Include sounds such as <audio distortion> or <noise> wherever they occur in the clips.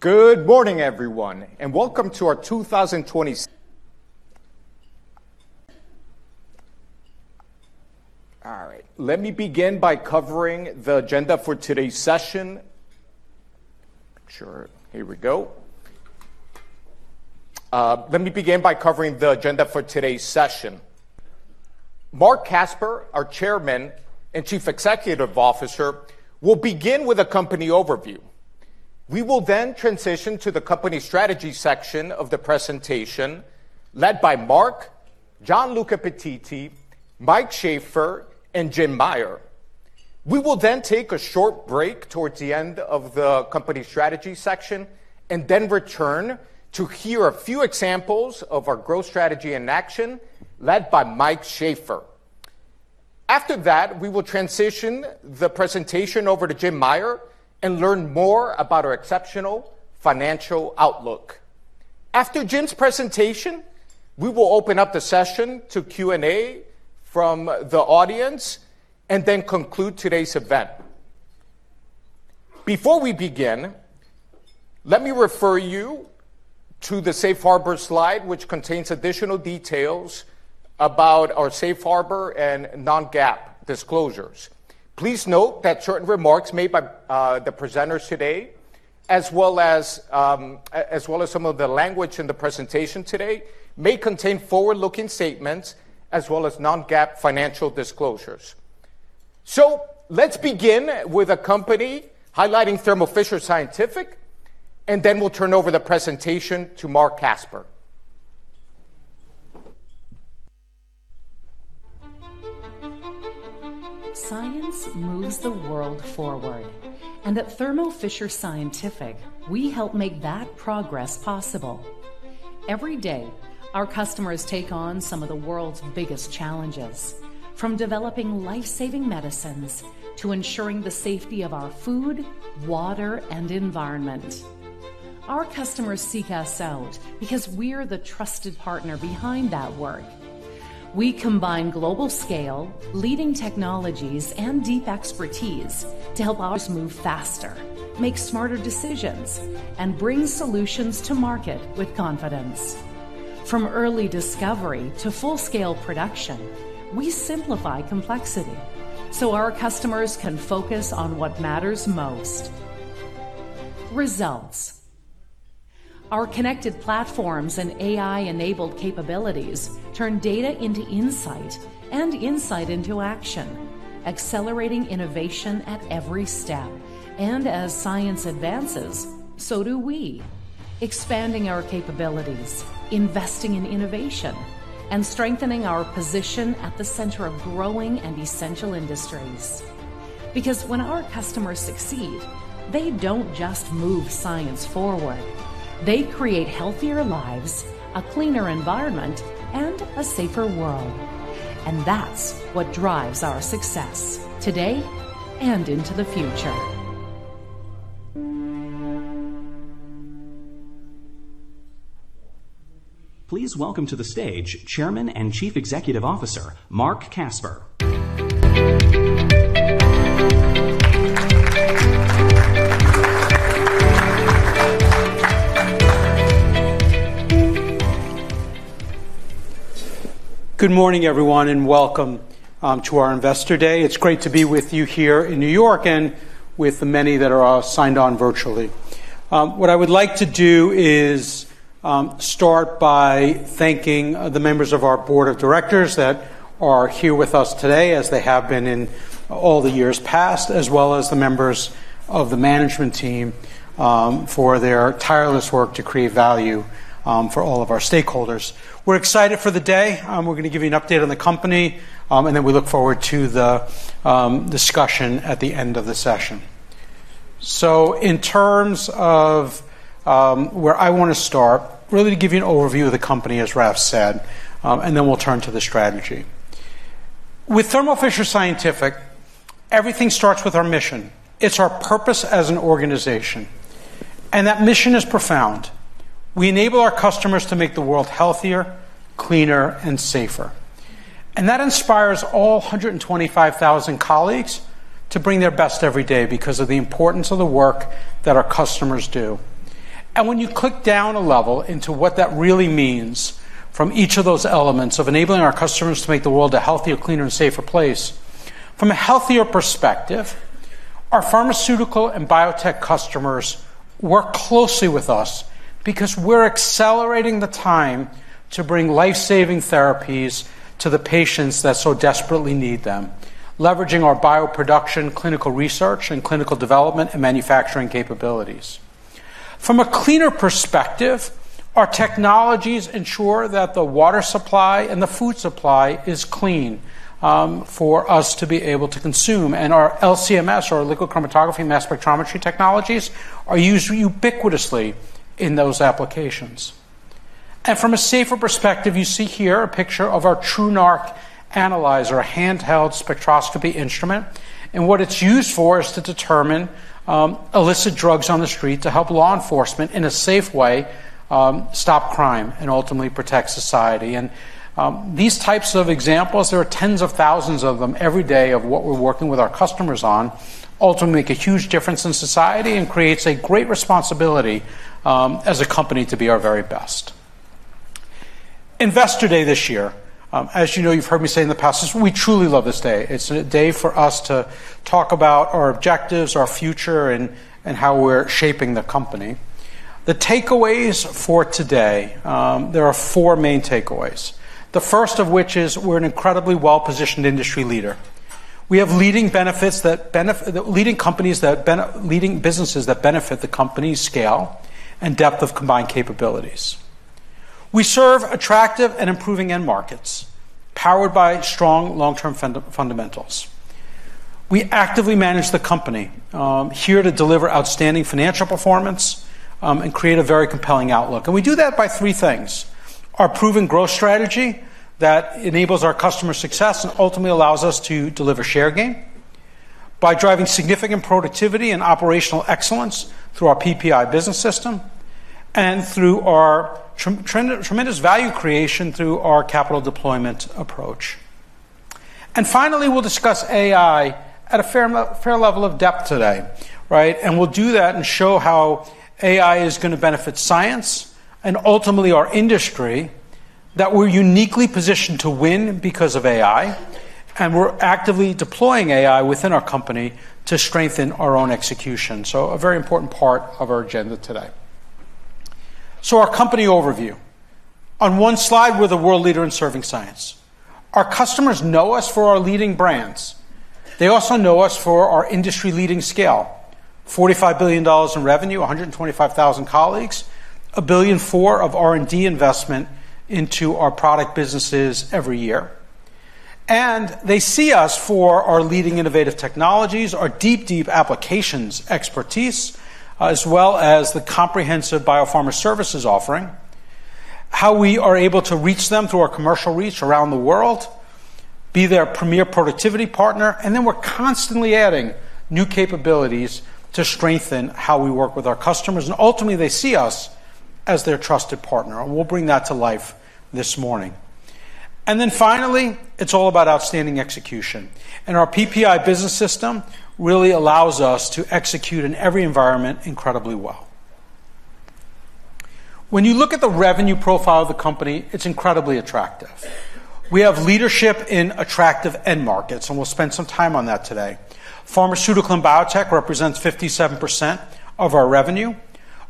Good morning, everyone, and welcome to our 2026 <audio distortion> Let me begin by covering the agenda for today's session. Marc Casper, our Chairman and Chief Executive Officer, will begin with a company overview. We will transition to the company strategy section of the presentation led by Marc, Gianluca Pettiti, Mike Shafer, and Jim Meyer. We will take a short break towards the end of the company strategy section and then return to hear a few examples of our growth strategy in action led by Mike Shafer. After that, we will transition the presentation over to Jim Meyer and learn more about our exceptional financial outlook. After Jim's presentation, we will open up the session to Q&A from the audience and then conclude today's event. Before we begin, let me refer you to the Safe Harbor slide, which contains additional details about our Safe Harbor and non-GAAP disclosures. Please note that certain remarks made by the presenters today, as well as some of the language in the presentation today, may contain forward-looking statements as well as non-GAAP financial disclosures. Let's begin with a company highlighting Thermo Fisher Scientific, and then we'll turn over the presentation to Marc Casper. Science moves the world forward. At Thermo Fisher Scientific, we help make that progress possible. Every day, our customers take on some of the world's biggest challenges, from developing life-saving medicines to ensuring the safety of our food, water, and environment. Our customers seek us out because we're the trusted partner behind that work. We combine global scale, leading technologies, and deep expertise to help outs move faster, make smarter decisions, and bring solutions to market with confidence. From early discovery to full-scale production, we simplify complexity so our customers can focus on what matters most: results. Our connected platforms and AI-enabled capabilities turn data into insight and insight into action, accelerating innovation at every step. As science advances, so do we, expanding our capabilities, investing in innovation, and strengthening our position at the center of growing and essential industries. When our customers succeed, they don't just move science forward, they create healthier lives, a cleaner environment, and a safer world. That's what drives our success today and into the future. Please welcome to the stage Chairman and Chief Executive Officer, Marc Casper. Good morning, everyone, welcome to our Investor Day. It's great to be with you here in New York and with the many that are signed on virtually. What I would like to do is start by thanking the members of our Board of Directors that are here with us today, as they have been in all the years past, as well as the members of the management team, for their tireless work to create value for all of our stakeholders. We're excited for the day. We're going to give you an update on the company, then we look forward to the discussion at the end of the session. In terms of where I want to start, really to give you an overview of the company, as Raf said, then we'll turn to the strategy. With Thermo Fisher Scientific, everything starts with our mission. It's our purpose as an organization. That mission is profound. We enable our customers to make the world healthier, cleaner, and safer. That inspires all 125,000 colleagues to bring their best every day because of the importance of the work that our customers do. When you click down a level into what that really means from each of those elements of enabling our customers to make the world a healthier, cleaner, and safer place, from a healthier perspective, our pharmaceutical and biotech customers work closely with us because we're accelerating the time to bring life-saving therapies to the patients that so desperately need them, leveraging our bioproduction, clinical research, and clinical development and manufacturing capabilities. From a cleaner perspective, our technologies ensure that the water supply and the food supply is clean for us to be able to consume. Our LC-MS, or liquid chromatography-mass spectrometry technologies, are used ubiquitously in those applications. From a safer perspective, you see here a picture of our TruNarc Analyzer, a handheld spectroscopy instrument. What it's used for is to determine illicit drugs on the street to help law enforcement, in a safe way, stop crime and ultimately protect society. These types of examples, there are tens of thousands of them every day of what we're working with our customers on, ultimately make a huge difference in society and creates a great responsibility as a company to be our very best. Investor Day this year. As you know, you've heard me say in the past, we truly love this day. It's a day for us to talk about our objectives, our future, and how we're shaping the company. The takeaways for today, there are four main takeaways. The first of which is we're an incredibly well-positioned industry leader. We have leading businesses that benefit the company's scale and depth of combined capabilities. We serve attractive and improving end markets, powered by strong long-term fundamentals. We actively manage the company, here to deliver outstanding financial performance and create a very compelling outlook. We do that by three things: our proven growth strategy that enables our customer success and ultimately allows us to deliver share gain, by driving significant productivity and operational excellence through our PPI Business System, and through our tremendous value creation through our capital deployment approach. Finally, we'll discuss AI at a fair level of depth today. We'll do that and show how AI is going to benefit science and ultimately our industry, that we're uniquely positioned to win because of AI, and we're actively deploying AI within our company to strengthen our own execution. A very important part of our agenda today. Our company overview. On one slide, we're the world leader in serving science. Our customers know us for our leading brands. They also know us for our industry-leading scale, $45 billion in revenue, 125,000 colleagues, $1.4 billion of R&D investment into our product businesses every year. They see us for our leading innovative technologies, our deep applications expertise, as well as the comprehensive Biopharma Services offering, how we are able to reach them through our commercial reach around the world, be their premier productivity partner, and then we're constantly adding new capabilities to strengthen how we work with our customers. Ultimately, they see us as their trusted partner, and we'll bring that to life this morning. Finally, it's all about outstanding execution. Our PPI Business System really allows us to execute in every environment incredibly well. When you look at the revenue profile of the company, it's incredibly attractive. We have leadership in attractive end markets, and we'll spend some time on that today. Pharmaceutical and biotech represents 57% of our revenue.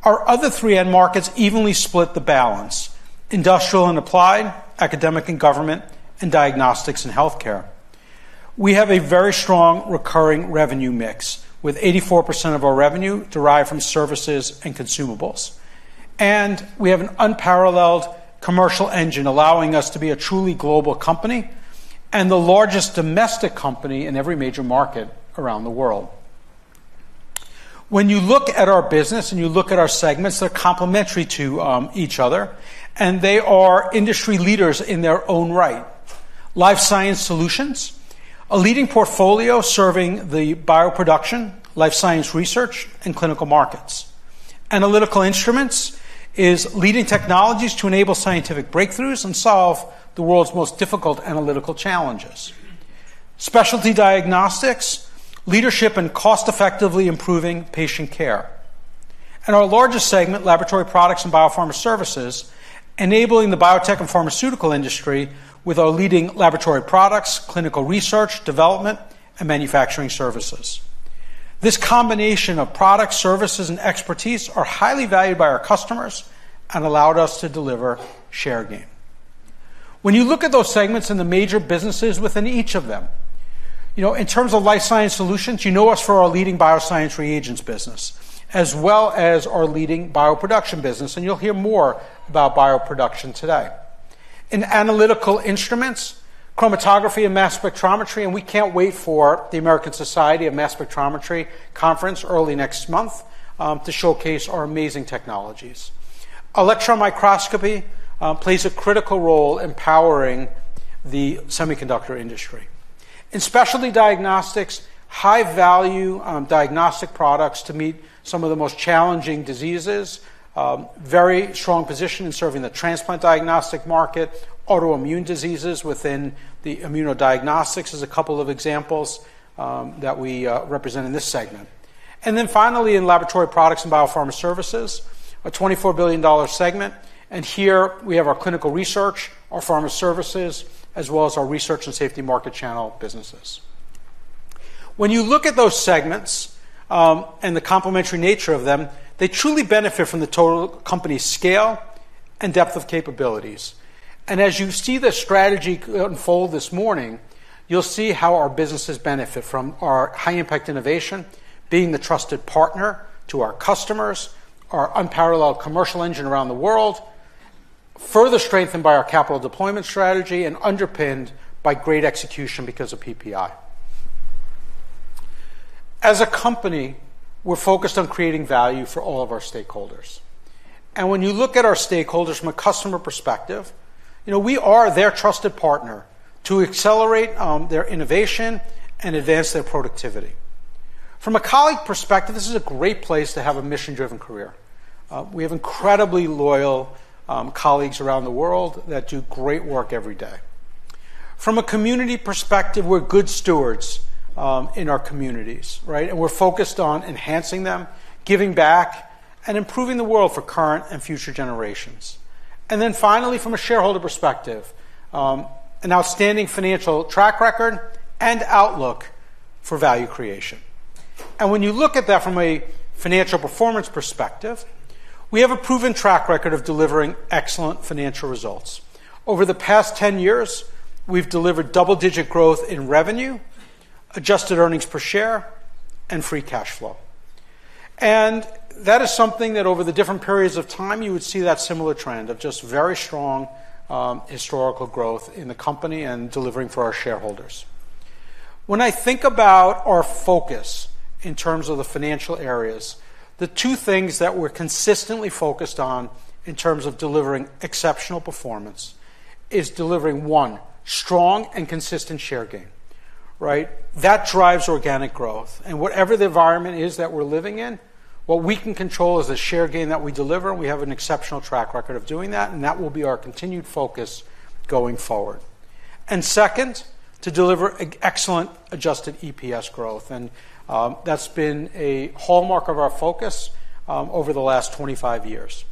Our other three end markets evenly split the balance, industrial and applied, academic and government, and diagnostics and healthcare. We have a very strong recurring revenue mix, with 84% of our revenue derived from services and consumables. We have an unparalleled commercial engine allowing us to be a truly global company and the largest domestic company in every major market around the world. When you look at our business and you look at our segments, they're complementary to each other, and they are industry leaders in their own right. Life Science Solutions, a leading portfolio serving the bioproduction, life science research, and clinical markets. Analytical Instruments is leading technologies to enable scientific breakthroughs and solve the world's most difficult analytical challenges. Specialty Diagnostics, leadership and cost-effectively improving patient care. Our largest segment, Laboratory Products and Biopharma Services, enabling the biotech and pharmaceutical industry with our leading laboratory products, clinical research, development, and manufacturing services. This combination of products, services, and expertise are highly valued by our customers and allowed us to deliver share gain. When you look at those segments and the major businesses within each of them, in terms of life science solutions, you know us for our leading bioscience reagents business, as well as our leading bioproduction business, and you'll hear more about bioproduction today. In analytical instruments, chromatography and mass spectrometry, and we can't wait for the American Society for Mass Spectrometry conference early next month to showcase our amazing technologies. Electron microscopy plays a critical role empowering the semiconductor industry. In specialty diagnostics, high-value diagnostic products to meet some of the most challenging diseases, very strong position in serving the transplant diagnostic market, autoimmune diseases within the immunodiagnostics is a couple of examples that we represent in this segment. Finally. In Laboratory Products and Biopharma Services, a $24 billion segment, here we have our Clinical Research, our Pharma Services, as well as our Research and Safety Market Channel businesses. When you look at those segments and the complementary nature of them, they truly benefit from the total company scale and depth of capabilities. As you see the strategy unfold this morning, you'll see how our businesses benefit from our high-impact innovation, being the trusted partner to our customers, our unparalleled commercial engine around the world, further strengthened by our capital deployment strategy and underpinned by great execution because of PPI. As a company, we're focused on creating value for all of our stakeholders. When you look at our stakeholders from a customer perspective, we are their trusted partner to accelerate their innovation and advance their productivity. From a colleague perspective, this is a great place to have a mission-driven career. We have incredibly loyal colleagues around the world that do great work every day. From a community perspective, we're good stewards in our communities, right? We're focused on enhancing them, giving back, and improving the world for current and future generations. Finally, from a shareholder perspective, an outstanding financial track record and outlook for value creation. When you look at that from a financial performance perspective, we have a proven track record of delivering excellent financial results. Over the past 10 years, we've delivered double-digit growth in revenue, adjusted earnings per share, and free cash flow. That is something that over the different periods of time, you would see that similar trend of just very strong historical growth in the company and delivering for our shareholders. When I think about our focus in terms of the financial areas, the two things that we're consistently focused on in terms of delivering exceptional performance is delivering, one, strong and consistent share gain, right? That drives organic growth. Whatever the environment is that we're living in, what we can control is the share gain that we deliver, and we have an exceptional track record of doing that, and that will be our continued focus going forward. Second, to deliver excellent adjusted EPS growth, and that's been a hallmark of our focus over the last 25 years.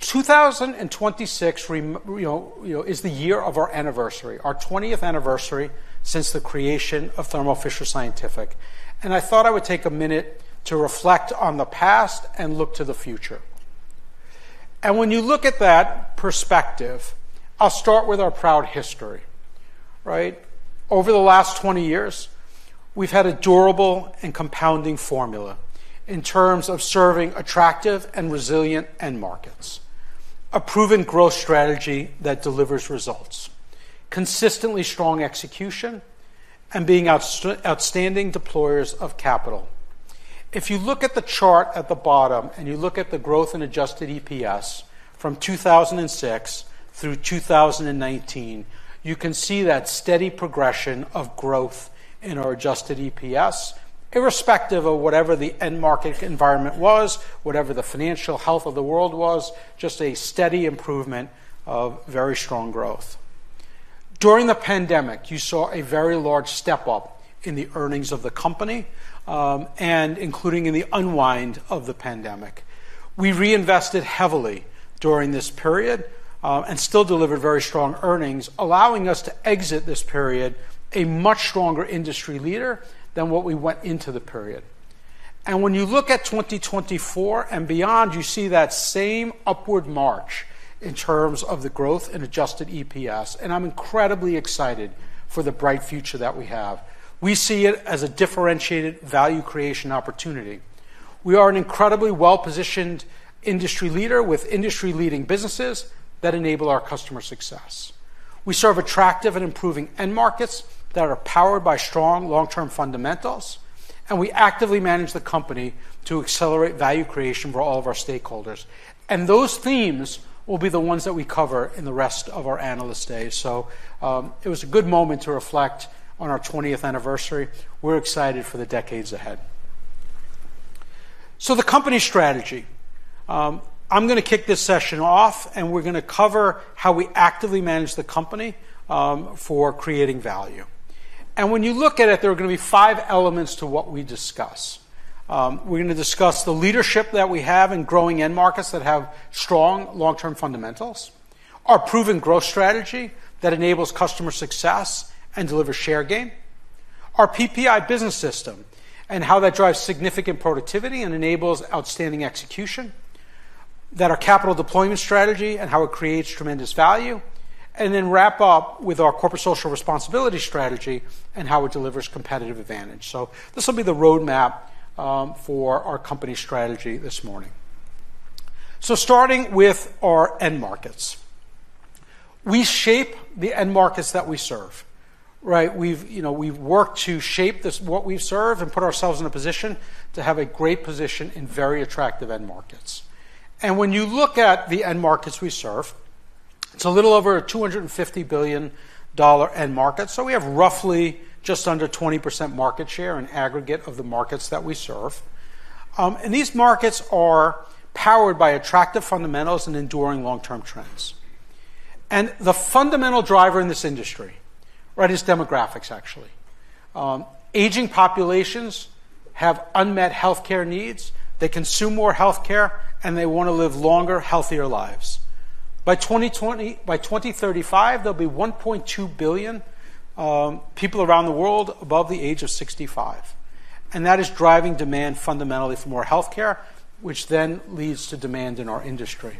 2026 is the year of our anniversary, our 20th anniversary since the creation of Thermo Fisher Scientific. I thought I would take a minute to reflect on the past and look to the future. When you look at that perspective, I'll start with our proud history. Right? Over the last 20 years, we've had a durable and compounding formula in terms of serving attractive and resilient end markets, a proven growth strategy that delivers results, consistently strong execution, and being outstanding deployers of capital. If you look at the chart at the bottom and you look at the growth in adjusted EPS from 2006 through 2019, you can see that steady progression of growth in our adjusted EPS, irrespective of whatever the end market environment was, whatever the financial health of the world was, just a steady improvement of very strong growth. During the pandemic, you saw a very large step-up in the earnings of the company, and including in the unwind of the pandemic. We reinvested heavily during this period, and still delivered very strong earnings, allowing us to exit this period a much stronger industry leader than what we went into the period. When you look at 2024 and beyond, you see that same upward march in terms of the growth in adjusted EPS, and I'm incredibly excited for the bright future that we have. We see it as a differentiated value creation opportunity. We are an incredibly well-positioned industry leader with industry-leading businesses that enable our customer success. We serve attractive and improving end markets that are powered by strong long-term fundamentals, and we actively manage the company to accelerate value creation for all of our stakeholders. Those themes will be the ones that we cover in the rest of our Analyst Day. It was a good moment to reflect on our 20th anniversary. We're excited for the decades ahead. The company strategy. I'm going to kick this session off, and we're going to cover how we actively manage the company for creating value. When you look at it, there are going to be five elements to what we discuss. We're going to discuss the leadership that we have in growing end markets that have strong long-term fundamentals, our proven growth strategy that enables customer success and delivers share gain, our PPI Business System and how that drives significant productivity and enables outstanding execution, then our capital deployment strategy and how it creates tremendous value, and then wrap up with our corporate social responsibility strategy and how it delivers competitive advantage. This will be the roadmap for our company strategy this morning. Starting with our end markets. We shape the end markets that we serve. Right? We've worked to shape what we serve and put ourselves in a position to have a great position in very attractive end markets. When you look at the end markets we serve, it's a little over a $250 billion end market. We have roughly just under 20% market share in aggregate of the markets that we serve. These markets are powered by attractive fundamentals and enduring long-term trends. The fundamental driver in this industry is demographics, actually. Aging populations have unmet healthcare needs. They consume more healthcare, and they want to live longer, healthier lives. By 2035, there'll be 1.2 billion people around the world above the age of 65. That is driving demand fundamentally for more healthcare, which then leads to demand in our industry.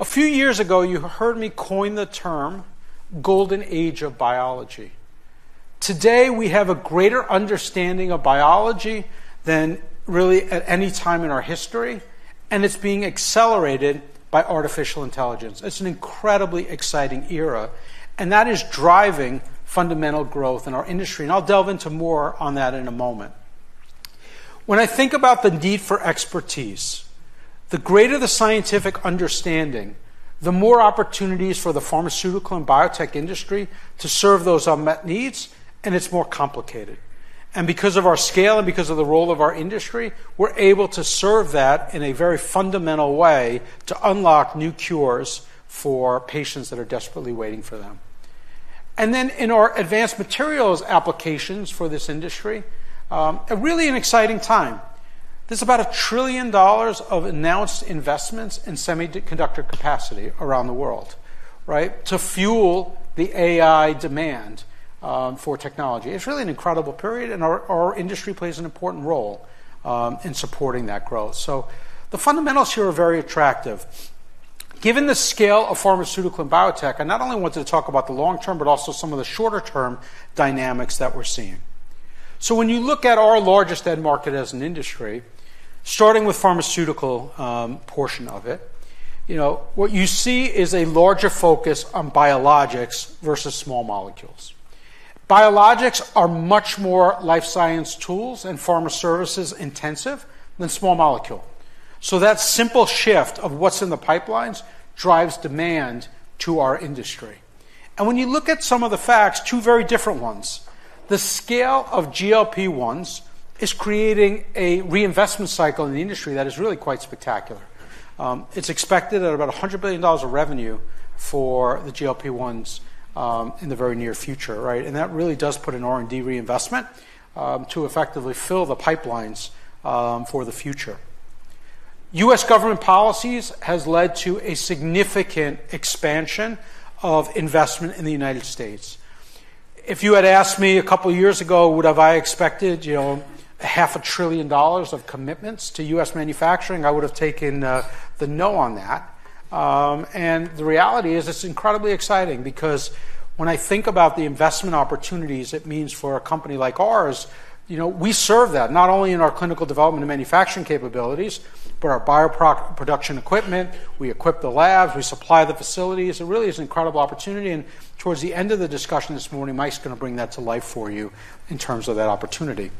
A few years ago, you heard me coin the term Golden Age of Biology. Today, we have a greater understanding of biology than really at any time in our history, and it's being accelerated by artificial intelligence. It's an incredibly exciting era. That is driving fundamental growth in our industry. I'll delve into more on that in a moment. When I think about the need for expertise, the greater the scientific understanding, the more opportunities for the pharmaceutical and biotech industry to serve those unmet needs, and it's more complicated. Because of our scale and because of the role of our industry, we're able to serve that in a very fundamental way to unlock new cures for patients that are desperately waiting for them. In our advanced materials applications for this industry, really an exciting time. There's about $1 trillion of announced investments in semiconductor capacity around the world, right, to fuel the AI demand for technology. It's really an incredible period, and our industry plays an important role in supporting that growth. The fundamentals here are very attractive. Given the scale of pharmaceutical and biotech, I not only wanted to talk about the long term, but also some of the shorter-term dynamics that we're seeing. When you look at our largest end market as an industry, starting with pharmaceutical portion of it, what you see is a larger focus on biologics versus small molecules. Biologics are much more life science tools and pharma services intensive than small molecule. That simple shift of what's in the pipelines drives demand to our industry. When you look at some of the facts, two very different ones. The scale of GLP-1s is creating a reinvestment cycle in the industry that is really quite spectacular. It's expected at about $100 billion of revenue for the GLP-1s in the very near future. That really does put an R&D reinvestment to effectively fill the pipelines for the future. U.S. government policies has led to a significant expansion of investment in the United States. If you had asked me a couple of years ago, would have I expected $0.5 trillion of commitments to U.S. manufacturing, I would have taken the no on that. The reality is it's incredibly exciting because when I think about the investment opportunities it means for a company like ours, we serve that, not only in our clinical development and manufacturing capabilities, but our bioproduction equipment, we equip the labs, we supply the facilities. It really is an incredible opportunity. Towards the end of the discussion this morning, Mike's going to bring that to life for you in terms of that opportunity.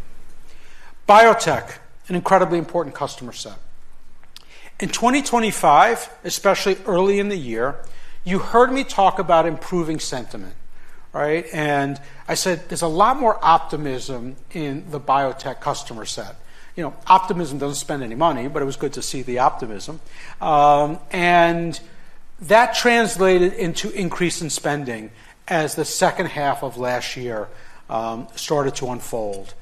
Biotech, an incredibly important customer set. In 2025, especially early in the year, you heard me talk about improving sentiment, right? I said there's a lot more optimism in the biotech customer set. Optimism doesn't spend any money, but it was good to see the optimism. That translated into increase in spending as the second half of last year started to unfold.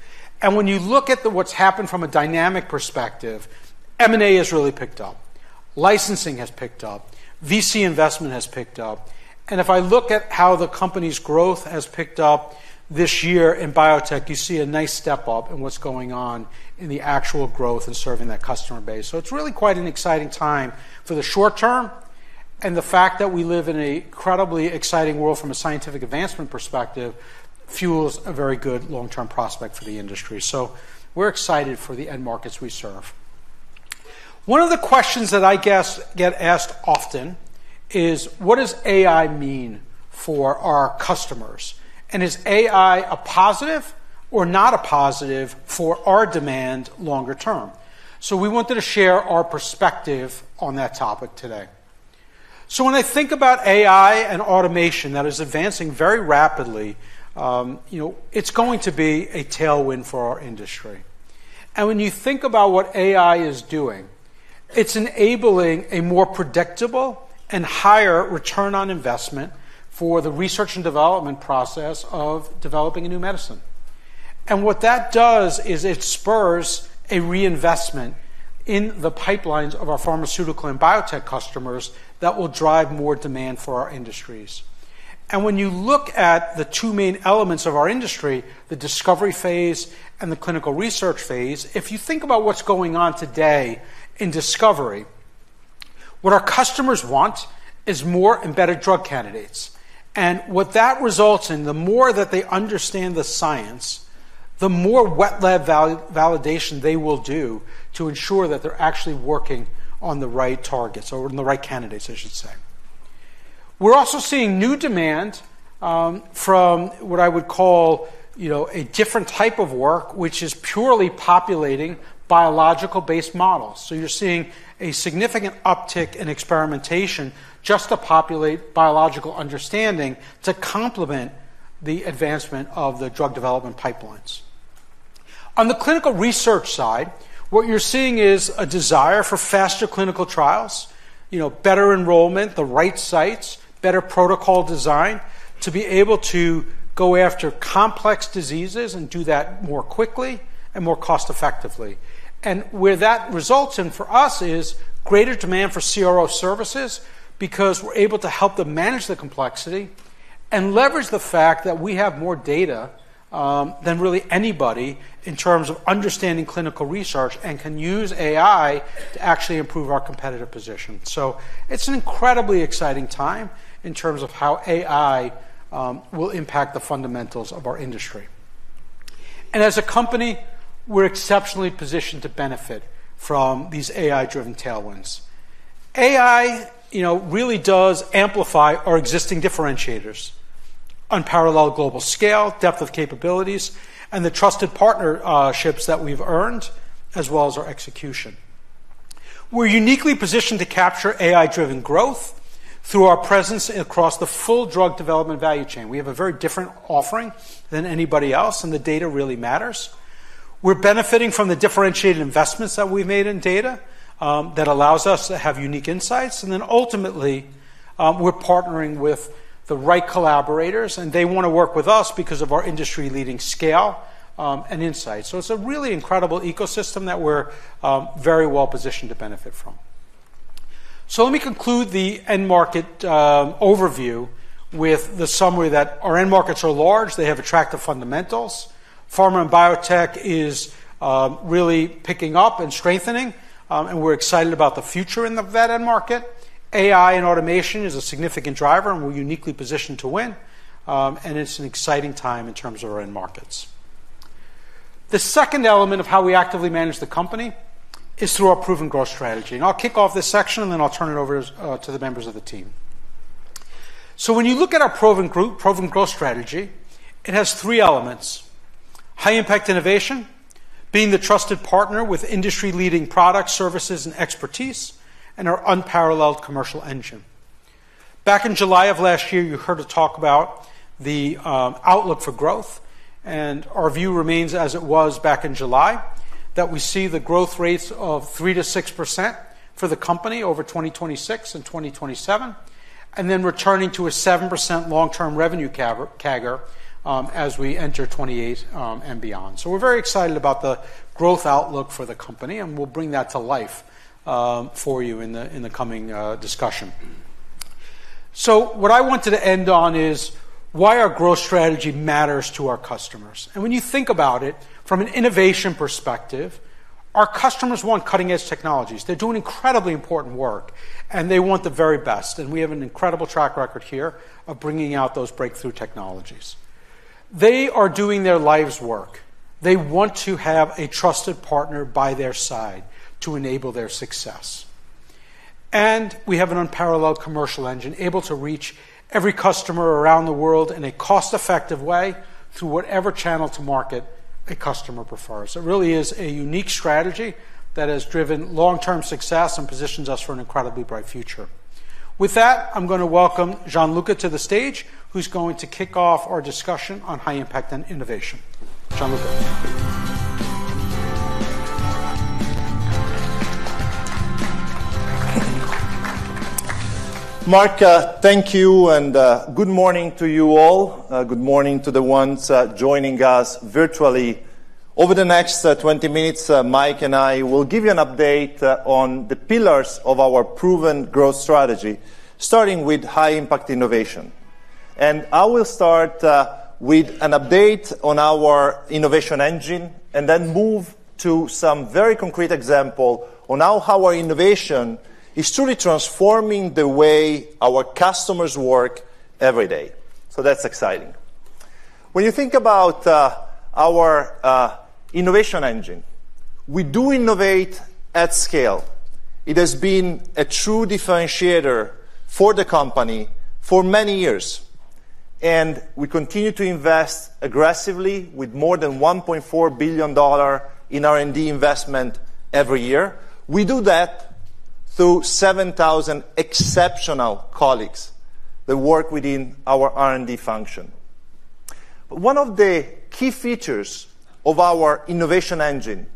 When you look at what's happened from a dynamic perspective, M&A has really picked up. Licensing has picked up. VC investment has picked up. If I look at how the company's growth has picked up this year in biotech, you see a nice step up in what's going on in the actual growth in serving that customer base. It's really quite an exciting time for the short term, and the fact that we live in a incredibly exciting world from a scientific advancement perspective fuels a very good long-term prospect for the industry. We're excited for the end markets we serve. One of the questions that I get asked often is what does AI mean for our customers, and is AI a positive or not a positive for our demand longer term? We wanted to share our perspective on that topic today. When I think about AI and automation that is advancing very rapidly, it's going to be a tailwind for our industry. When you think about what AI is doing, it's enabling a more predictable and higher return on investment for the Research & Development process of developing a new medicine. What that does is it spurs a reinvestment in the pipelines of our pharmaceutical and biotech customers that will drive more demand for our industries. When you look at the two main elements of our industry, the discovery phase and the clinical research phase, if you think about what's going on today in discovery, what our customers want is more embedded drug candidates. What that results in, the more that they understand the science, the more wet lab validation they will do to ensure that they're actually working on the right targets, or on the right candidates, I should say. We're also seeing new demand from what I would call a different type of work, which is purely populating biological-based models. You're seeing a significant uptick in experimentation just to populate biological understanding to complement the advancement of the drug development pipelines. On the clinical research side, what you're seeing is a desire for faster clinical trials, better enrollment, the right sites, better protocol design to be able to go after complex diseases and do that more quickly and more cost effectively. Where that results in for us is greater demand for CRO services because we're able to help them manage the complexity and leverage the fact that we have more data than really anybody in terms of understanding clinical research and can use AI to actually improve our competitive position. It's an incredibly exciting time in terms of how AI will impact the fundamentals of our industry. As a company, we're exceptionally positioned to benefit from these AI-driven tailwinds. AI really does amplify our existing differentiators, unparalleled global scale, depth of capabilities, and the trusted partnerships that we've earned, as well as our execution. We're uniquely positioned to capture AI-driven growth through our presence across the full drug development value chain. We have a very different offering than anybody else. The data really matters. We're benefiting from the differentiated investments that we've made in data that allows us to have unique insights. Ultimately, we're partnering with the right collaborators. They want to work with us because of our industry-leading scale and insight. It's a really incredible ecosystem that we're very well-positioned to benefit from. Let me conclude the end market overview with the summary that our end markets are large. They have attractive fundamentals. Pharma and biotech is really picking up and strengthening. We're excited about the future in that end market. AI and automation is a significant driver, we're uniquely positioned to win, it's an exciting time in terms of our end markets. The second element of how we actively manage the company is through our proven growth strategy. I'll kick off this section, then I'll turn it over to the members of the team. When you look at our proven growth strategy, it has three elements: high-impact innovation, being the trusted partner with industry-leading products, services, and expertise, and our unparalleled commercial engine. Back in July of last year, you heard us talk about the outlook for growth, our view remains as it was back in July, that we see the growth rates of 3%-6% for the company over 2026 and 2027, then returning to a 7% long-term revenue CAGR as we enter 2028 and beyond. We're very excited about the growth outlook for the company, and we'll bring that to life for you in the coming discussion. What I wanted to end on is why our growth strategy matters to our customers. When you think about it from an innovation perspective, our customers want cutting-edge technologies. They're doing incredibly important work, and they want the very best. We have an incredible track record here of bringing out those breakthrough technologies. They are doing their life's work. They want to have a trusted partner by their side to enable their success. We have an unparalleled commercial engine able to reach every customer around the world in a cost-effective way through whatever channel to market a customer prefers. It really is a unique strategy that has driven long-term success and positions us for an incredibly bright future. With that, I'm going to welcome Gianluca to the stage, who's going to kick off our discussion on high impact and innovation. Gianluca? Marc, thank you, and good morning to you all. Good morning to the ones joining us virtually. Over the next 20 minutes, Mike and I will give you an update on the pillars of our proven growth strategy, starting with high-impact innovation. I will start with an update on our innovation engine and then move to some very concrete example on how our innovation is truly transforming the way our customers work every day. That's exciting. When you think about our innovation engine, we do innovate at scale. It has been a true differentiator for the company for many years, and we continue to invest aggressively with more than $1.4 billion in R&D investment every year. We do that through 7,000 exceptional colleagues that work within our R&D function. One of the key features of our innovation engine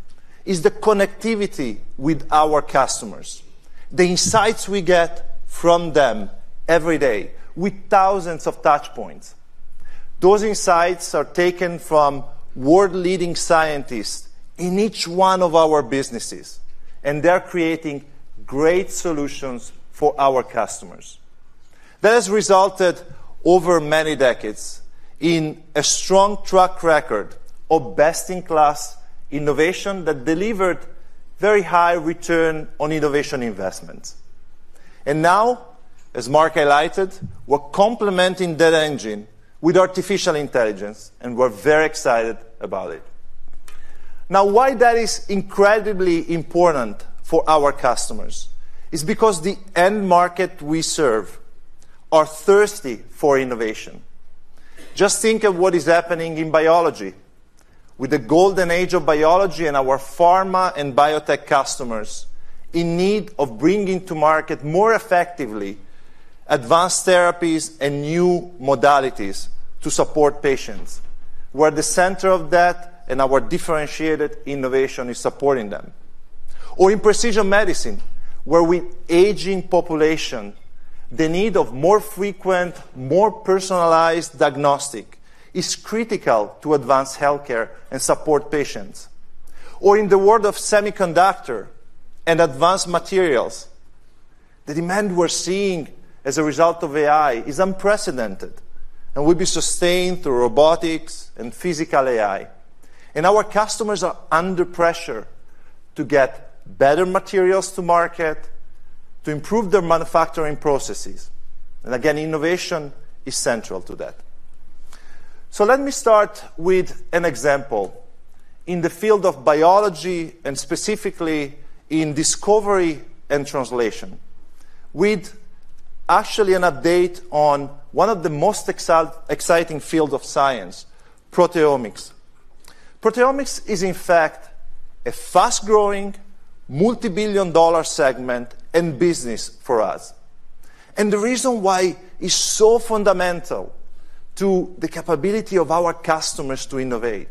is the connectivity with our customers, the insights we get from them every day with thousands of touchpoints. Those insights are taken from world-leading scientists in each one of our businesses, and they're creating great solutions for our customers. That has resulted over many decades in a strong track record of best-in-class innovation that delivered very high return on innovation investments. Now, as Marc highlighted, we're complementing that engine with artificial intelligence, and we're very excited about it. Now, why that is incredibly important for our customers is because the end market we serve are thirsty for innovation. Just think of what is happening in biology. With the Golden Age of Biology and our pharma and biotech customers in need of bringing to market more effectively advanced therapies and new modalities to support patients. We're at the center of that. Our differentiated innovation is supporting them. In precision medicine, where with aging population, the need of more frequent, more personalized diagnostic is critical to advance healthcare and support patients. In the world of semiconductor and advanced materials, the demand we're seeing as a result of AI is unprecedented and will be sustained through robotics and physical AI. Our customers are under pressure to get better materials to market, to improve their manufacturing processes. Again, innovation is central to that. Let me start with an example. In the field of biology and specifically in discovery and translation, with actually an update on one of the most exciting fields of science, proteomics. Proteomics is in fact a fast-growing, multibillion-dollar segment and business for us. The reason why it's so fundamental to the capability of our customers to innovate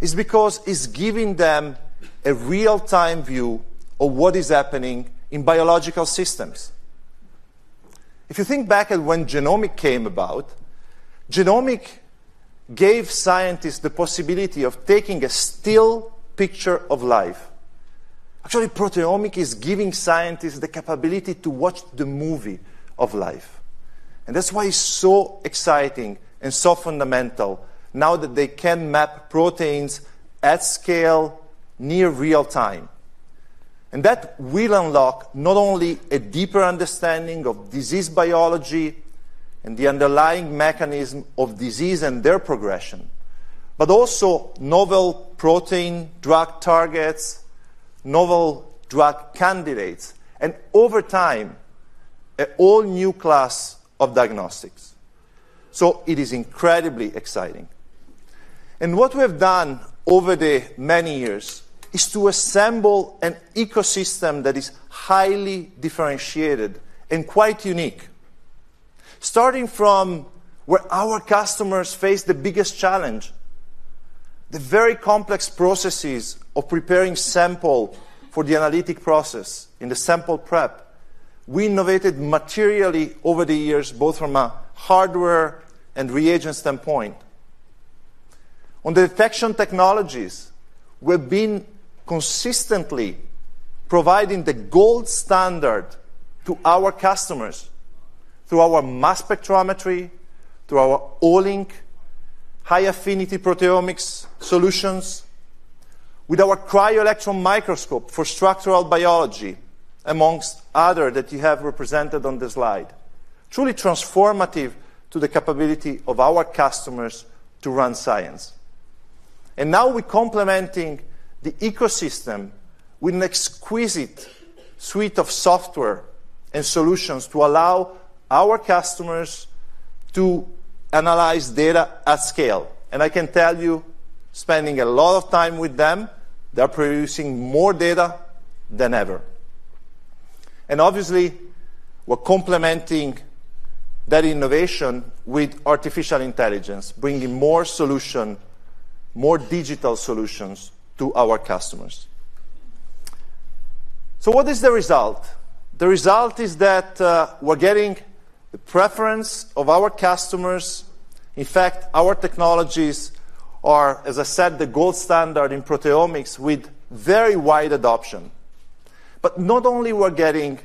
is because it's giving them a real-time view of what is happening in biological systems. If you think back at when genomics came about, genomics gave scientists the possibility of taking a still picture of life. Actually, proteomics is giving scientists the capability to watch the movie of life. That's why it's so exciting and so fundamental now that they can map proteins at scale near real-time. That will unlock not only a deeper understanding of disease biology and the underlying mechanism of disease and their progression, but also novel protein drug targets, novel drug candidates, and, over time, a whole new class of diagnostics. It is incredibly exciting. What we have done over the many years is to assemble an ecosystem that is highly differentiated and quite unique. Starting from where our customers face the biggest challenge, the very complex processes of preparing sample for the analytic process in the sample prep, we innovated materially over the years, both from a hardware and reagent standpoint. On the detection technologies, we've been consistently providing the gold standard to our customers through our mass spectrometry, through our Olink high-affinity proteomics solutions, with our cryo-electron microscope for structural biology, amongst others that you have represented on the slide, truly transformative to the capability of our customers to run science. Now we're complementing the ecosystem with an exquisite suite of software and solutions to allow our customers to analyze data at scale. I can tell you, spending a lot of time with them, they're producing more data than ever. Obviously we're complementing that innovation with artificial intelligence, bringing more solutions, more digital solutions to our customers. What is the result? The result is that we're getting the preference of our customers. In fact, our technologies are, as I said, the gold standard in proteomics with very wide adoption. Not only we're getting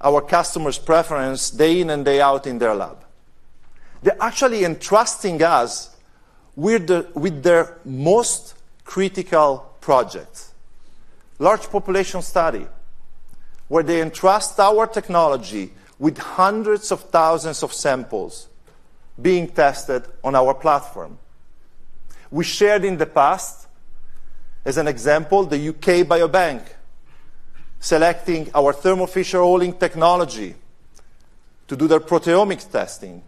our customers' preference day in and day out in their lab, they're actually entrusting us with their most critical projects, large population study, where they entrust our technology with hundreds of thousands of samples being tested on our platform. We shared in the past, as an example, the U.K. Biobank selecting our Thermo Fisher Olink technology to do their proteomics testing.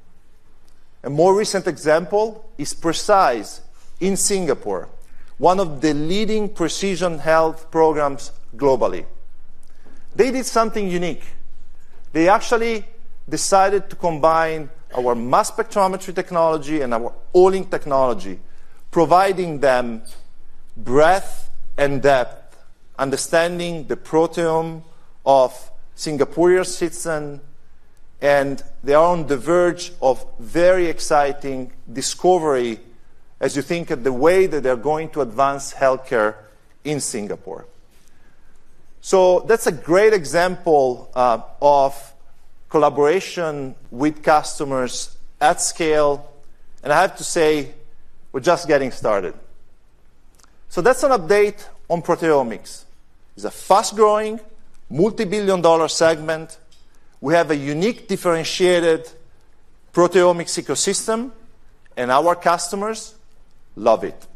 A more recent example is PRECISE in Singapore, one of the leading precision health programs globally. They did something unique. They actually decided to combine our mass spectrometry technology and our Olink technology, providing them breadth and depth, understanding the proteome of Singaporean citizen, they are on the verge of very exciting discovery as you think of the way that they're going to advance healthcare in Singapore. That's a great example of collaboration with customers at scale, and I have to say we're just getting started. That's an update on proteomics. It's a fast-growing, multibillion-dollar segment. We have a unique, differentiated proteomics ecosystem, and our customers love it.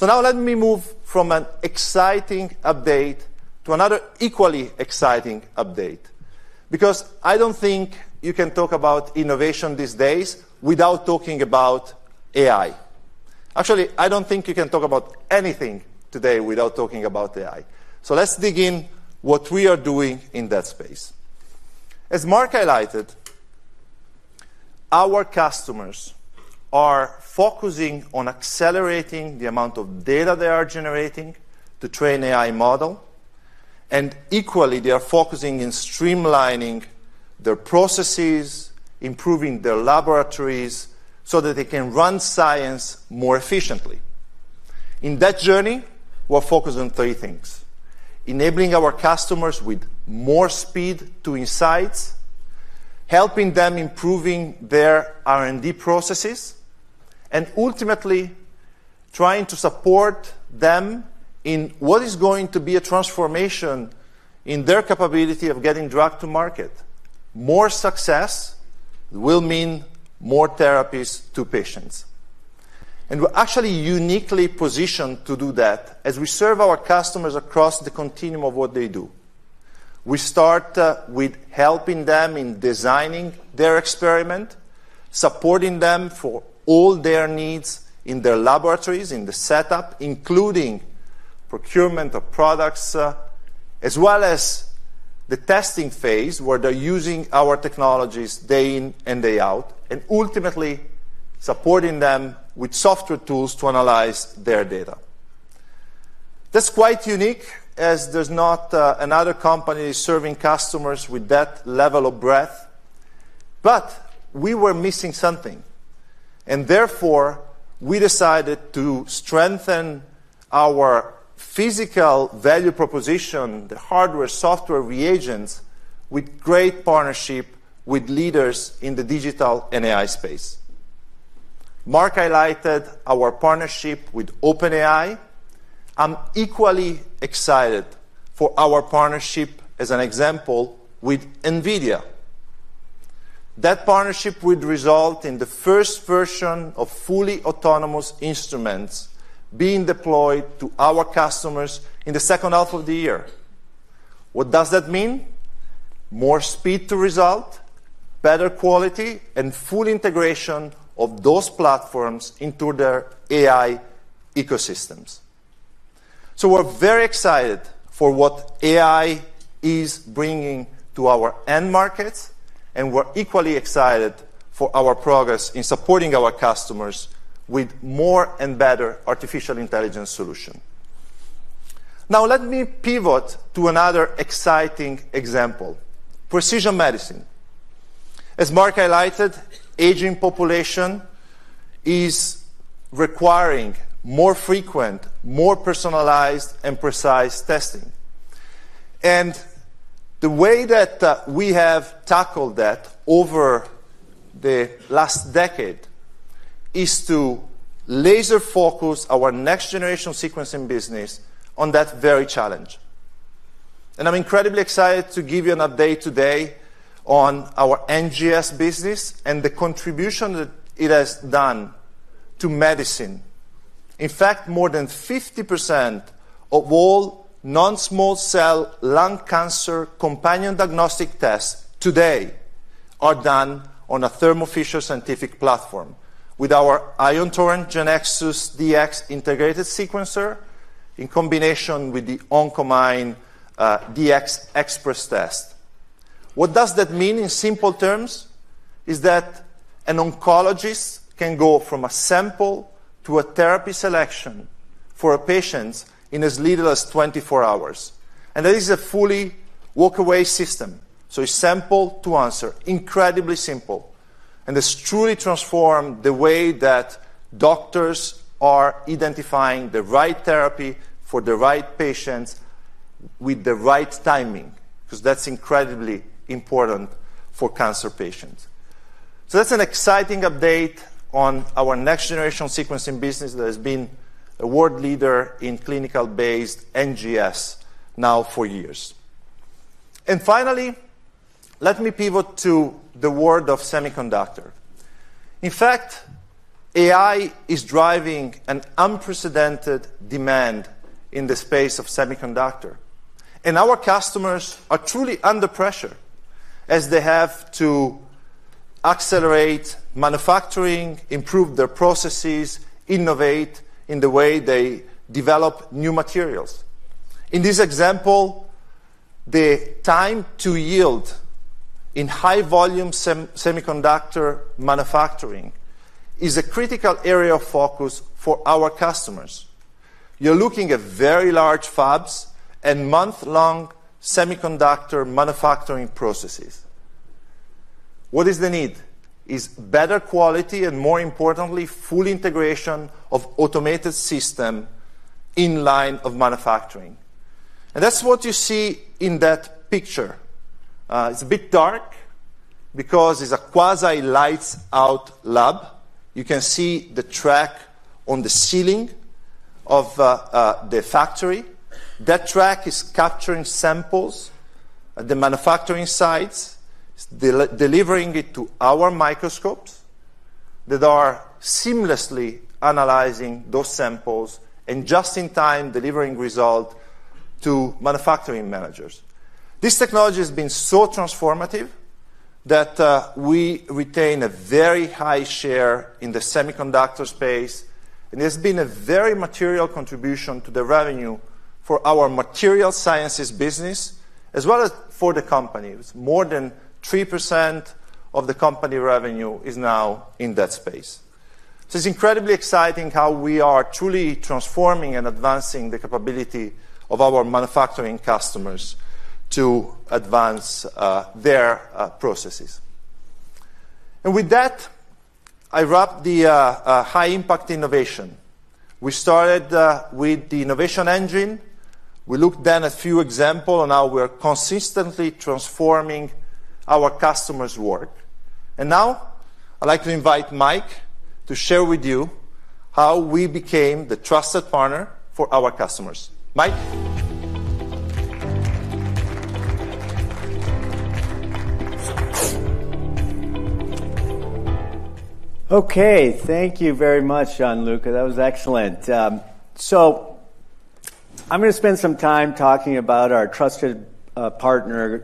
Now let me move from an exciting update to another equally exciting update because I don't think you can talk about innovation these days without talking about AI. Actually, I don't think you can talk about anything today without talking about AI. Let's dig in what we are doing in that space. As Marc highlighted, our customers are focusing on accelerating the amount of data they are generating to train AI model. Equally, they are focusing in streamlining their processes, improving their laboratories so that they can run science more efficiently. In that journey, we're focused on three things: enabling our customers with more speed to insights, helping them improving their R&D processes. Ultimately, trying to support them in what is going to be a transformation in their capability of getting drug to market. More success will mean more therapies to patients. We're actually uniquely positioned to do that as we serve our customers across the continuum of what they do. We start with helping them in designing their experiment, supporting them for all their needs in their laboratories, in the setup, including procurement of products, as well as the testing phase, where they're using our technologies day in and day out, and ultimately supporting them with software tools to analyze their data. That's quite unique, as there's not another company serving customers with that level of breadth. We were missing something. Therefore, we decided to strengthen our physical value proposition, the hardware, software reagents, with great partnership with leaders in the digital and AI space. Marc highlighted our partnership with OpenAI. I'm equally excited for our partnership, as an example, with NVIDIA. That partnership would result in the first version of fully autonomous instruments being deployed to our customers in the second half of the year. What does that mean? More speed to result, better quality, and full integration of those platforms into their AI ecosystems. We're very excited for what AI is bringing to our end markets, and we're equally excited for our progress in supporting our customers with more and better artificial intelligence solution. Now let me pivot to another exciting example, precision medicine. As Marc highlighted, aging population is requiring more frequent, more personalized, and precise testing. The way that we have tackled that over the last decade is to laser-focus our next-generation sequencing business on that very challenge. I'm incredibly excited to give you an update today on our NGS business and the contribution that it has done to medicine. In fact, more than 50% of all non-small cell lung cancer companion diagnostic tests today are done on a Thermo Fisher Scientific platform with our Ion Torrent Genexus Dx Integrated Sequencer in combination with the Oncomine Dx Express Test. What does that mean in simple terms? An oncologist can go from a sample to a therapy selection for a patient in as little as 24 hours. That is a fully walk-away system, so it's simple to answer. Incredibly simple. It's truly transformed the way that doctors are identifying the right therapy for the right patients with the right timing, because that's incredibly important for cancer patients. That's an exciting update on our next-generation sequencing business that has been a world leader in clinical-based NGS now for years. Finally, let me pivot to the world of semiconductor. In fact, AI is driving an unprecedented demand in the space of semiconductor, and our customers are truly under pressure as they have to accelerate manufacturing, improve their processes, innovate in the way they develop new materials. In this example, the time to yield in high-volume semiconductor manufacturing is a critical area of focus for our customers. You're looking at very large fabs and month-long semiconductor manufacturing processes. What is the need? It's better quality and, more importantly, full integration of automated system in line of manufacturing. That's what you see in that picture. It's a bit dark because it's a quasi lights-out lab. You can see the track on the ceiling of the factory. That track is capturing samples at the manufacturing sites, de-delivering it to our microscopes that are seamlessly analyzing those samples and just in time delivering result to manufacturing managers. This technology has been so transformative that we retain a very high share in the semiconductor space, and it's been a very material contribution to the revenue for our material sciences business as well as for the company. More than 3% of the company revenue is now in that space. It's incredibly exciting how we are truly transforming and advancing the capability of our manufacturing customers to advance their processes. With that, I wrap the high-impact innovation. We started with the innovation engine. We looked then a few example on how we are consistently transforming our customers' work. Now I'd like to invite Mike to share with you how we became the trusted partner for our customers. Mike? Okay, thank you very much, Gianluca. That was excellent. I'm going to spend some time talking about our trusted partner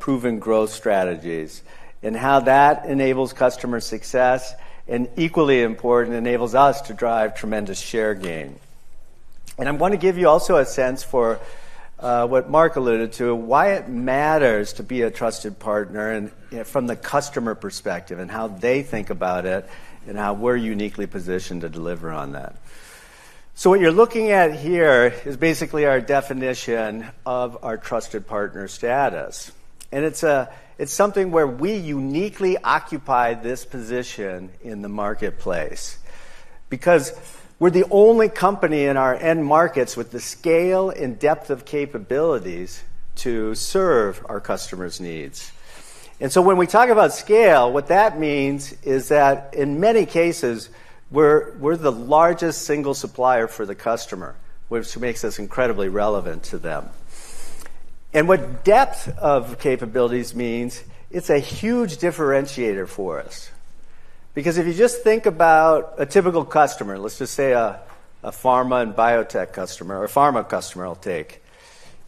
proven growth strategies and how that enables customer success, and equally important, enables us to drive tremendous share gain. I want to give you also a sense for what Marc alluded to, why it matters to be a trusted partner and from the customer perspective and how they think about it, and how we're uniquely positioned to deliver on that. What you're looking at here is basically our definition of our trusted partner status. It's something where we uniquely occupy this position in the marketplace because we're the only company in our end markets with the scale and depth of capabilities to serve our customers' needs. When we talk about scale, what that means is that in many cases, we're the largest single supplier for the customer, which makes us incredibly relevant to them. What depth of capabilities means, it's a huge differentiator for us because if you just think about a typical customer, let's just say a pharma and biotech customer, or a pharma customer, I'll take.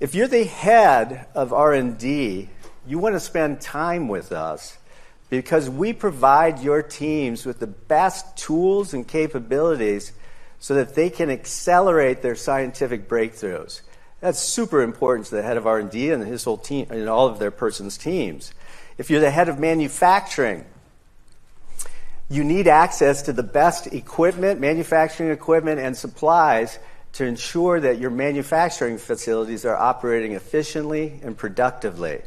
If you're the head of R&D, you want to spend time with us because we provide your teams with the best tools and capabilities so that they can accelerate their scientific breakthroughs. That's super important to the head of R&D and all of their person's teams. If you're the head of manufacturing, you need access to the best equipment, manufacturing equipment, and supplies to ensure that your manufacturing facilities are operating efficiently and productively.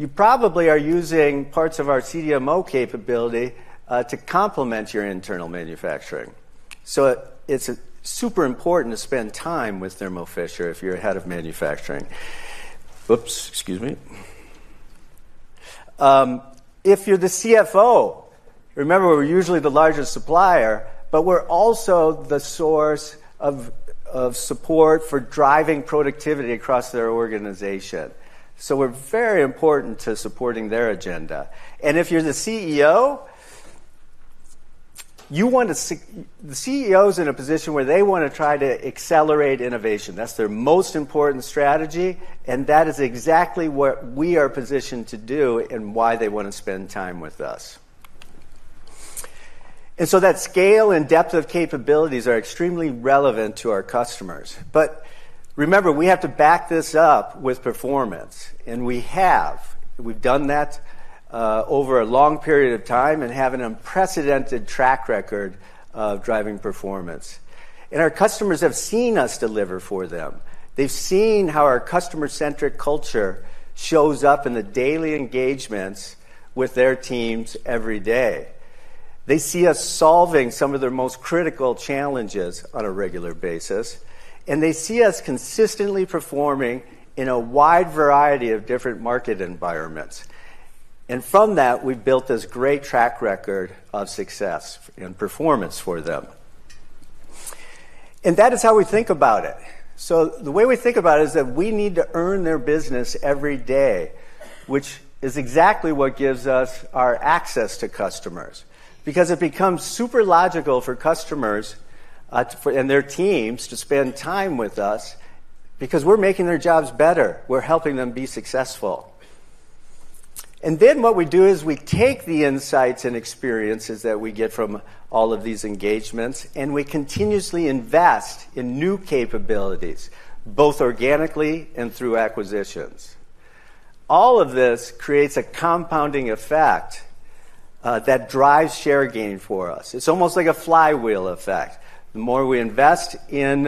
You probably are using parts of our CDMO capability to complement your internal manufacturing. It's super important to spend time with Thermo Fisher if you're a head of manufacturing. Oops, excuse me. If you're the CFO, remember we're usually the largest supplier, but we're also the source of support for driving productivity across their organization. We're very important to supporting their agenda. If you're the CEO, the CEO's in a position where they want to try to accelerate innovation. That's their most important strategy, and that is exactly what we are positioned to do and why they want to spend time with us. That scale and depth of capabilities are extremely relevant to our customers. Remember, we have to back this up with performance, and we have. We've done that over a long period of time and have an unprecedented track record of driving performance. Our customers have seen us deliver for them. They've seen how our customer-centric culture shows up in the daily engagements with their teams every day. They see us solving some of their most critical challenges on a regular basis, and they see us consistently performing in a wide variety of different market environments. From that, we've built this great track record of success and performance for them. That is how we think about it. The way we think about it is that we need to earn their business every day, which is exactly what gives us our access to customers because it becomes super logical for customers, and their teams, to spend time with us because we're making their jobs better. We're helping them be successful. What we do is we take the insights and experiences that we get from all of these engagements, and we continuously invest in new capabilities, both organically and through acquisitions. All of this creates a compounding effect that drives share gain for us. It's almost like a flywheel effect. The more we invest in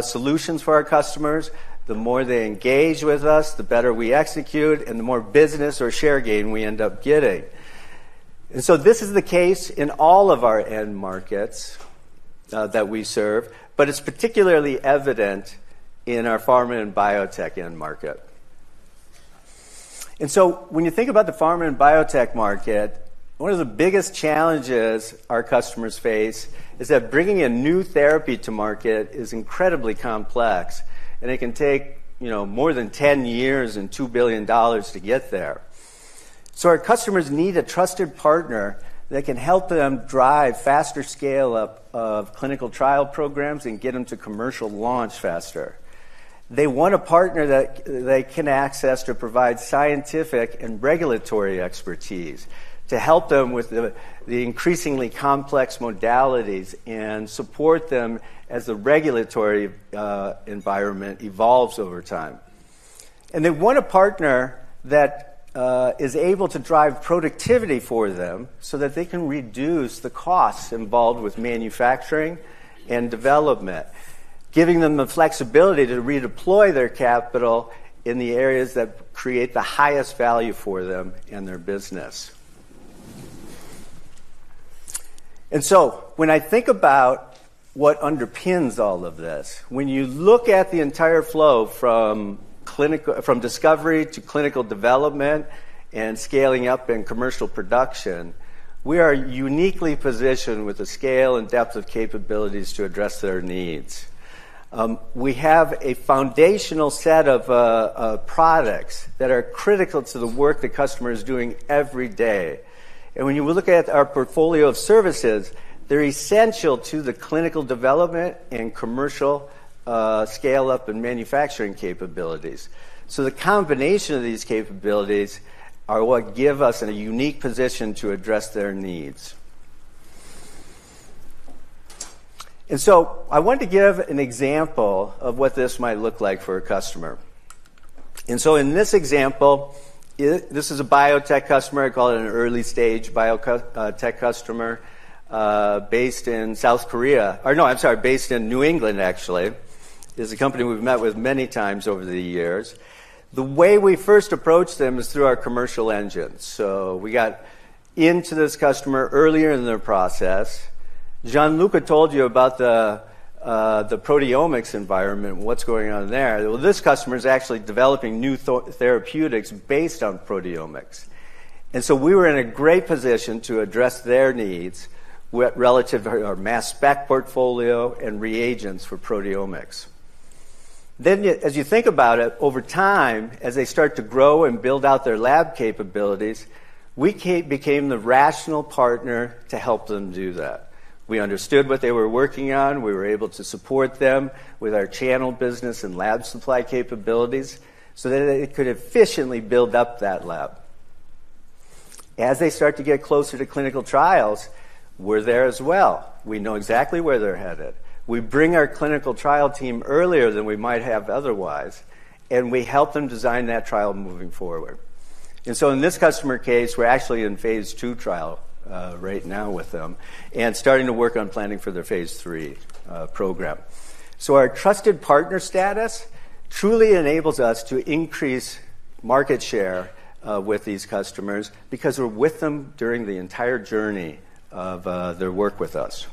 solutions for our customers, the more they engage with us, the better we execute, and the more business or share gain we end up getting. This is the case in all of our end markets that we serve, but it's particularly evident in our pharma and biotech end market. When you think about the pharma and biotech market, one of the biggest challenges our customers face is that bringing a new therapy to market is incredibly complex, and it can take more than 10 years and $2 billion to get there. Our customers need a trusted partner that can help them drive faster scale-up of clinical trial programs and get them to commercial launch faster. They want a partner that they can access to provide scientific and regulatory expertise to help them with the increasingly complex modalities and support them as the regulatory environment evolves over time. They want a partner that is able to drive productivity for them so that they can reduce the costs involved with manufacturing and development, giving them the flexibility to redeploy their capital in the areas that create the highest value for them and their business. When I think about what underpins all of this, when you look at the entire flow from discovery to clinical development and scaling up in commercial production, we are uniquely positioned with the scale and depth of capabilities to address their needs. We have a foundational set of products that are critical to the work the customer is doing every day. When you look at our portfolio of services, they're essential to the clinical development and commercial scale-up in manufacturing capabilities. The combination of these capabilities are what give us a unique position to address their needs. I wanted to give an example of what this might look like for a customer. In this example, this is a biotech customer, call it an early-stage biotech customer based in South Korea. Based in New England, actually. It's a company we've met with many times over the years. The way we first approached them is through our commercial engine. We got into this customer earlier in their process. Gianluca told you about the proteomics environment and what's going on there. This customer is actually developing new therapeutics based on proteomics. We were in a great position to address their needs with relatively our mass spec portfolio and reagents for proteomics. As you think about it, over time, as they start to grow and build out their lab capabilities, we became the rational partner to help them do that. We understood what they were working on. We were able to support them with our channel business and lab supply capabilities so that they could efficiently build up that lab. As they start to get closer to clinical trials, we're there as well. We know exactly where they're headed. We bring our clinical trial team earlier than we might have otherwise, and we help them design that trial moving forward. In this customer case, we're actually in phase II trial right now with them and starting to work on planning for their phase III program. Our trusted partner status truly enables us to increase market share with these customers because we're with them during the entire journey of their work with us.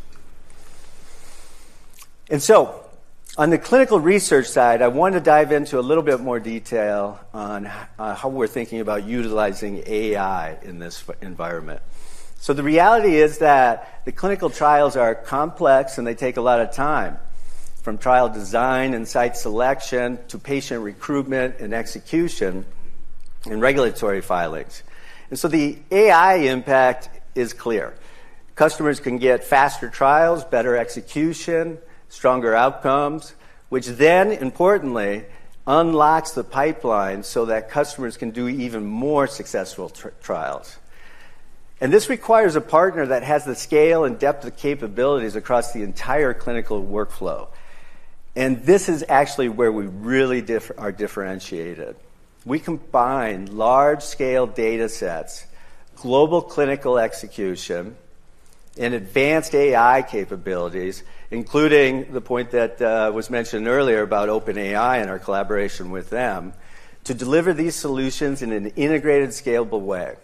On the clinical research side, I want to dive into a little bit more detail on how we're thinking about utilizing AI in this environment. The reality is that the clinical trials are complex, and they take a lot of time, from trial design and site selection to patient recruitment and execution and regulatory filings. The AI impact is clear. Customers can get faster trials, better execution, stronger outcomes, which then importantly unlocks the pipeline so that customers can do even more successful trials. This requires a partner that has the scale and depth of capabilities across the entire clinical workflow. This is actually where we really are differentiated. We combine large-scale datasets, global clinical execution, and advanced AI capabilities, including the point that was mentioned earlier about OpenAI and our collaboration with them, to deliver these solutions in an integrated, scalable way.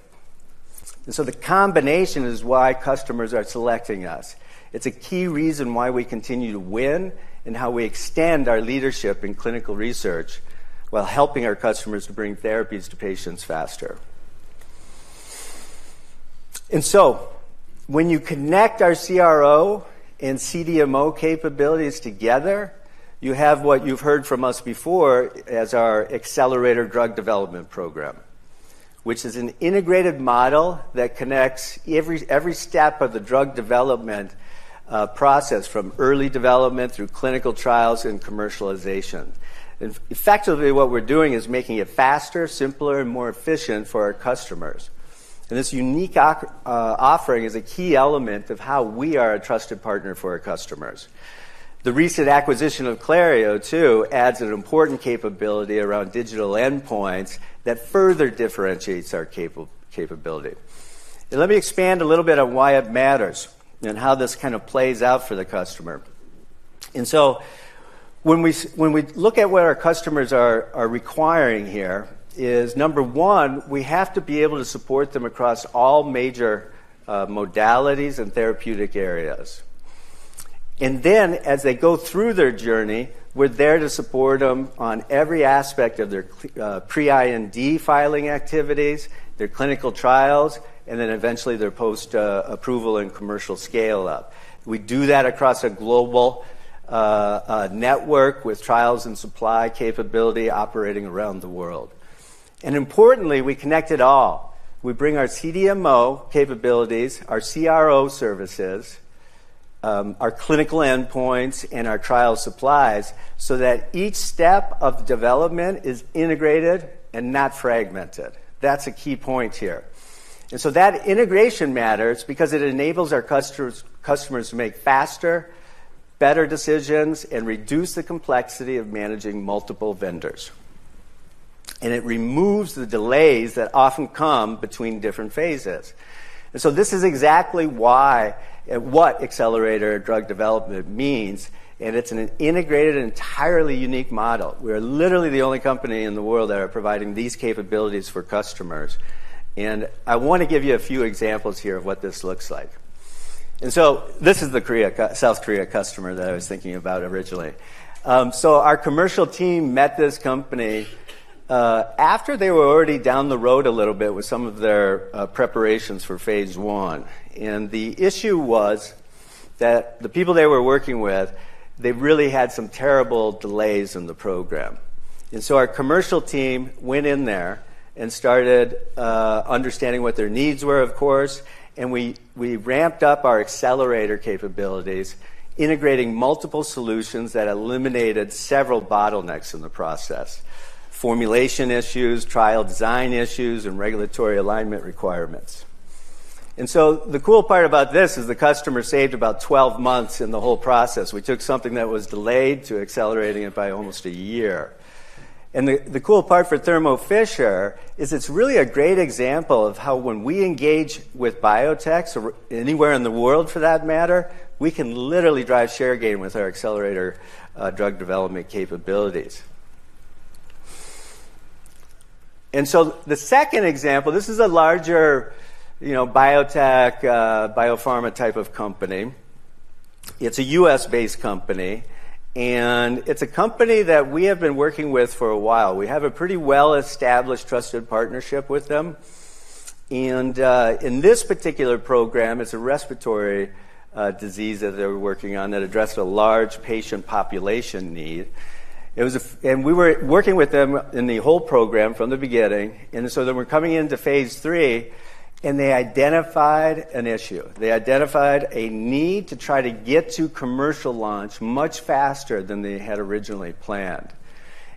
The combination is why customers are selecting us. It's a key reason why we continue to win and how we extend our leadership in clinical research while helping our customers to bring therapies to patients faster. When you connect our CRO and CDMO capabilities together, you have what you've heard from us before as our Accelerator Drug Development program, which is an integrated model that connects every step of the drug development process from early development through clinical trials and commercialization. Effectively, what we're doing is making it faster, simpler, and more efficient for our customers. This unique offering is a key element of how we are a trusted partner for our customers. The recent acquisition of Clario, too, adds an important capability around digital endpoints that further differentiates our capability. Let me expand a little bit on why it matters and how this kind of plays out for the customer. When we look at what our customers are requiring here is, number one, we have to be able to support them across all major modalities and therapeutic areas. As they go through their journey, we're there to support them on every aspect of their pre-IND filing activities, their clinical trials, and then eventually their post-approval and commercial scale-up. We do that across a global network with trials and supply capability operating around the world. Importantly, we connect it all. We bring our CDMO capabilities, our CRO services, our clinical endpoints, and our trial supplies so that each step of the development is integrated and not fragmented. That's a key point here. That integration matters because it enables our customers to make faster, better decisions and reduce the complexity of managing multiple vendors. It removes the delays that often come between different phases. This is exactly what Accelerator Drug Development means, and it's an integrated and entirely unique model. We are literally the only company in the world that are providing these capabilities for customers. I want to give you a few examples here of what this looks like. This is the South Korea customer that I was thinking about originally. Our commercial team met this company after they were already down the road a little bit with some of their preparations for phase I. The issue was that the people they were working with, they really had some terrible delays in the program. Our commercial team went in there and started understanding what their needs were, of course, and we ramped up our Accelerator capabilities, integrating multiple solutions that eliminated several bottlenecks in the process. Formulation issues, trial design issues, and regulatory alignment requirements. The cool part about this is the customer saved about 12 months in the whole process. We took something that was delayed to accelerating it by almost one year. The cool part for Thermo Fisher is it's really a great example of how when we engage with biotechs, or anywhere in the world for that matter, we can literally drive share gain with our Accelerator Drug Development capabilities. The second example, this is a larger biotech, biopharma type of company. It's a U.S.-based company, and it's a company that we have been working with for a while. We have a pretty well-established trusted partnership with them. In this particular program, it's a respiratory disease that they were working on that addressed a large patient population need. We were working with them in the whole program from the beginning, so they were coming into phase III, and they identified an issue. They identified a need to try to get to commercial launch much faster than they had originally planned.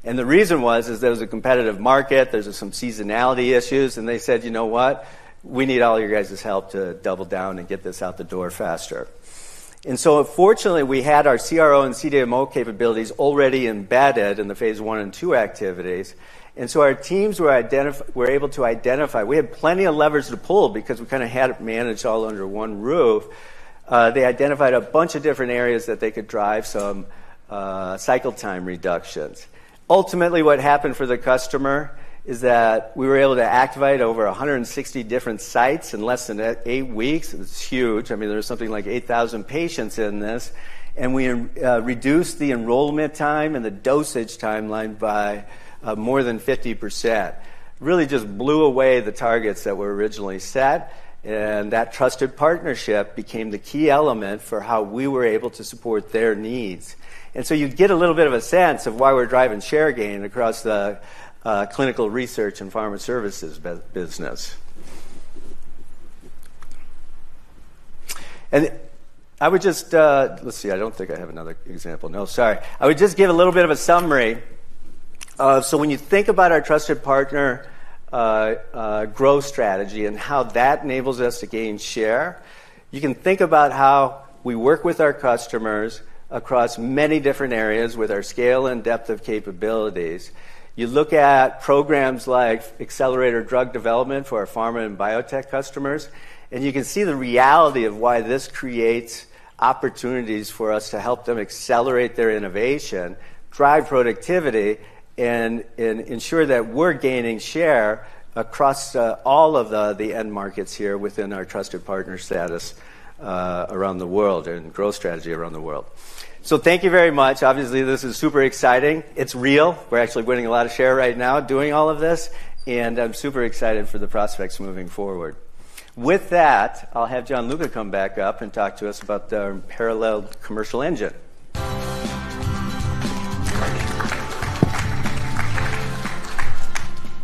The reason was, is there was a competitive market, there's some seasonality issues, and they said, "You know what? We need all your guys' help to double down and get this out the door faster." Fortunately, we had our CRO and CDMO capabilities already embedded in the phase I and II activities, we had plenty of leverage to pull because we kind of had it managed all under one roof. They identified a bunch of different areas that they could drive some cycle time reductions. Ultimately, what happened for the customer is that we were able to activate over 160 different sites in less than eight weeks. It was huge. I mean, there was something like 8,000 patients in this. We reduced the enrollment time and the dosage timeline by more than 50%. Really just blew away the targets that were originally set, and that trusted partnership became the key element for how we were able to support their needs. You get a little bit of a sense of why we're driving share gain across the clinical research and pharma services business. Let's see. I don't think I have one example. No, sorry. I would just give a little bit of a summary. When you think about our trusted partner growth strategy and how that enables us to gain share, you can think about how we work with our customers across many different areas with our scale and depth of capabilities. You look at programs like Accelerator Drug Development for our pharma and biotech customers, you can see the reality of why this creates opportunities for us to help them accelerate their innovation, drive productivity, and ensure that we're gaining share across all of the end markets here within our trusted partner status around the world and growth strategy around the world. Thank you very much. Obviously, this is super exciting. It's real. We're actually winning a lot of share right now doing all of this, I'm super excited for the prospects moving forward. With that, I'll have Gianluca come back up and talk to us about our unparalleled commercial engine.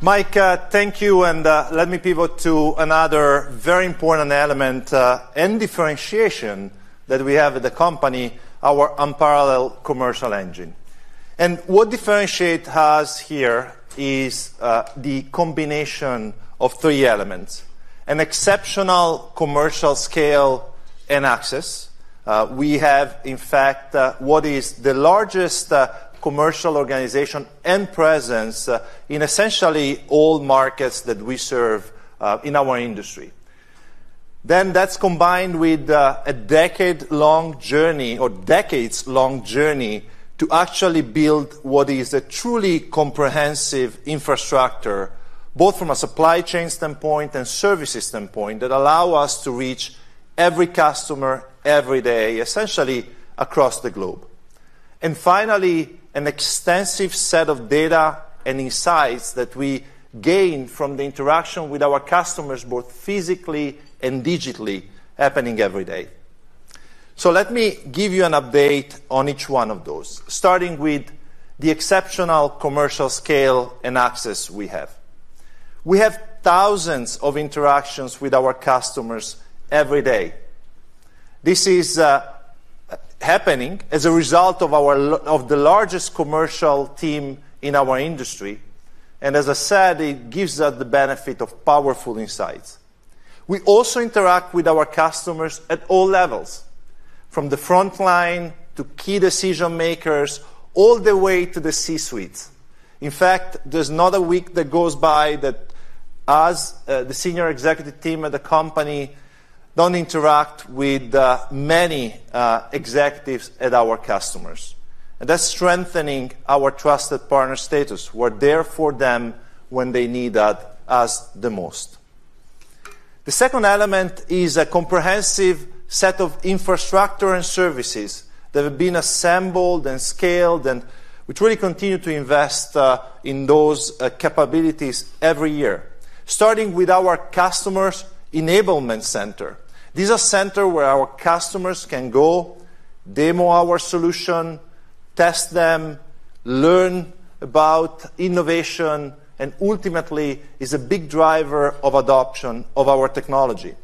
Mike, thank you. Let me pivot to another very important element and differentiation that we have at the company, our unparalleled commercial engine. What differentiates us here is the combination of three elements. An exceptional commercial scale and access. We have, in fact, what is the largest commercial organization and presence in essentially all markets that we serve in our industry. That's combined with a decade-long journey, or decades-long journey to actually build what is a truly comprehensive infrastructure, both from a supply chain standpoint and services standpoint, that allow us to reach every customer, every day, essentially across the globe. Finally, an extensive set of data and insights that we gain from the interaction with our customers, both physically and digitally, happening every day. Let me give you an update on each one of those, starting with the exceptional commercial scale and access we have. We have thousands of interactions with our customers every day. This is happening as a result of the largest commercial team in our industry, and as I said, it gives us the benefit of powerful insights. We also interact with our customers at all levels, from the front line to key decision-makers, all the way to the C-suite. In fact, there's not a week that goes by that us, the senior executive team at the company, don't interact with many executives at our customers. That's strengthening our trusted partner status. We're there for them when they need us the most. The second element is a comprehensive set of infrastructure and services that have been assembled and scaled, and we truly continue to invest in those capabilities every year, starting with our customers' enablement center. This is a center where our customers can go, demo our solution, test them, learn about innovation, and ultimately, is a big driver of adoption of our technology.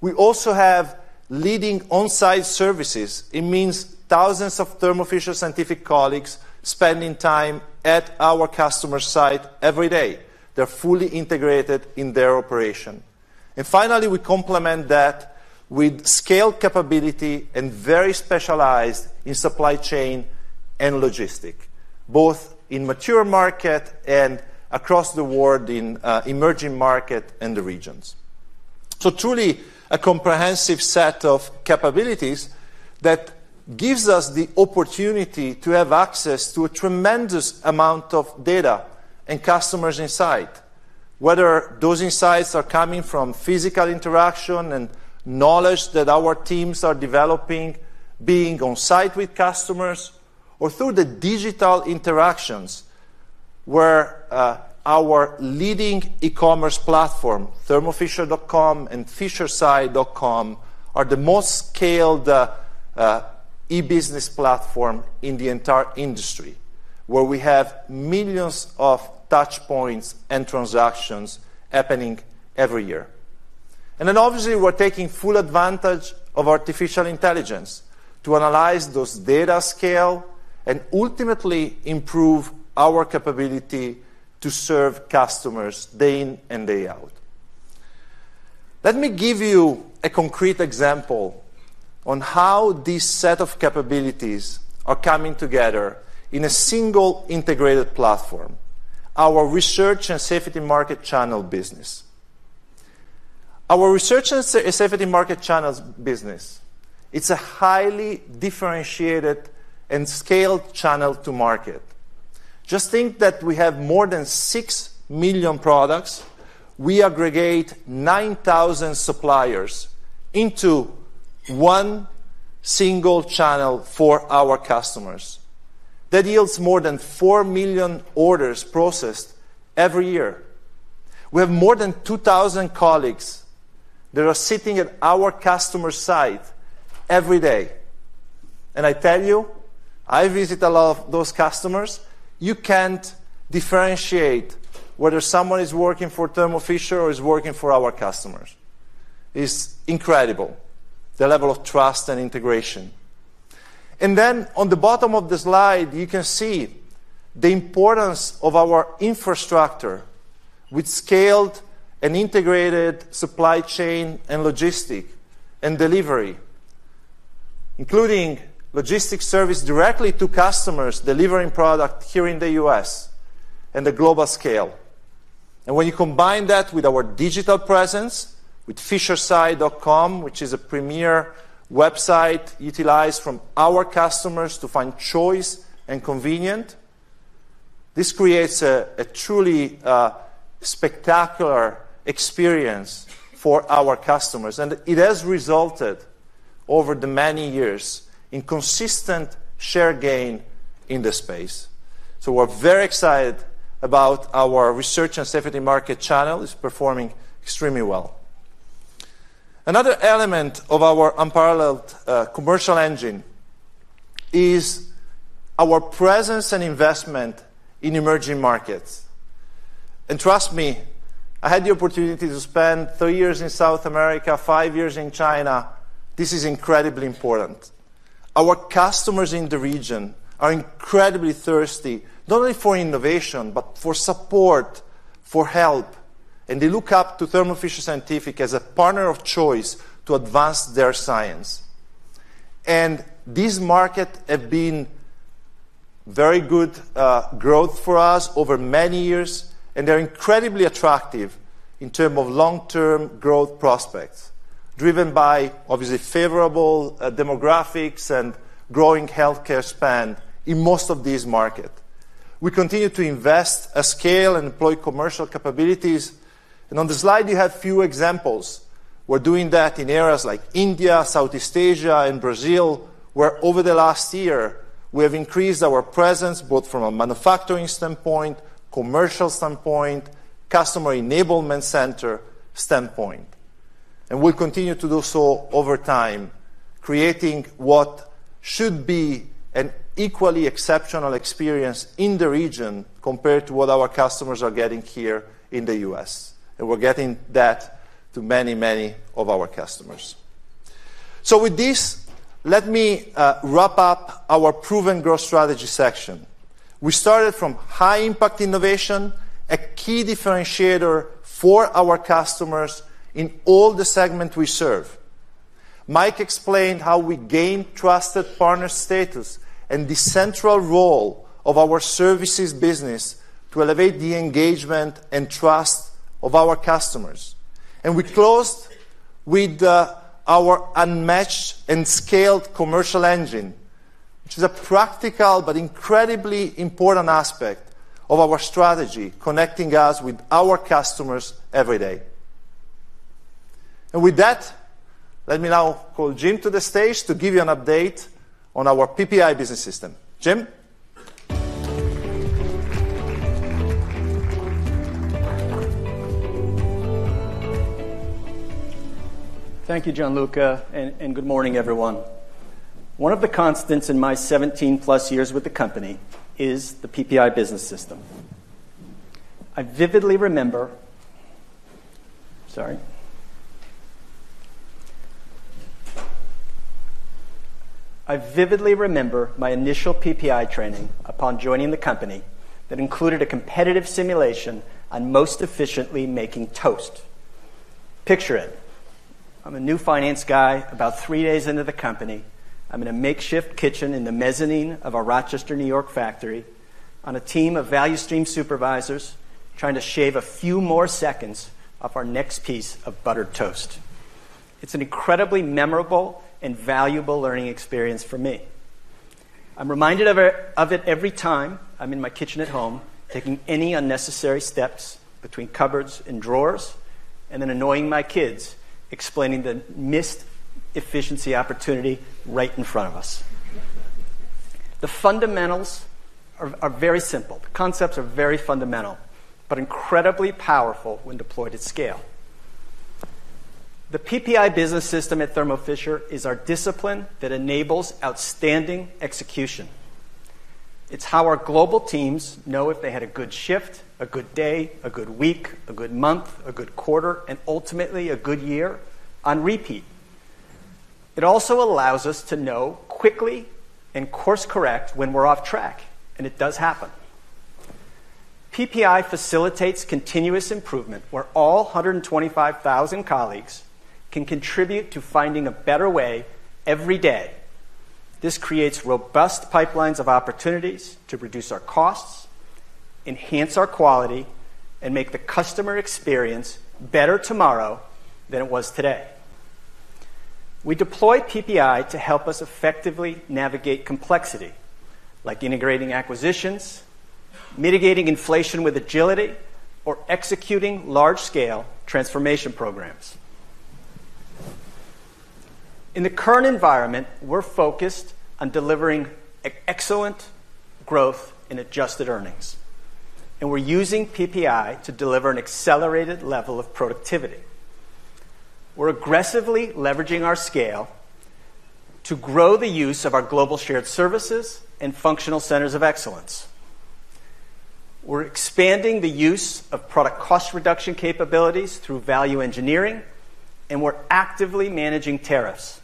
We also have leading on-site services. It means thousands of Thermo Fisher Scientific colleagues spending time at our customer site every day. They're fully integrated in their operation. Finally, we complement that with scale capability and very specialized in supply chain and logistics, both in mature markets and across the world in emerging markets and the regions. Truly a comprehensive set of capabilities that gives us the opportunity to have access to a tremendous amount of data and customers' insight, whether those insights are coming from physical interaction and knowledge that our teams are developing, being on site with customers, or through the digital interactions, where our leading e-commerce platform, thermofisher.com and fishersci.com, are the most scaled e-business platform in the entire industry, where we have millions of touch points and transactions happening every year. Obviously, we're taking full advantage of artificial intelligence to analyze those data scale and ultimately improve our capability to serve customers day in and day out. Let me give you a concrete example on how this set of capabilities are coming together in a single integrated platform, our research and safety market channel business. Our research and safety market channels business, it's a highly differentiated and scaled channel to market. Just think that we have more than 6 million products. We aggregate 9,000 suppliers into one single channel for our customers. That yields more than 4 million orders processed every year. We have more than 2,000 colleagues that are sitting at our customer site every day. I tell you, I visit a lot of those customers, you can't differentiate whether someone is working for Thermo Fisher or is working for our customers. It's incredible, the level of trust and integration. On the bottom of the slide, you can see the importance of our infrastructure with scaled and integrated supply chain and logistic and delivery, including logistics service directly to customers delivering product here in the U.S. and the global scale. When you combine that with our digital presence, with fishersci.com, which is a premier website utilized by our customers to find choice and convenience, this creates a truly spectacular experience for our customers. It has resulted over the many years in consistent share gain in the space. We're very excited about our research and safety market channel is performing extremely well. Another element of our unparalleled commercial engine is our presence and investment in emerging markets. Trust me, I had the opportunity to spend three years in South America, five years in China, this is incredibly important. Our customers in the region are incredibly thirsty, not only for innovation, but for support, for help, and they look up to Thermo Fisher Scientific as a partner of choice to advance their science. These markets have been very good growth for us over many years, they're incredibly attractive in terms of long-term growth prospects, driven by obviously favorable demographics and growing healthcare spend in most of these markets. We continue to invest, scale, and employ commercial capabilities. On the slide, you have a few examples. We're doing that in areas like India, Southeast Asia, and Brazil, where over the last year, we have increased our presence, both from a manufacturing standpoint, commercial standpoint, customer enablement center standpoint. We'll continue to do so over time, creating what should be an equally exceptional experience in the region compared to what our customers are getting here in the U.S. We're getting that to many, many of our customers. With this, let me wrap up our proven growth strategy section. We started from high-impact innovation, a key differentiator for our customers in all the segment we serve. Mike explained how we gain trusted partner status and the central role of our services business to elevate the engagement and trust of our customers. We closed with our unmatched and scaled commercial engine, which is a practical but incredibly important aspect of our strategy, connecting us with our customers every day. With that, let me now call Jim to the stage to give you an update on our PPI Business System. Jim? Thank you, Gianluca, and good morning, everyone. One of the constants in my 17+ years with the company is the PPI Business System. Sorry. I vividly remember my initial PPI training upon joining the company that included a competitive simulation on most efficiently making toast. Picture it. I'm a new finance guy about three days into the company. I'm in a makeshift kitchen in the mezzanine of a Rochester, New York factory on a team of value stream supervisors trying to shave a few more seconds off our next piece of buttered toast. It's an incredibly memorable and valuable learning experience for me. I'm reminded of it every time I'm in my kitchen at home, taking any unnecessary steps between cupboards and drawers, and then annoying my kids, explaining the missed efficiency opportunity right in front of us. The fundamentals are very simple. The concepts are very fundamental, but incredibly powerful when deployed at scale. The PPI Business System at Thermo Fisher is our discipline that enables outstanding execution. It's how our global teams know if they had a good shift, a good day, a good week, a good month, a good quarter, and ultimately a good year on repeat. It also allows us to know quickly and course-correct when we're off track, and it does happen. PPI facilitates continuous improvement where all 125,000 colleagues can contribute to finding a better way every day. This creates robust pipelines of opportunities to reduce our costs, enhance our quality, and make the customer experience better tomorrow than it was today. We deploy PPI to help us effectively navigate complexity, like integrating acquisitions, mitigating inflation with agility, or executing large-scale transformation programs. In the current environment, we're focused on delivering excellent growth in adjusted earnings, and we're using PPI to deliver an accelerated level of productivity. We're aggressively leveraging our scale to grow the use of our global shared services and functional centers of excellence. We're expanding the use of product cost reduction capabilities through value engineering, and we're actively managing tariffs.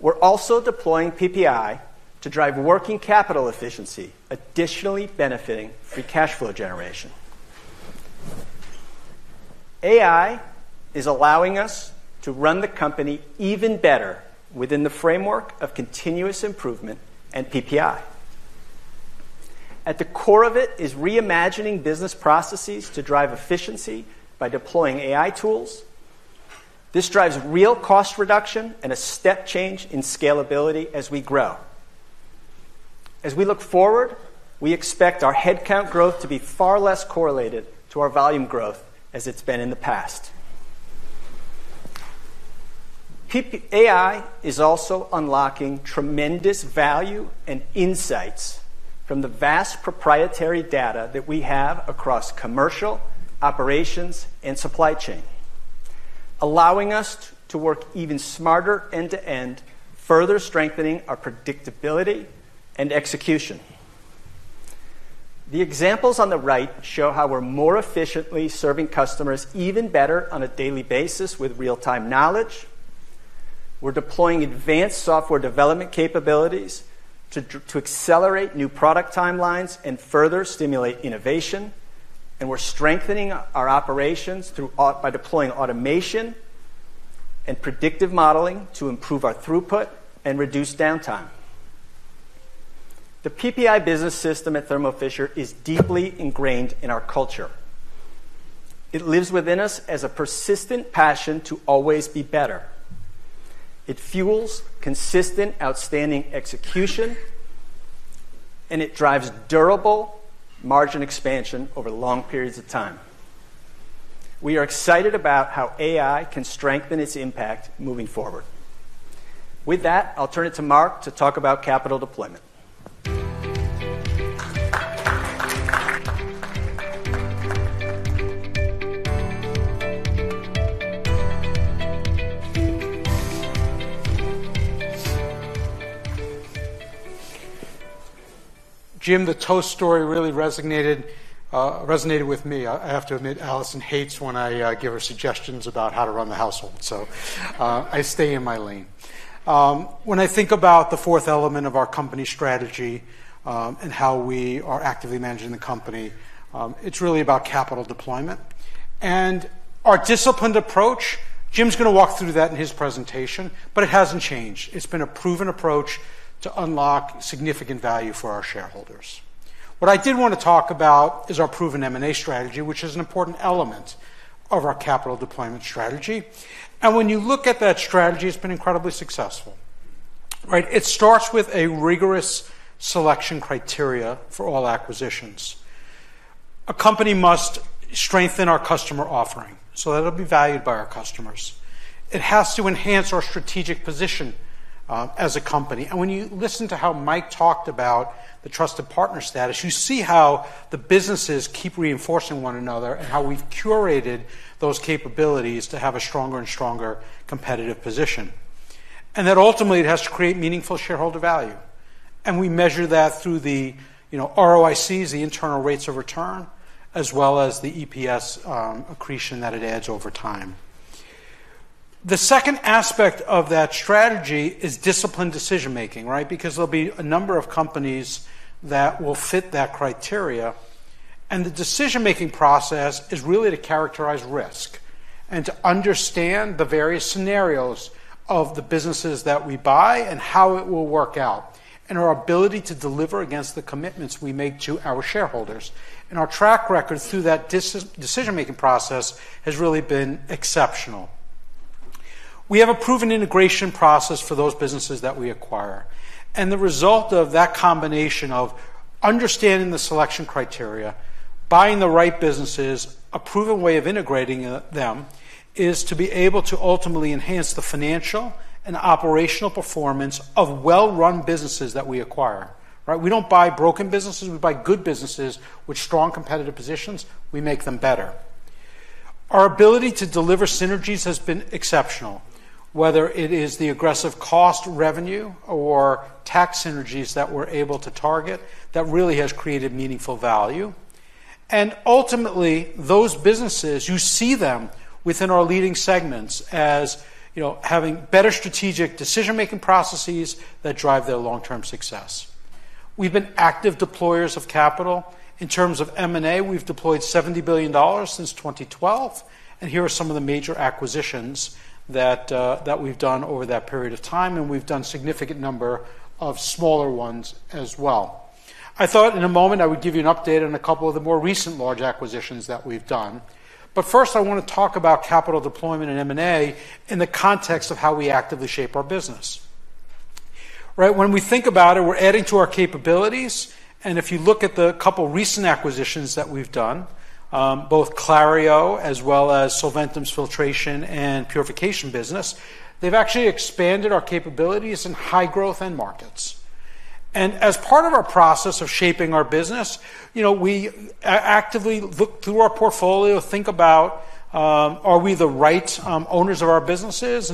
We're also deploying PPI to drive working capital efficiency, additionally benefiting free cash flow generation. AI is allowing us to run the company even better within the framework of continuous improvement and PPI. At the core of it is reimagining business processes to drive efficiency by deploying AI tools. This drives real cost reduction and a step change in scalability as we grow. As we look forward, we expect our headcount growth to be far less correlated to our volume growth as it's been in the past. AI is also unlocking tremendous value and insights from the vast proprietary data that we have across commercial, operations, and supply chain, allowing us to work even smarter end to end, further strengthening our predictability and execution. The examples on the right show how we're more efficiently serving customers even better on a daily basis with real-time knowledge. We're deploying advanced software development capabilities to accelerate new product timelines and further stimulate innovation. We're strengthening our operations by deploying automation and predictive modeling to improve our throughput and reduce downtime. The PPI Business System at Thermo Fisher is deeply ingrained in our culture. It lives within us as a persistent passion to always be better. It fuels consistent, outstanding execution. It drives durable margin expansion over long periods of time. We are excited about how AI can strengthen its impact moving forward. With that, I'll turn it to Marc to talk about capital deployment. Jim, the toast story really resonated with me. I have to admit, Allison hates when I give her suggestions about how to run the household. I stay in my lane. When I think about the fourth element of our company strategy, how we are actively managing the company, it's really about capital deployment. Our disciplined approach, Jim's going to walk through that in his presentation, it hasn't changed. It's been a proven approach to unlock significant value for our shareholders. What I did want to talk about is our proven M&A strategy, which is an important element of our capital deployment strategy. When you look at that strategy, it's been incredibly successful. It starts with a rigorous selection criteria for all acquisitions. A company must strengthen our customer offering, so that it'll be valued by our customers. It has to enhance our strategic position as a company. When you listen to how Mike talked about the trusted partner status, you see how the businesses keep reinforcing one another and how we've curated those capabilities to have a stronger and stronger competitive position. That ultimately it has to create meaningful shareholder value, and we measure that through the ROICs, the internal rates of return, as well as the EPS accretion that it adds over time. The second aspect of that strategy is disciplined decision-making. There'll be a number of companies that will fit that criteria, and the decision-making process is really to characterize risk and to understand the various scenarios of the businesses that we buy and how it will work out, and our ability to deliver against the commitments we make to our shareholders. Our track record through that decision-making process has really been exceptional. We have a proven integration process for those businesses that we acquire, and the result of that combination of understanding the selection criteria, buying the right businesses, a proven way of integrating them, is to be able to ultimately enhance the financial and operational performance of well-run businesses that we acquire. We don't buy broken businesses, we buy good businesses with strong competitive positions. We make them better. Our ability to deliver synergies has been exceptional, whether it is the aggressive cost revenue or tax synergies that we're able to target that really has created meaningful value. Ultimately, those businesses, you see them within our leading segments as having better strategic decision-making processes that drive their long-term success. We've been active deployers of capital. In terms of M&A, we've deployed $70 billion since 2012. Here are some of the major acquisitions that we've done over that period of time. We've done significant number of smaller ones as well. I thought in a moment I would give you an update on a couple of the more recent large acquisitions that we've done. First, I want to talk about capital deployment and M&A in the context of how we actively shape our business. When we think about it, we're adding to our capabilities. If you look at the couple recent acquisitions that we've done, both Clario as well as Solventum's filtration and purification business, they've actually expanded our capabilities in high growth end markets. As part of our process of shaping our business, we actively look through our portfolio, think about, are we the right owners of our businesses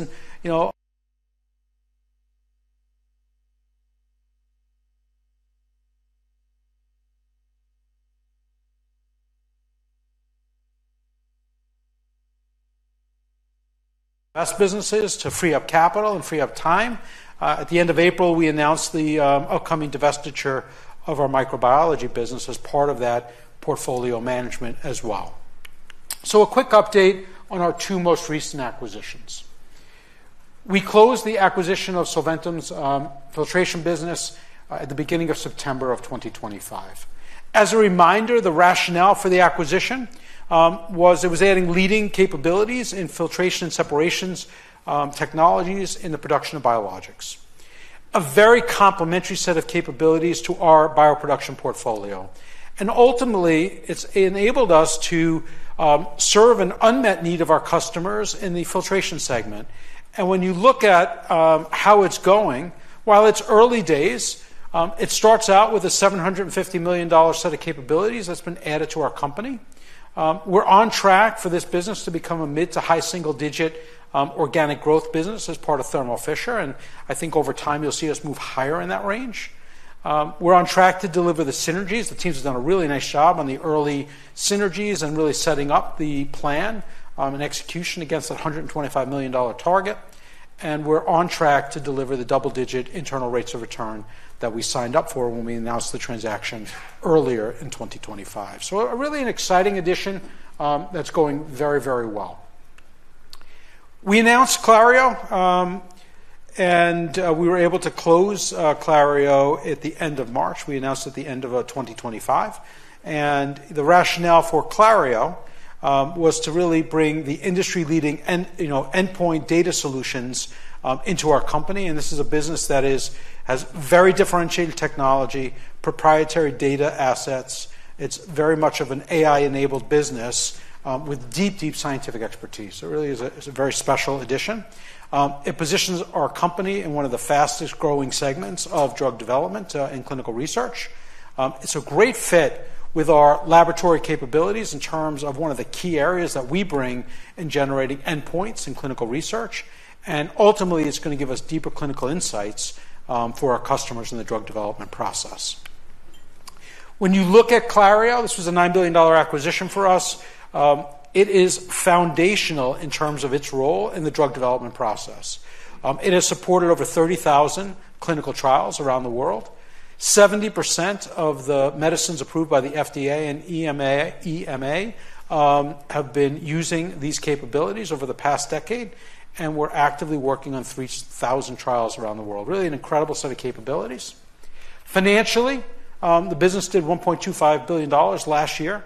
and you know, <audio distortion> best businesses to free up capital and free up time. At the end of April, we announced the upcoming divestiture of our microbiology business as part of that portfolio management as well. A quick update on our two most recent acquisitions. We closed the acquisition of Solventum's filtration business at the beginning of September of 2025. As a reminder, the rationale for the acquisition was it was adding leading capabilities in filtration and separations technologies in the production of biologics. A very complementary set of capabilities to our bioproduction portfolio. Ultimately, it's enabled us to serve an unmet need of our customers in the filtration segment. When you look at how it's going, while it's early days, it starts out with a $750 million set of capabilities that's been added to our company. We're on track for this business to become a mid to high single-digit organic growth business as part of Thermo Fisher, and I think over time you'll see us move higher in that range. We're on track to deliver the synergies. The teams have done a really nice job on the early synergies and really setting up the plan and execution against that $125 million target. We're on track to deliver the double-digit internal rates of return that we signed up for when we announced the transaction earlier in 2025. Really an exciting addition that's going very well. We announced Clario, and we were able to close Clario at the end of March. We announced at the end of 2025. The rationale for Clario was to really bring the industry-leading endpoint data solutions into our company, and this is a business that has very differentiated technology, proprietary data assets. It is very much of an AI-enabled business with deep scientific expertise. Really is a very special addition. It positions our company in one of the fastest-growing segments of drug development in clinical research. It is a great fit with our laboratory capabilities in terms of one of the key areas that we bring in generating endpoints in clinical research. Ultimately, it is going to give us deeper clinical insights for our customers in the drug development process. When you look at Clario, this was a $9 billion acquisition for us. It is foundational in terms of its role in the drug development process. It has supported over 30,000 clinical trials around the world. 70% of the medicines approved by the FDA and EMA have been using these capabilities over the past decade. We're actively working on 3,000 trials around the world. Really an incredible set of capabilities. Financially, the business did $1.25 billion last year.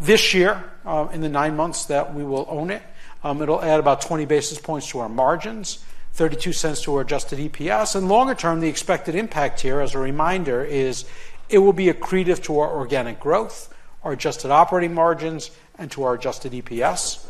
This year, in the nine months that we will own it'll add about 20 basis points to our margins, $0.32 to our adjusted EPS. Longer term, the expected impact here, as a reminder, is it will be accretive to our organic growth, our adjusted operating margins, and to our adjusted EPS.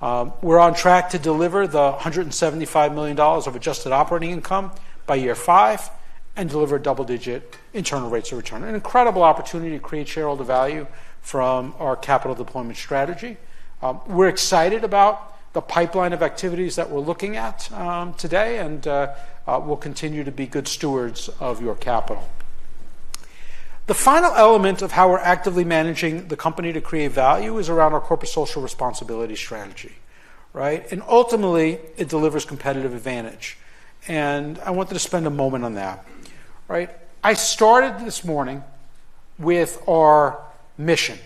We're on track to deliver the $175 million of adjusted operating income by year five and deliver double-digit internal rates of return. An incredible opportunity to create shareholder value from our capital deployment strategy. We're excited about the pipeline of activities that we're looking at today, and we'll continue to be good stewards of your capital. The final element of how we're actively managing the company to create value is around our corporate social responsibility strategy. Ultimately, it delivers competitive advantage. I wanted to spend a moment on that. I started this morning with our mission.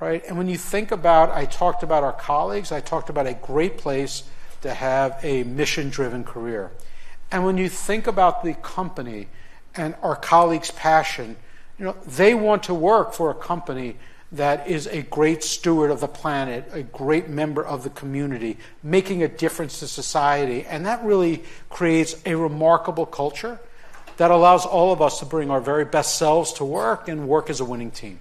When you think about, I talked about our colleagues, I talked about a great place to have a mission-driven career. When you think about the company and our colleagues' passion, they want to work for a company that is a great steward of the planet, a great member of the community, making a difference to society. That really creates a remarkable culture that allows all of us to bring our very best selves to work and work as a winning team.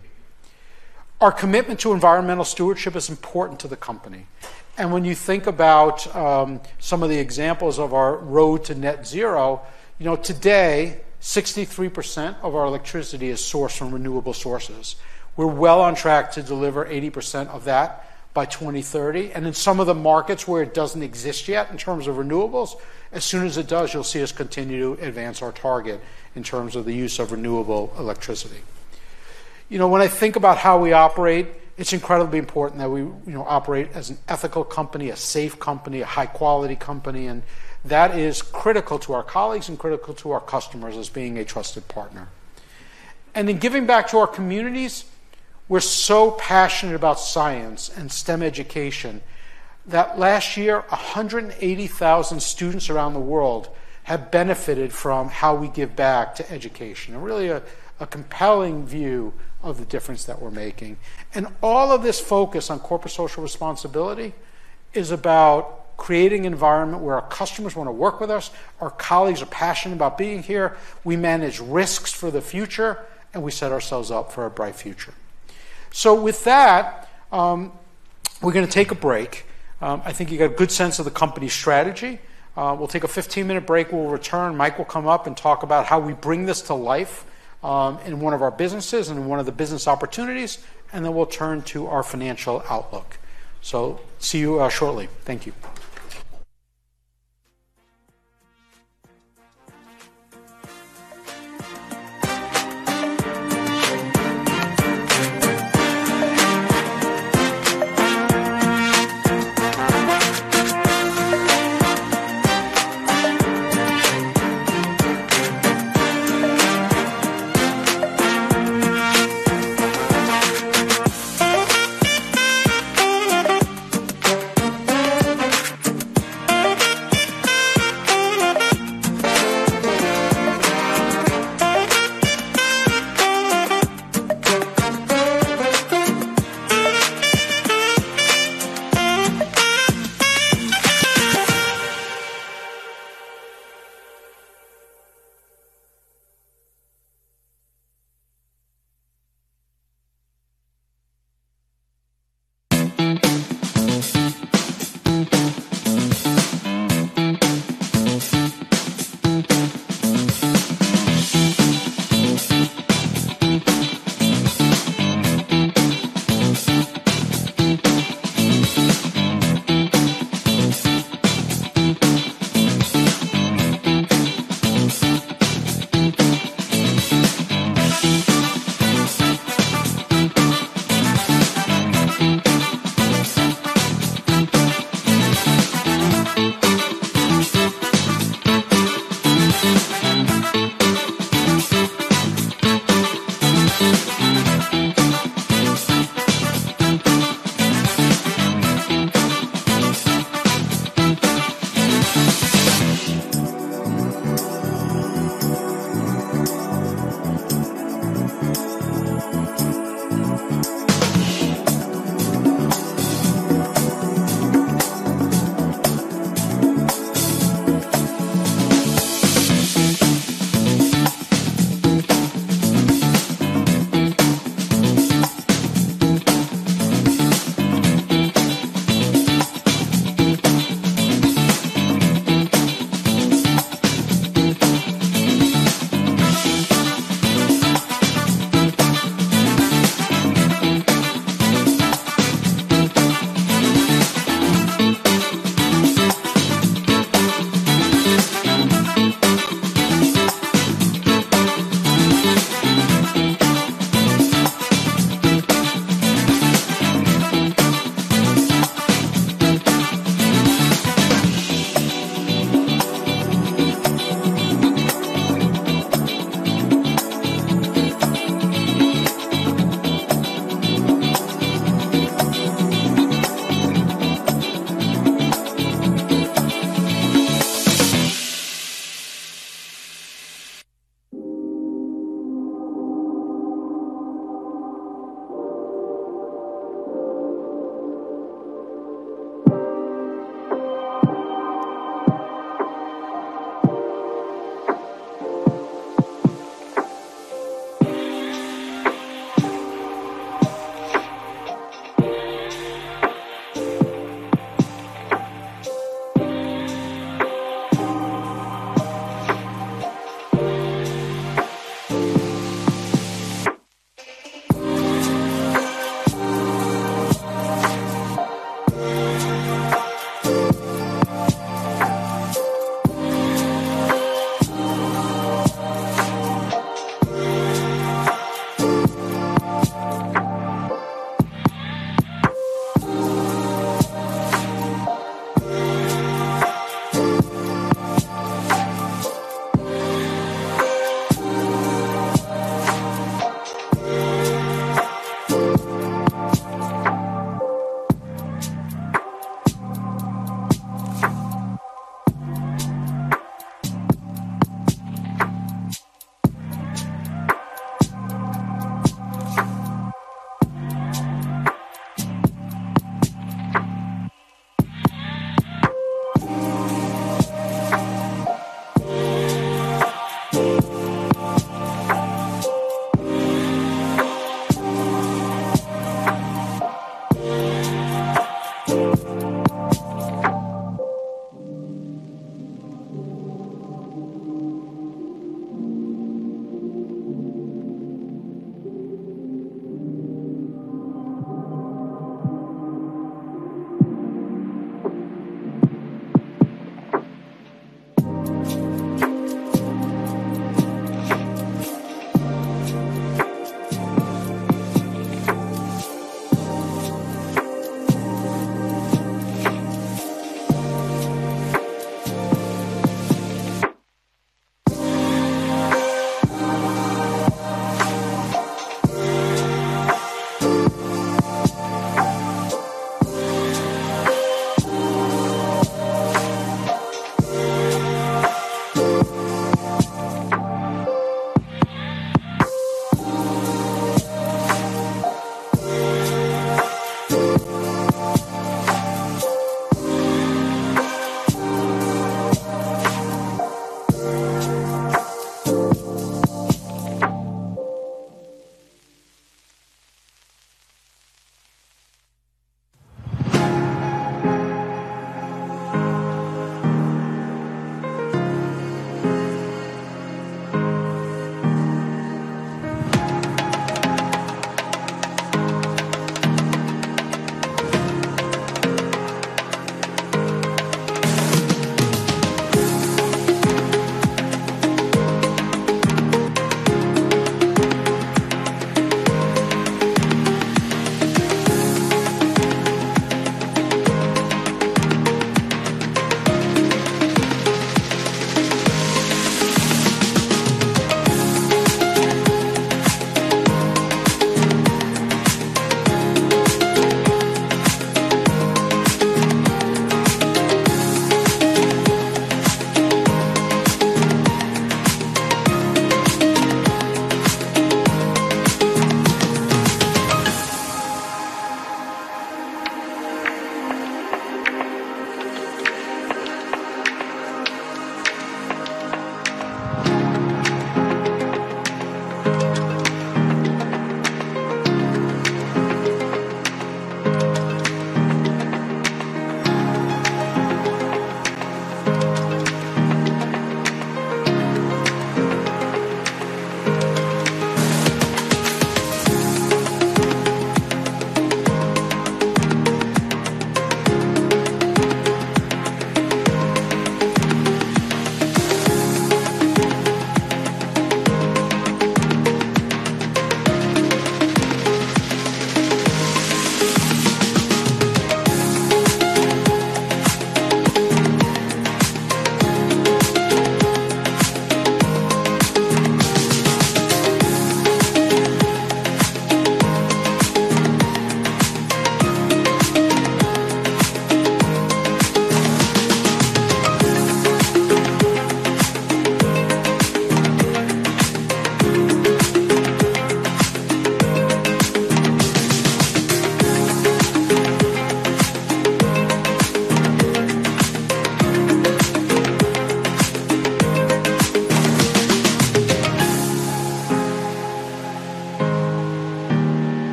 Our commitment to environmental stewardship is important to the company. When you think about some of the examples of our road to net zero, today, 63% of our electricity is sourced from renewable sources. We're well on track to deliver 80% of that by 2030. In some of the markets where it doesn't exist yet in terms of renewables, as soon as it does, you'll see us continue to advance our target in terms of the use of renewable electricity. When I think about how we operate, it's incredibly important that we operate as an ethical company, a safe company, a high-quality company, and that is critical to our colleagues and critical to our customers as being a trusted partner. In giving back to our communities, we're so passionate about science and STEM education that last year, 180,000 students around the world have benefited from how we give back to education, and really a compelling view of the difference that we're making. All of this focus on corporate social responsibility is about creating an environment where our customers want to work with us, our colleagues are passionate about being here, we manage risks for the future, and we set ourselves up for a bright future. With that, we're going to take a break. I think you got a good sense of the company's strategy. We'll take a 15-minute break. We'll return. Mike will come up and talk about how we bring this to life in one of our businesses and one of the business opportunities, then we'll turn to our financial outlook. See you shortly. Thank you.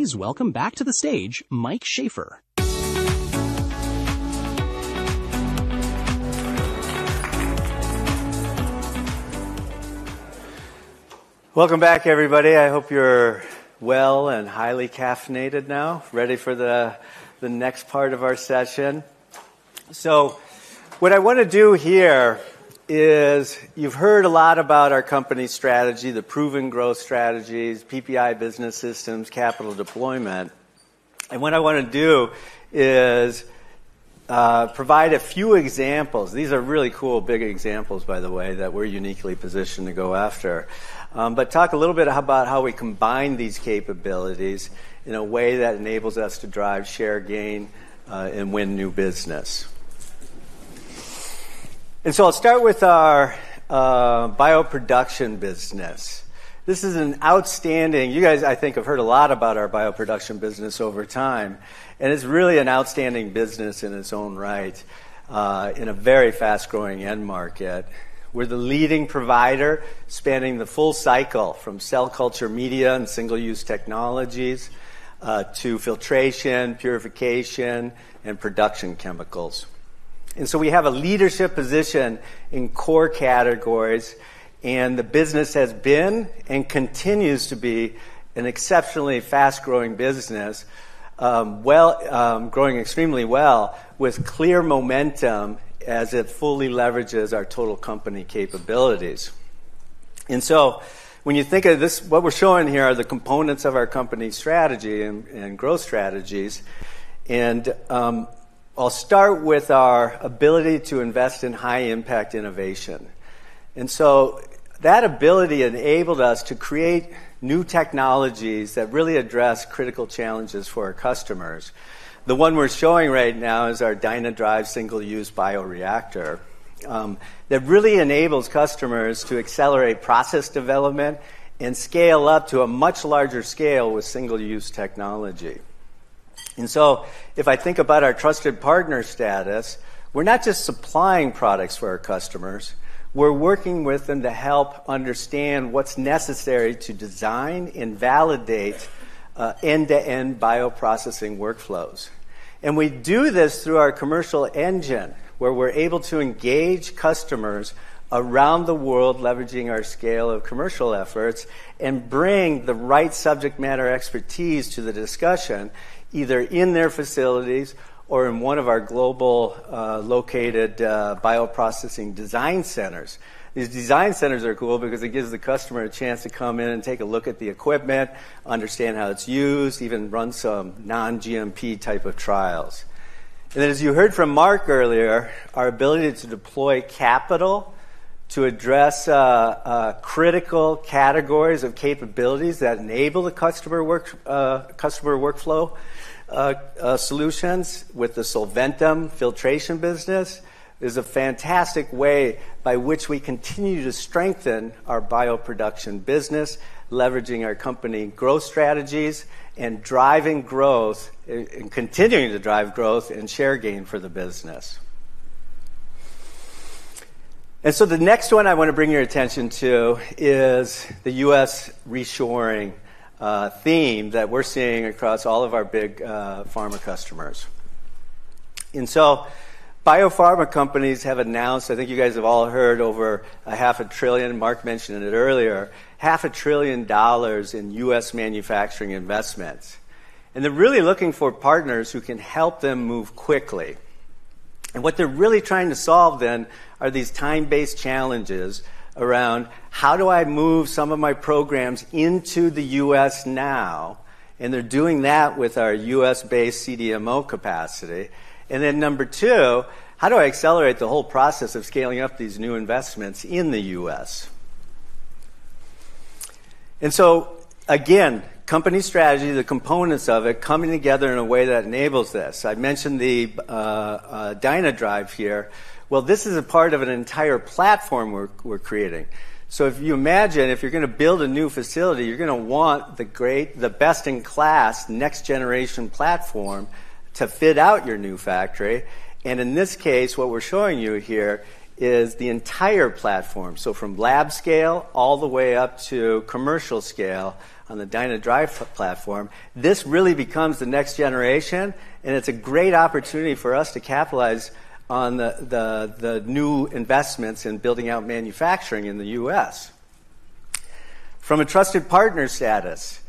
Now please welcome back to the stage, Mike Shafer. Welcome back, everybody. I hope you're well and highly caffeinated now, ready for the next part of our session. What I want to do here is, you've heard a lot about our company strategy, the proven growth strategies, PPI Business Systems, capital deployment, and what I want to do is provide a few examples. These are really cool, big examples, by the way, that we're uniquely positioned to go after. Talk a little bit about how we combine these capabilities in a way that enables us to drive share gain, and win new business. I'll start with our bioproduction business. You guys, I think, have heard a lot about our bioproduction business over time, and it's really an outstanding business in its own right, in a very fast-growing end market. We're the leading provider spanning the full cycle from cell culture media and single-use technologies, to filtration, purification, and production chemicals. We have a leadership position in core categories, and the business has been and continues to be an exceptionally fast-growing business, growing extremely well with clear momentum as it fully leverages our total company capabilities. When you think of this, what we're showing here are the components of our company strategy and growth strategies. I'll start with our ability to invest in high impact innovation. That ability enabled us to create new technologies that really address critical challenges for our customers. The one we're showing right now is our DynaDrive single-use bioreactor that really enables customers to accelerate process development and scale up to a much larger scale with single-use technology. If I think about our trusted partner status, we're not just supplying products for our customers, we're working with them to help understand what's necessary to design and validate end-to-end bioprocessing workflows. We do this through our commercial engine, where we're able to engage customers around the world, leveraging our scale of commercial efforts, and bring the right subject matter expertise to the discussion, either in their facilities or in one of our global located bioprocessing design centers. These design centers are cool because it gives the customer a chance to come in and take a look at the equipment, understand how it's used, even run some non-GMP type of trials. As you heard from Marc earlier, our ability to deploy capital to address critical categories of capabilities that enable the customer workflow solutions with the Solventum filtration business is a fantastic way by which we continue to strengthen our bioproduction business, leveraging our company growth strategies and continuing to drive growth and share gain for the business. The next one I want to bring your attention to is the U.S. reshoring theme that we're seeing across all of our big pharma customers. Biopharma companies have announced, I think you guys have all heard over $0.5 trillion, Marc mentioned it earlier, $0.5 trillion in U.S. manufacturing investments. They're really looking for partners who can help them move quickly. What they're really trying to solve then are these time-based challenges around how do I move some of my programs into the U.S. now? They're doing that with our U.S.-based CDMO capacity. Number two, how do I accelerate the whole process of scaling up these new investments in the U.S.? Again, company strategy, the components of it coming together in a way that enables this. I mentioned the DynaDrive here. This is a part of an entire platform we're creating. If you imagine if you're going to build a new facility, you're going to want the best-in-class next generation platform to fit out your new factory. In this case, what we're showing you here is the entire platform. From lab scale all the way up to commercial scale on the DynaDrive platform, this really becomes the next generation, and it's a great opportunity for us to capitalize on the new investments in building out manufacturing in the U.S. From a trusted partner status,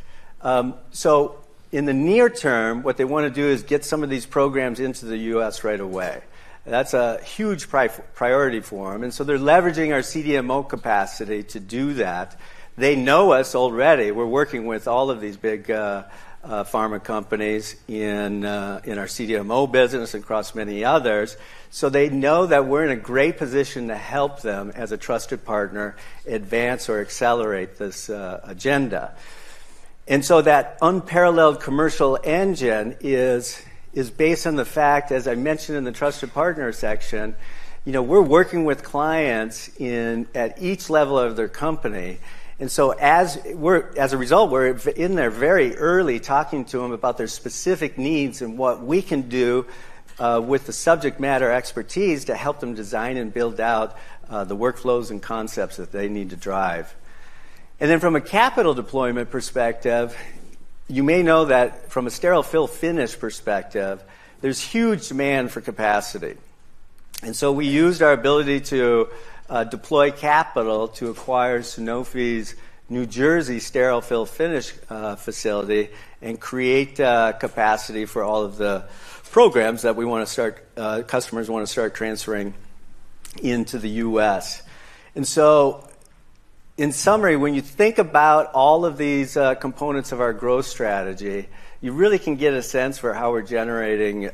in the near term, what they want to do is get some of these programs into the U.S. right away. That's a huge priority for them, they're leveraging our CDMO capacity to do that. They know us already. We're working with all of these big pharma companies in our CDMO business across many others. They know that we're in a great position to help them as a trusted partner advance or accelerate this agenda. That unparalleled commercial engine is based on the fact, as I mentioned in the trusted partner section, we're working with clients at each level of their company. As a result, we're in there very early talking to them about their specific needs and what we can do with the subject matter expertise to help them design and build out the workflows and concepts that they need to drive. From a capital deployment perspective, you may know that from a sterile fill-finish perspective, there's huge demand for capacity. We used our ability to deploy capital to acquire Sanofi's New Jersey sterile fill-finish facility and create capacity for all of the programs that customers want to start transferring into the U.S. In summary, when you think about all of these components of our growth strategy, you really can get a sense for how we're generating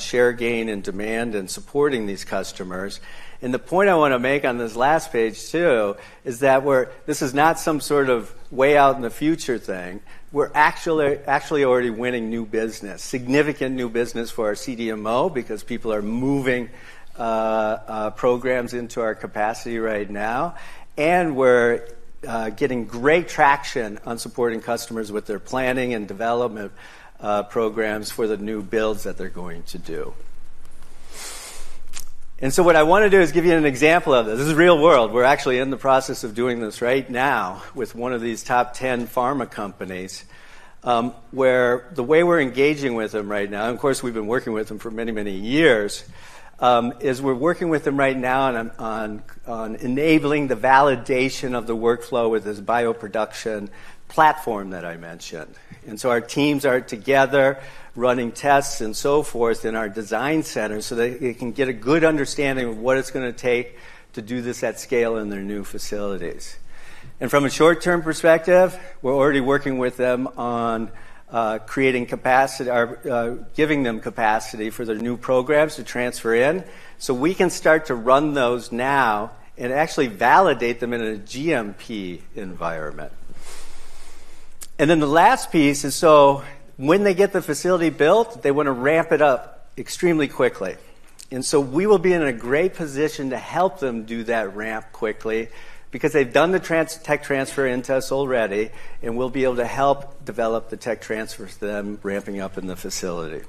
share gain and demand and supporting these customers. The point I want to make on this last page, too, is that this is not some sort of way out in the future thing. We're actually already winning new business, significant new business for our CDMO because people are moving programs into our capacity right now, and we're getting great traction on supporting customers with their planning and development programs for the new builds that they're going to do. What I want to do is give you an example of this. This is real-world. We're actually in the process of doing this right now with one of these top 10 pharma companies, where the way we're engaging with them right now, and, of course, we've been working with them for many, many years, is we're working with them right now on enabling the validation of the workflow with this bioproduction platform that I mentioned. Our teams are together running tests and so forth in our design center so that it can get a good understanding of what it's going to take to do this at scale in their new facilities. From a short-term perspective, we're already working with them on giving them capacity for their new programs to transfer in. We can start to run those now and actually validate them in a GMP environment. The last piece is, when they get the facility built, they want to ramp it up extremely quickly. We will be in a great position to help them do that ramp quickly because they've done the tech transfer and tests already, and we will be able to help develop the tech transfers to them ramping up in the facility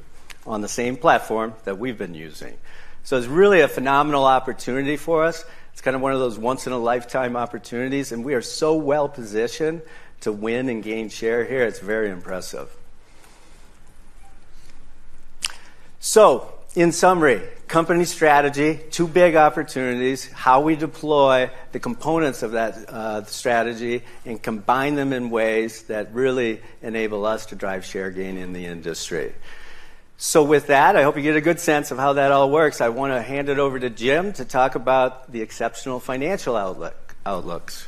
on the same platform that we've been using. It's really a phenomenal opportunity for us. It's kind of one of those once-in-a-lifetime opportunities, and we are so well-positioned to win and gain share here. It's very impressive. In summary, company strategy, two big opportunities, how we deploy the components of that strategy and combine them in ways that really enable us to drive share gain in the industry. With that, I hope you get a good sense of how that all works. I want to hand it over to Jim to talk about the exceptional financial outlooks.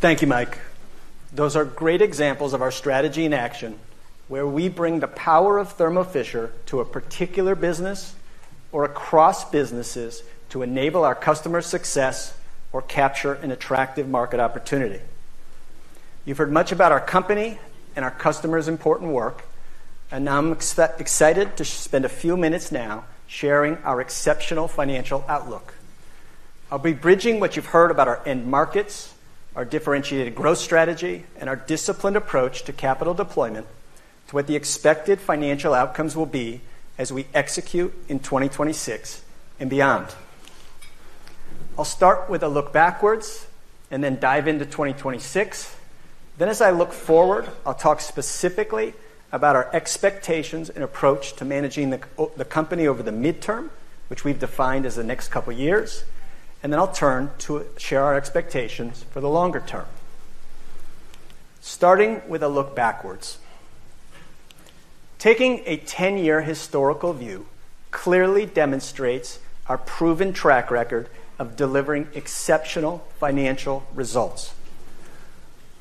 Thank you, Mike. Those are great examples of our strategy in action, where we bring the power of Thermo Fisher to a particular business or across businesses to enable our customers' success or capture an attractive market opportunity. You've heard much about our company and our customers' important work, and now I'm excited to spend a few minutes now sharing our exceptional financial outlook. I'll be bridging what you've heard about our end markets, our differentiated growth strategy, and our disciplined approach to capital deployment to what the expected financial outcomes will be as we execute in 2026 and beyond. I'll start with a look backwards and then dive into 2026. As I look forward, I'll talk specifically about our expectations and approach to managing the company over the midterm, which we've defined as the next couple of years. Then I'll turn to share our expectations for the longer term. Starting with a look backwards. Taking a 10-year historical view clearly demonstrates our proven track record of delivering exceptional financial results.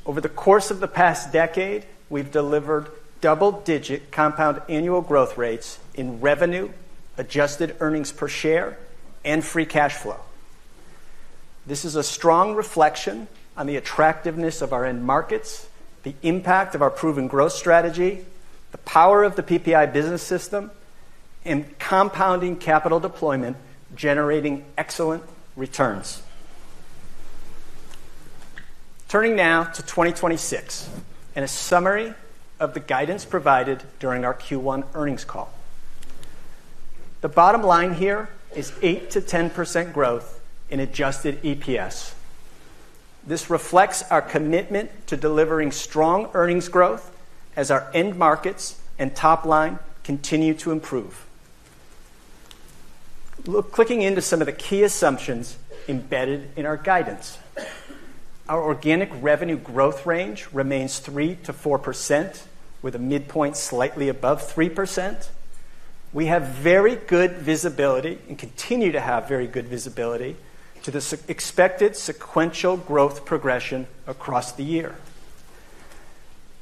Over the course of the past decade, we've delivered double-digit compound annual growth rates in revenue, adjusted earnings per share, and free cash flow. This is a strong reflection on the attractiveness of our end markets, the impact of our proven growth strategy, the power of the PPI Business System, and compounding capital deployment generating excellent returns. Turning now to 2026 and a summary of the guidance provided during our Q1 earnings call. The bottom line here is 8%-10% growth in adjusted EPS. This reflects our commitment to delivering strong earnings growth as our end markets and top line continue to improve. Clicking into some of the key assumptions embedded in our guidance. Our organic revenue growth range remains 3%-4%, with a midpoint slightly above 3%. We have very good visibility and continue to have very good visibility to the expected sequential growth progression across the year.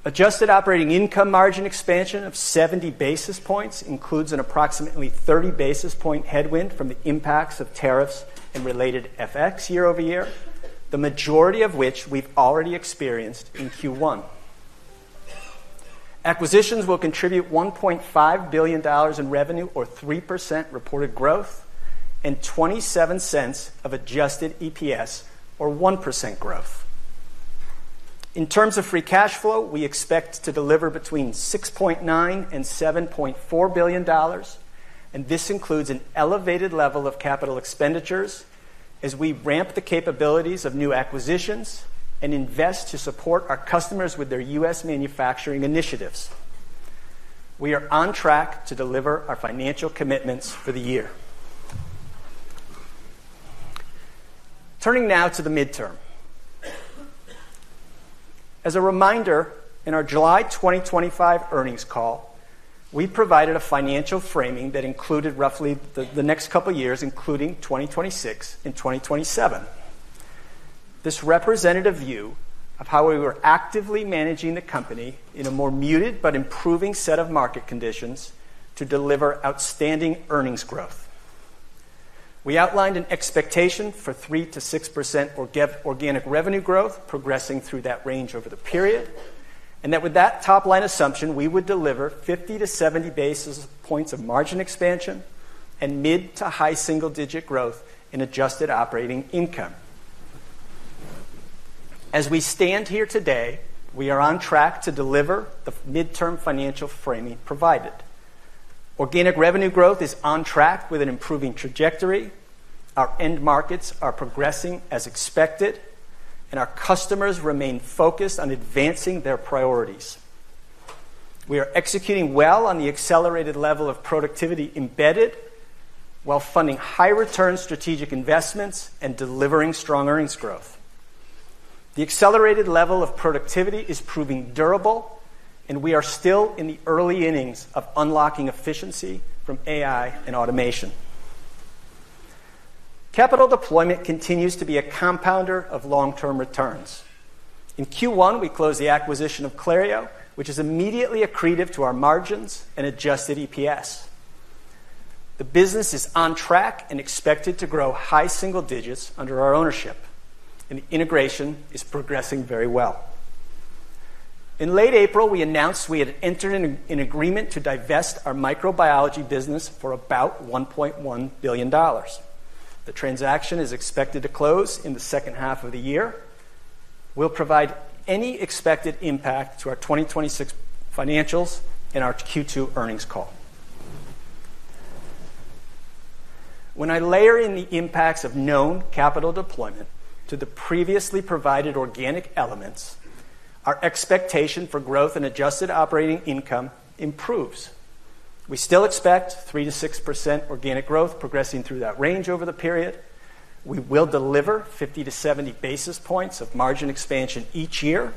Adjusted operating income margin expansion of 70 basis points includes an approximately 30 basis point headwind from the impacts of tariffs and related FX year-over-year, the majority of which we've already experienced in Q1. Acquisitions will contribute $1.5 billion in revenue or 3% reported growth, $0.27 of adjusted EPS or 1% growth. In terms of free cash flow, we expect to deliver between $6.9 billion and $7.4 billion, and this includes an elevated level of capital expenditures as we ramp the capabilities of new acquisitions and invest to support our customers with their U.S. manufacturing initiatives. We are on track to deliver our financial commitments for the year. Turning now to the midterm. As a reminder, in our July 2025 earnings call, we provided a financial framing that included roughly the next couple of years, including 2026 and 2027. This represented a view of how we were actively managing the company in a more muted but improving set of market conditions to deliver outstanding earnings growth. We outlined an expectation for 3%-6% organic revenue growth progressing through that range over the period, and that with that top-line assumption, we would deliver 50-70 basis points of margin expansion and mid to high single-digit growth in adjusted operating income. As we stand here today, we are on track to deliver the midterm financial framing provided. Organic revenue growth is on track with an improving trajectory. Our end markets are progressing as expected, and our customers remain focused on advancing their priorities. We are executing well on the accelerated level of productivity embedded while funding high-return strategic investments and delivering strong earnings growth. The accelerated level of productivity is proving durable, and we are still in the early innings of unlocking efficiency from AI and automation. Capital deployment continues to be a compounder of long-term returns. In Q1, we closed the acquisition of Clario, which is immediately accretive to our margins and adjusted EPS. The business is on track and expected to grow high single digits under our ownership, and integration is progressing very well. In late April, we announced we had entered an agreement to divest our microbiology business for about $1.1 billion. The transaction is expected to close in the second half of the year. We'll provide any expected impact to our 2026 financials in our Q2 earnings call. When I layer in the impacts of known capital deployment to the previously provided organic elements, our expectation for growth and adjusted operating income improves. We still expect 3% to 6% organic growth progressing through that range over the period. We will deliver 50 to 70 basis points of margin expansion each year,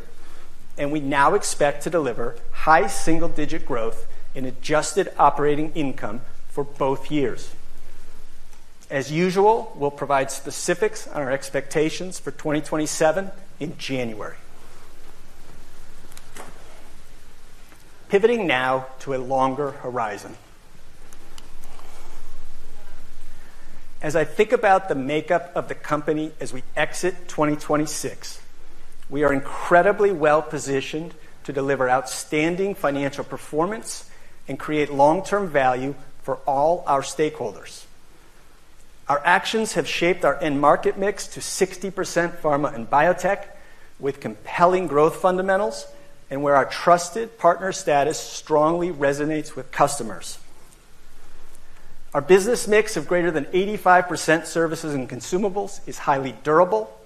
and we now expect to deliver high single-digit growth in adjusted operating income for both years. As usual, we'll provide specifics on our expectations for 2027 in January. Pivoting now to a longer horizon. As I think about the makeup of the company as we exit 2026, we are incredibly well-positioned to deliver outstanding financial performance and create long-term value for all our stakeholders. Our actions have shaped our end market mix to 60% pharma and biotech with compelling growth fundamentals, and where our trusted partner status strongly resonates with customers. Our business mix of greater than 85% services and consumables is highly durable,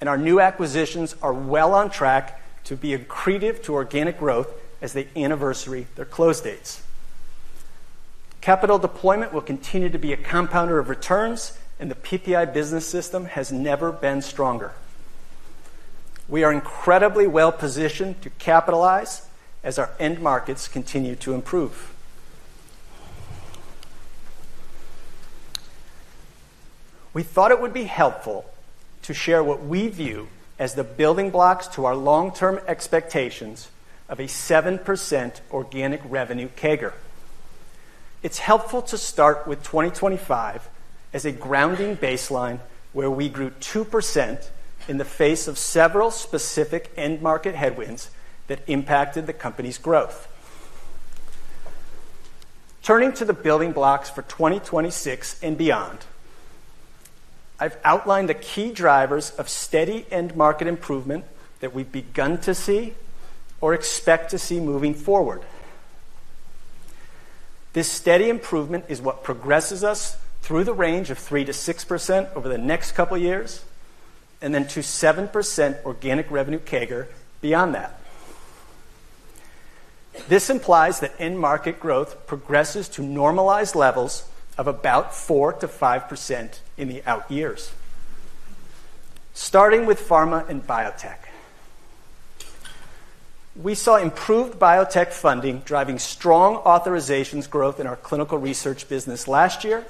and our new acquisitions are well on track to be accretive to organic growth as they anniversary their close dates. Capital deployment will continue to be a compounder of returns, and the PPI Business System has never been stronger. We are incredibly well-positioned to capitalize as our end markets continue to improve. We thought it would be helpful to share what we view as the building blocks to our long-term expectations of a 7% organic revenue CAGR. It's helpful to start with 2025 as a grounding baseline where we grew 2% in the face of several specific end market headwinds that impacted the company's growth. Turning to the building blocks for 2026 and beyond, I've outlined the key drivers of steady end market improvement that we've begun to see or expect to see moving forward. This steady improvement is what progresses us through the range of 3%-6% over the next couple of years, and then to 7% organic revenue CAGR beyond that. This implies that end market growth progresses to normalized levels of about 4%-5% in the out years. Starting with pharma and biotech. We saw improved biotech funding driving strong authorizations growth in our clinical research business last year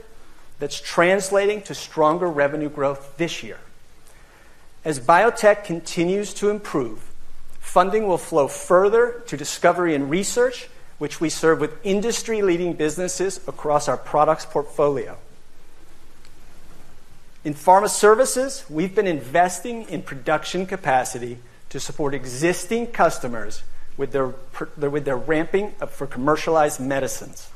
that's translating to stronger revenue growth this year. As biotech continues to improve, funding will flow further to discovery and research, which we serve with industry-leading businesses across our products portfolio. In pharma services, we've been investing in production capacity to support existing customers with their ramping up for commercialized medicines.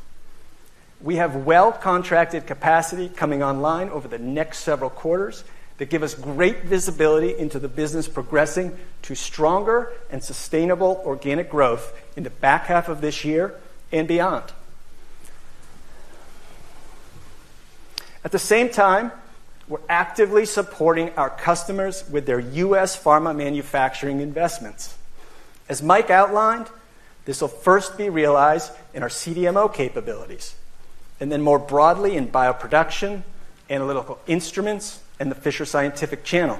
We have well-contracted capacity coming online over the next several quarters that give us great visibility into the business progressing to stronger and sustainable organic growth in the back half of this year and beyond. At the same time, we're actively supporting our customers with their U.S. pharma manufacturing investments. As Mike outlined, this will first be realized in our CDMO capabilities, and then more broadly in bioproduction, analytical instruments, and the Fisher Scientific channel.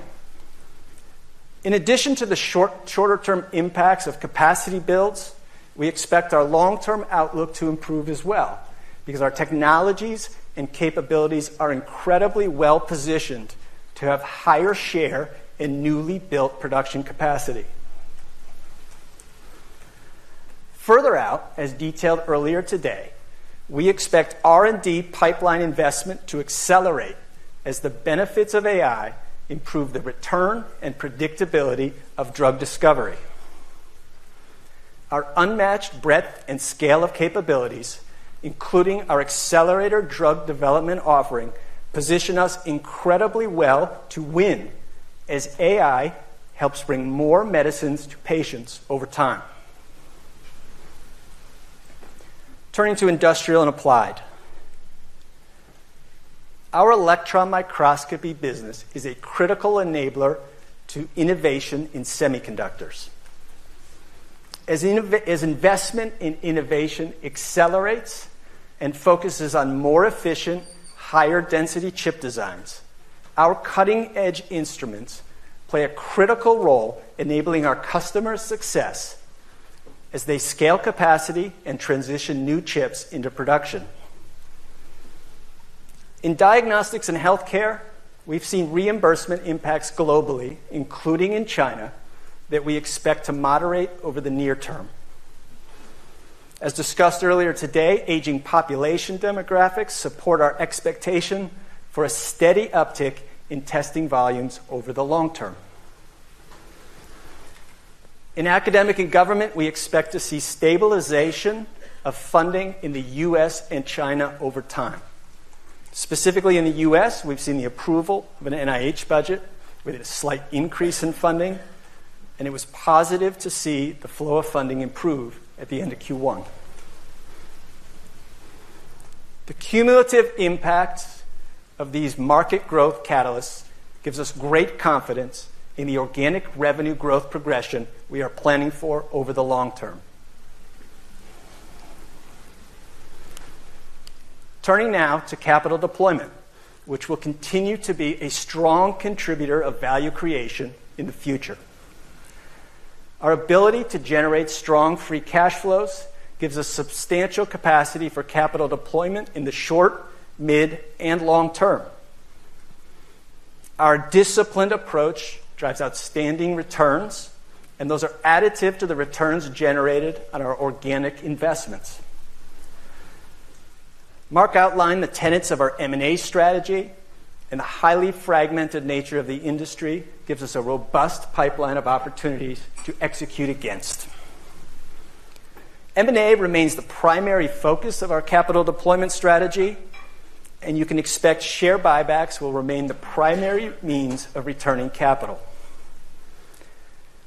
In addition to the shorter term impacts of capacity builds, we expect our long-term outlook to improve as well because our technologies and capabilities are incredibly well-positioned to have higher share in newly built production capacity. Further out, as detailed earlier today, we expect R&D pipeline investment to accelerate as the benefits of AI improve the return and predictability of drug discovery. Our unmatched breadth and scale of capabilities, including our Accelerator Drug Development offering, position us incredibly well to win as AI helps bring more medicines to patients over time. Turning to Industrial and Applied. Our electron microscopy business is a critical enabler to innovation in semiconductors. As investment in innovation accelerates and focuses on more efficient, higher density chip designs, our cutting-edge instruments play a critical role enabling our customers' success as they scale capacity and transition new chips into production. In Diagnostics and Healthcare, we've seen reimbursement impacts globally, including in China, that we expect to moderate over the near term. As discussed earlier today, aging population demographics support our expectation for a steady uptick in testing volumes over the long term. In Academic and Government, we expect to see stabilization of funding in the U.S. and China over time. Specifically in the U.S., we've seen the approval of an NIH budget with a slight increase in funding, and it was positive to see the flow of funding improve at the end of Q1. The cumulative impact of these market growth catalysts gives us great confidence in the organic revenue growth progression we are planning for over the long term. Turning now to capital deployment, which will continue to be a strong contributor of value creation in the future. Our ability to generate strong free cash flows gives us substantial capacity for capital deployment in the short, mid, and long term. Our disciplined approach drives outstanding returns, and those are additive to the returns generated on our organic investments. Marc outlined the tenets of our M&A strategy. The highly fragmented nature of the industry gives us a robust pipeline of opportunities to execute against. M&A remains the primary focus of our capital deployment strategy, and you can expect share buybacks will remain the primary means of returning capital.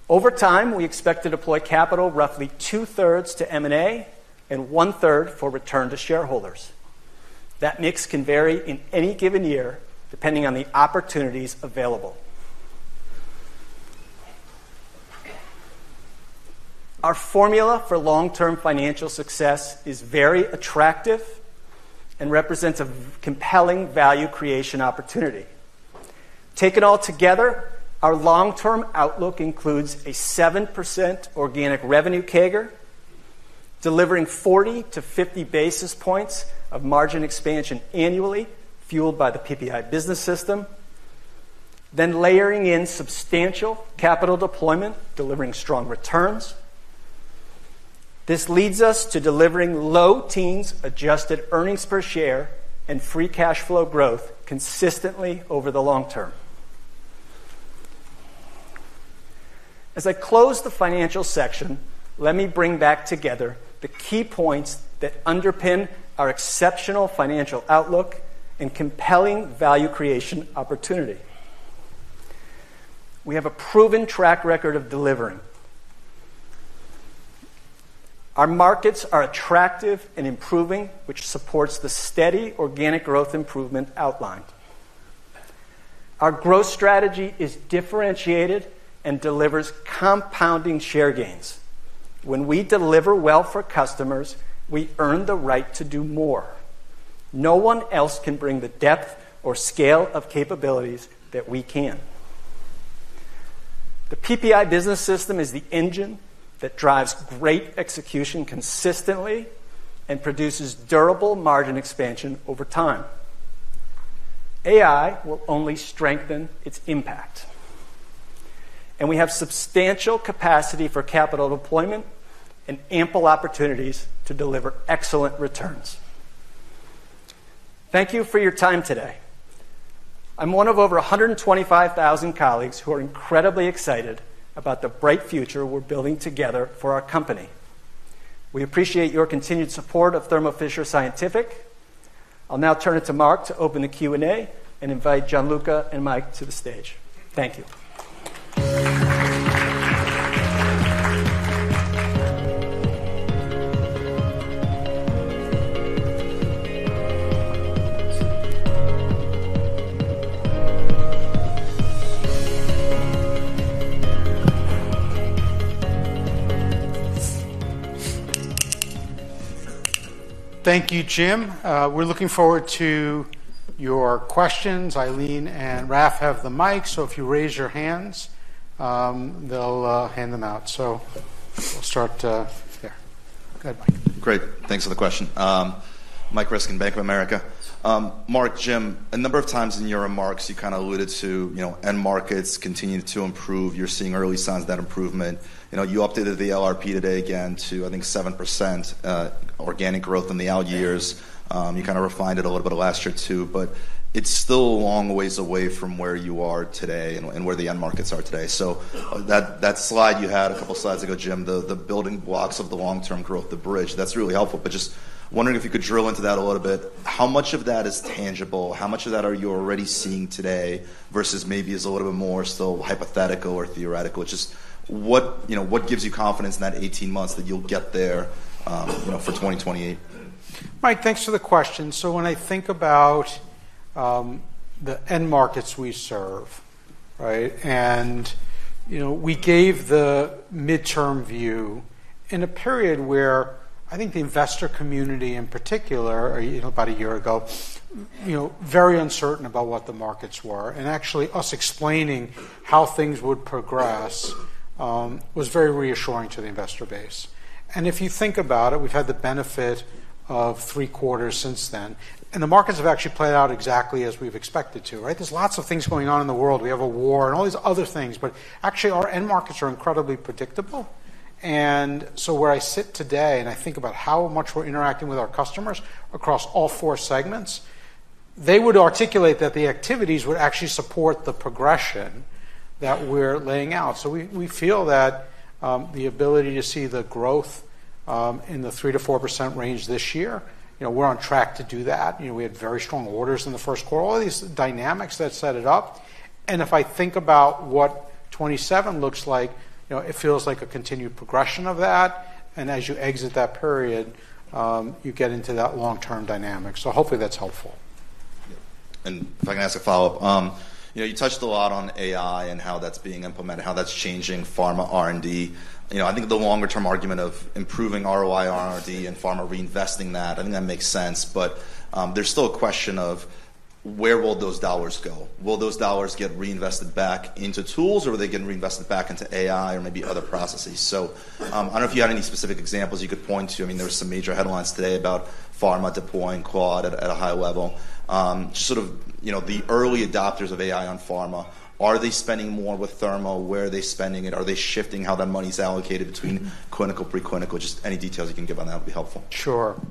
Over time, we expect to deploy capital roughly 2/3 to M&A and 1/3 for return to shareholders. That mix can vary in any given year depending on the opportunities available. Our formula for long-term financial success is very attractive and represents a compelling value creation opportunity. Taken all together, our long-term outlook includes a 7% organic revenue CAGR, delivering 40 to 50 basis points of margin expansion annually, fueled by the PPI Business System, then layering in substantial capital deployment, delivering strong returns. This leads us to delivering low teens adjusted earnings per share and free cash flow growth consistently over the long term. As I close the financial section, let me bring back together the key points that underpin our exceptional financial outlook and compelling value creation opportunity. We have a proven track record of delivering. Our markets are attractive and improving, which supports the steady organic growth improvement outlined. Our growth strategy is differentiated and delivers compounding share gains. When we deliver well for customers, we earn the right to do more. No one else can bring the depth or scale of capabilities that we can. The PPI Business System is the engine that drives great execution consistently and produces durable margin expansion over time. AI will only strengthen its impact. We have substantial capacity for capital deployment and ample opportunities to deliver excellent returns. Thank you for your time today. I'm one of over 125,000 colleagues who are incredibly excited about the bright future we're building together for our company. We appreciate your continued support of Thermo Fisher Scientific. I'll now turn it to Marc to open the Q&A and invite Gianluca and Mike to the stage. Thank you. Thank you, Jim. We're looking forward to your questions. Eileen and Raf have the mic, so if you raise your hands, they'll hand them out. We'll start there. Go ahead, Mike. Great. Thanks for the question. Mike Ryskin, Bank of America. Marc, Jim, a number of times in your remarks, you kind of alluded to end markets continue to improve. You're seeing early signs of that improvement. You updated the LRP today again to, I think, 7% organic growth in the out years. You kind of refined it a little bit last year, too, but it's still a long ways away from where you are today and where the end markets are today. That slide you had a couple slides ago, Jim, the building blocks of the long-term growth, the bridge, that's really helpful, but just wondering if you could drill into that a little bit. How much of that is tangible? How much of that are you already seeing today versus maybe is a little bit more still hypothetical or theoretical? What gives you confidence in that 18 months that you'll get there for 2028? Mike, thanks for the question. When I think about the end markets we serve, right? We gave the midterm view in a period where I think the investor community in particular, about one year ago, very uncertain about what the markets were. Actually, us explaining how things would progress was very reassuring to the investor base. If you think about it, we've had the benefit of three quarters since then, and the markets have actually played out exactly as we've expected to, right? There's lots of things going on in the world. We have a war and all these other things, but actually, our end markets are incredibly predictable. Where I sit today, and I think about how much we're interacting with our customers across all four segments, they would articulate that the activities would actually support the progression that we're laying out. We feel that the ability to see the growth in the 3%-4% range this year, we're on track to do that. We had very strong orders in the first quarter, all these dynamics that set it up. If I think about what 2027 looks like, it feels like a continued progression of that. As you exit that period, you get into that long-term dynamic. Hopefully that's helpful. If I can ask a follow-up. You touched a lot on AI and how that's being implemented, how that's changing pharma R&D. I think the longer-term argument of improving ROI on R&D and pharma reinvesting that, I think that makes sense, but there's still a question of where will those dollars go? Will those dollars get reinvested back into tools, or are they getting reinvested back into AI or maybe other processes? I don't know if you had any specific examples you could point to. There were some major headlines today about pharma deploying Claude at a high level. Just sort of the early adopters of AI on pharma. Are they spending more with Thermo? Where are they spending it? Are they shifting how that money's allocated between clinical, pre-clinical? Just any details you can give on that would be helpful. Sure.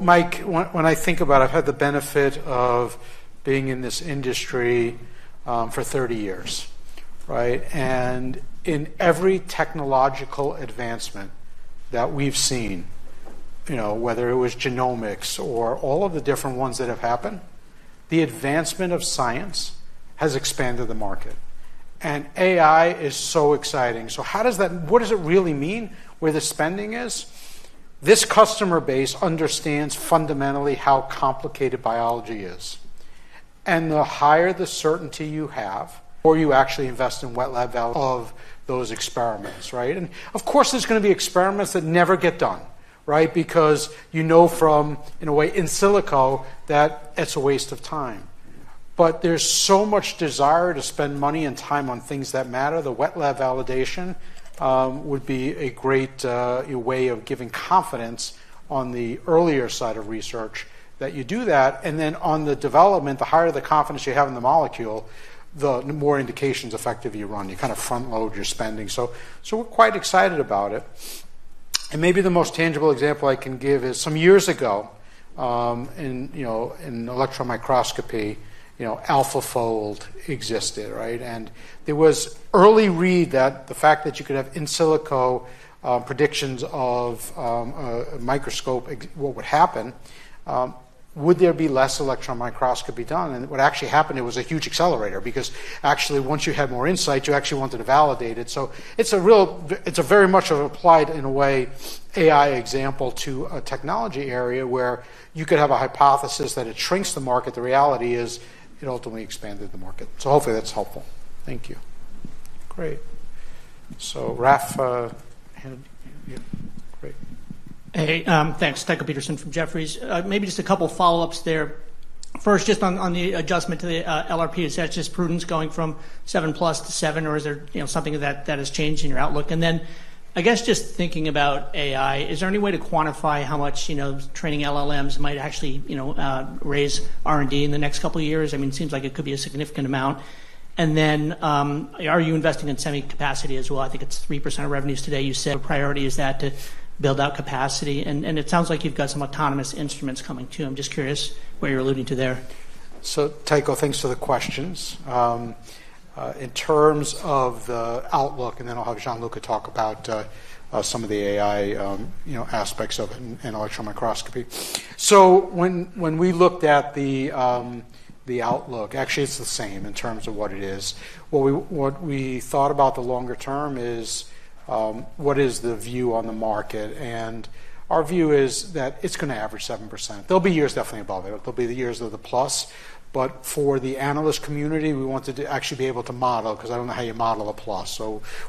Mike, when I think about it, I've had the benefit of being in this industry for 30 years, right? In every technological advancement that we've seen, whether it was genomics or all of the different ones that have happened, the advancement of science has expanded the market. AI is so exciting. What does it really mean where the spending is? This customer base understands fundamentally how complicated biology is, and the higher the certainty you have, the more you actually invest in wet lab of those experiments, right? Of course, there's going to be experiments that never get done, right? Because you know from, in a way, in silico that it's a waste of time. There's so much desire to spend money and time on things that matter. The wet lab validation would be a great way of giving confidence on the earlier side of research that you do that. On the development, the higher the confidence you have in the molecule, the more indications effectively you run. You kind of front load your spending. We're quite excited about it. Maybe the most tangible example I can give is some years ago, in electron microscopy, AlphaFold existed, right? There was early read that the fact that you could have in silico predictions of a microscope, what would happen, would there be less electron microscopy done? What actually happened, it was a huge Accelerator, because actually once you had more insight, you actually wanted to validate it. It's a very much of applied, in a way, AI example to a technology area where you could have a hypothesis that it shrinks the market. The reality is it ultimately expanded the market. Hopefully that's helpful. Thank you. Great. Raf, hand. Hey. Thanks. Tycho Peterson from Jefferies. Maybe just a couple follow-ups there. First, just on the adjustment to the LRP, is that just prudence going from 7%+ to 7%, or is there something that has changed in your outlook? I guess just thinking about AI, is there any way to quantify how much training LLMs might actually raise R&D in the next couple of years? It seems like it could be a significant amount. Are you investing in semi capacity as well? I think it's 3% of revenues today, you said. A priority is that to build out capacity, and it sounds like you've got some autonomous instruments coming too. I'm just curious what you're alluding to there. Tycho, thanks for the questions. In terms of the outlook, and then I'll have Gianluca talk about some of the AI aspects of it in electron microscopy. When we looked at the outlook, actually it's the same in terms of what it is. What we thought about the longer term is, what is the view on the market? Our view is that it's going to average 7%. There'll be years definitely above it. There'll be the years of the plus. For the analyst community, we wanted to actually be able to model, because I don't know how you model a plus.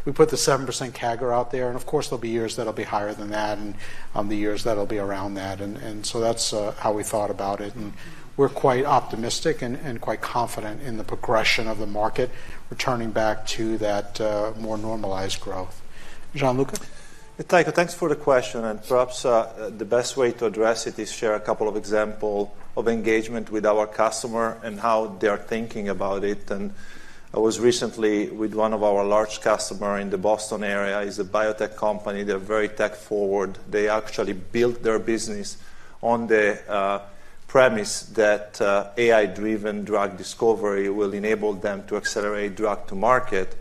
We put the 7% CAGR out there, and of course, there'll be years that'll be higher than that and the years that'll be around that. That's how we thought about it, and we're quite optimistic and quite confident in the progression of the market, returning back to that more normalized growth. Gianluca? Tycho, thanks for the question. Perhaps the best way to address it is share a couple of example of engagement with our customer and how they are thinking about it. I was recently with one of our large customer in the Boston area, is a biotech company. They're very tech forward. They actually built their business on the premise that AI-driven drug discovery will enable them to accelerate drug to market.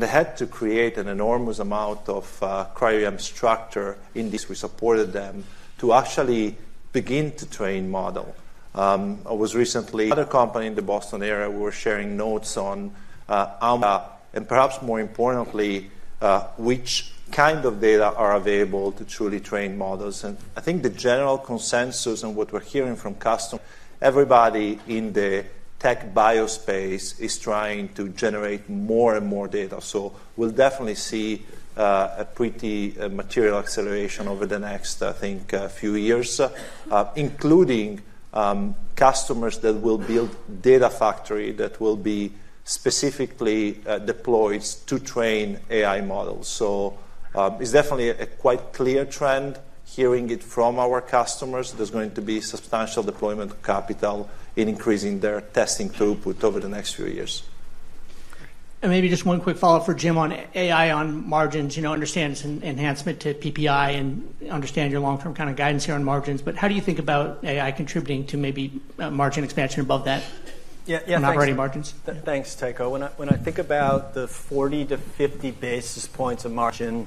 They had to create an enormous amount of cryo-EM structure in this. We supported them to actually begin to train model. I was recently another company in the Boston area, we were sharing notes on how, and perhaps more importantly, which kind of data are available to truly train models. I think the general consensus on what we're hearing from customer, everybody in the tech bio space is trying to generate more and more data. We'll definitely see a pretty material acceleration over the next, I think, few years, including customers that will build data factory that will be specifically deployed to train AI models. It's definitely a quite clear trend, hearing it from our customers. There's going to be substantial deployment of capital in increasing their testing throughput over the next few years. Maybe just one quick follow-up for Jim on AI on margins. Understand it's an enhancement to PPI, and understand your long-term guidance here on margins. How do you think about AI contributing to maybe margin expansion above that? Yeah. Non-GAAP margins. Thanks, Tycho. When I think about the 40-50 basis points of margin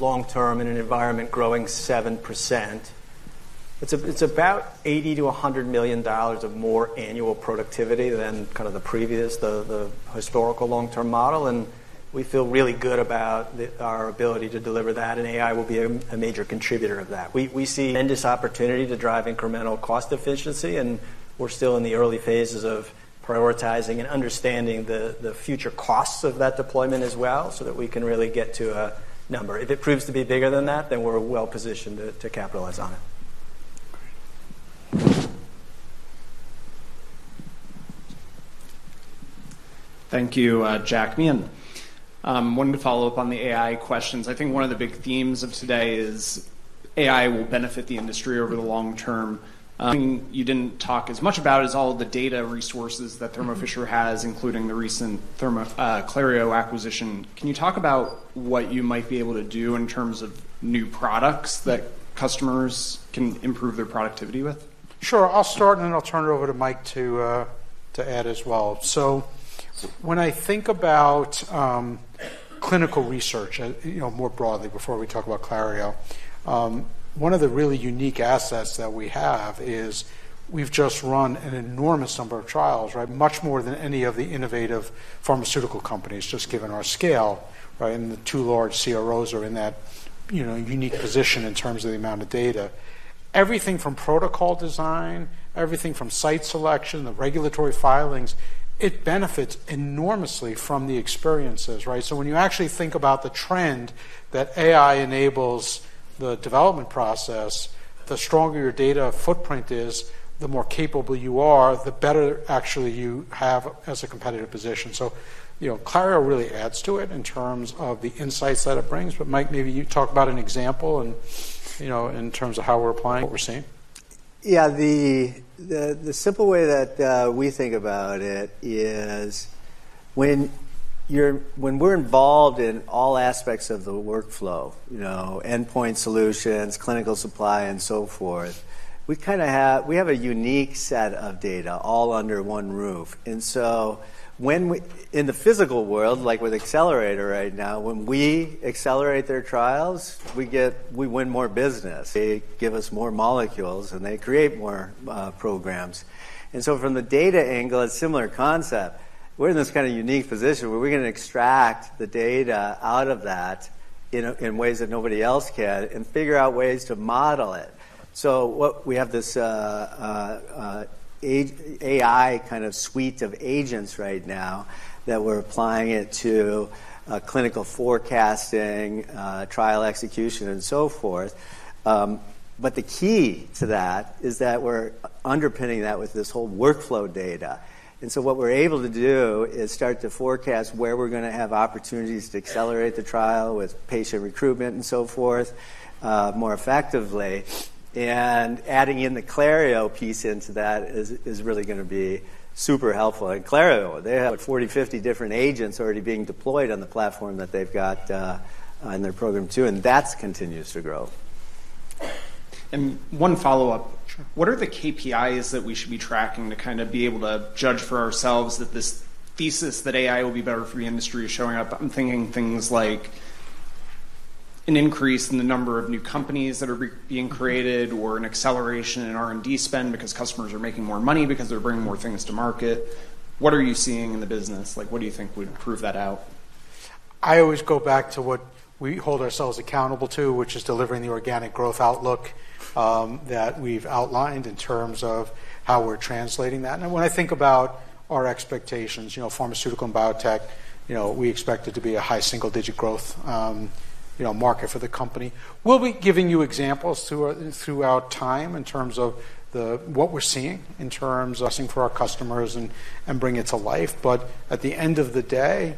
long term in an environment growing 7%, it's about $80 million-$100 million of more annual productivity than the previous, the historical long-term model. We feel really good about our ability to deliver that, and AI will be a major contributor of that. We see tremendous opportunity to drive incremental cost efficiency, and we're still in the early phases of prioritizing and understanding the future costs of that deployment as well, so that we can really get to a number. If it proves to be bigger than that, then we're well-positioned to capitalize on it. Great. Thank you, [Jack]. I wanted to follow up on the AI questions. I think one of the big themes of today is AI will benefit the industry over the long term. Something you didn't talk as much about is all of the data resources that Thermo Fisher has, including the recent Clario acquisition. Can you talk about what you might be able to do in terms of new products that customers can improve their productivity with? Sure. I'll start and then I'll turn it over to Mike to add as well. When I think about clinical research, more broadly before we talk about Clario, one of the really unique assets that we have is we've just run an enormous number of trials, much more than any of the innovative pharmaceutical companies, just given our scale. The two large CROs are in that unique position in terms of the amount of data. Everything from protocol design, everything from site selection, the regulatory filings, it benefits enormously from the experiences. When you actually think about the trend that AI enables the development process, the stronger your data footprint is, the more capable you are, the better actually you have as a competitive position. Clario really adds to it in terms of the insights that it brings. Mike, maybe you talk about an example in terms of how we're applying what we're seeing. Yeah. The simple way that we think about it is when we're involved in all aspects of the workflow, endpoint solutions, clinical supply and so forth, we have a unique set of data all under one roof. In the physical world, like with Accelerator right now, when we accelerate their trials, we win more business. They give us more molecules, and they create more programs. From the data angle, it's similar concept. We're in this kind of unique position where we're going to extract the data out of that in ways that nobody else can and figure out ways to model it. What we have this AI kind of suite of agents right now that we're applying it to clinical forecasting, trial execution, and so forth. The key to that is that we're underpinning that with this whole workflow data. What we're able to do is start to forecast where we're going to have opportunities to accelerate the trial with patient recruitment and so forth, more effectively. Adding in the Clario piece into that is really going to be super helpful. Clario, they have 40, 50 different agents already being deployed on the platform that they've got in their program too, and that continues to grow. One follow-up. Sure. What are the KPIs that we should be tracking to be able to judge for ourselves that this thesis that AI will be better for the industry is showing up? I'm thinking things like an increase in the number of new companies that are being created or an acceleration in R&D spend because customers are making more money because they're bringing more things to market. What are you seeing in the business? What do you think would prove that out? I always go back to what we hold ourselves accountable to, which is delivering the organic growth outlook that we've outlined in terms of how we're translating that. When I think about our expectations, pharmaceutical and biotech, we expect it to be a high single-digit growth market for the company. We'll be giving you examples throughout time in terms of what we're seeing in terms of for our customers and bring it to life. At the end of the day,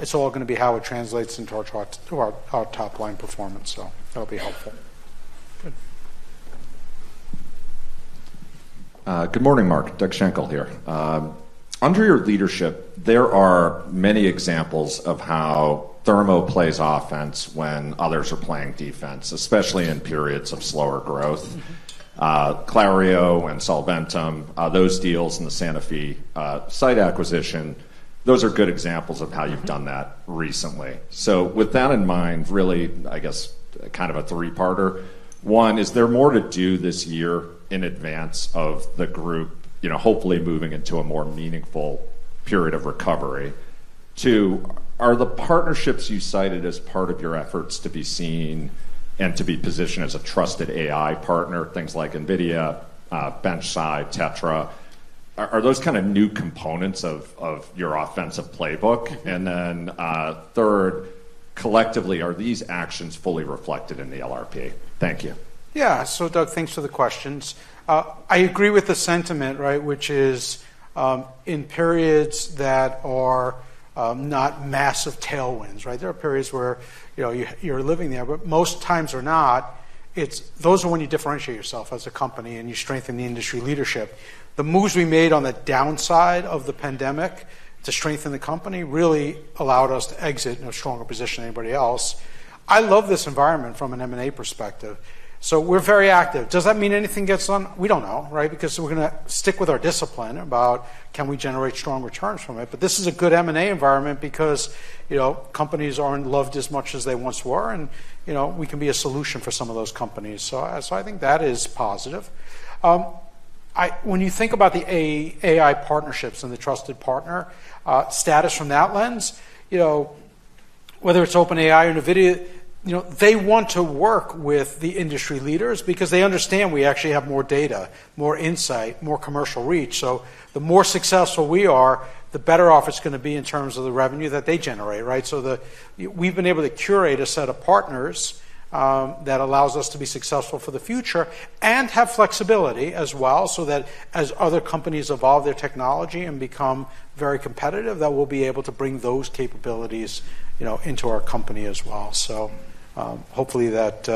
it's all going to be how it translates into our top line performance. That'll be helpful. Good. Good morning, Marc. Doug Schenkel here. Under your leadership, there are many examples of how Thermo plays offense when others are playing defense, especially in periods of slower growth. Clario and Solventum, those deals and the Sanofi site acquisition, those are good examples of how you've done that recently. With that in mind, really, I guess, kind of a three-parter. One, is there more to do this year in advance of the group hopefully moving into a more meaningful period of recovery? Two, are the partnerships you cited as part of your efforts to be seen and to be positioned as a trusted AI partner, things like NVIDIA, BenchSci, Tetra, are those kind of new components of your offensive playbook? Then, third, collectively, are these actions fully reflected in the LRP? Thank you. Doug, thanks for the questions. I agree with the sentiment, which is, in periods that are not massive tailwinds? There are periods where you're living there, most times are not. Those are when you differentiate yourself as a company and you strengthen the industry leadership. The moves we made on the downside of the pandemic to strengthen the company really allowed us to exit in a stronger position than anybody else. I love this environment from an M&A perspective. We're very active. Does that mean anything gets done? We don't know? We're going to stick with our discipline about can we generate strong returns from it. This is a good M&A environment because companies aren't loved as much as they once were, and we can be a solution for some of those companies. I think that is positive. When you think about the AI partnerships and the trusted partner status from that lens, whether it's OpenAI or NVIDIA, they want to work with the industry leaders because they understand we actually have more data, more insight, more commercial reach. The more successful we are, the better off it's going to be in terms of the revenue that they generate, right? We've been able to curate a set of partners that allows us to be successful for the future and have flexibility as well, so that as other companies evolve their technology and become very competitive, that we'll be able to bring those capabilities into our company as well. Hopefully, that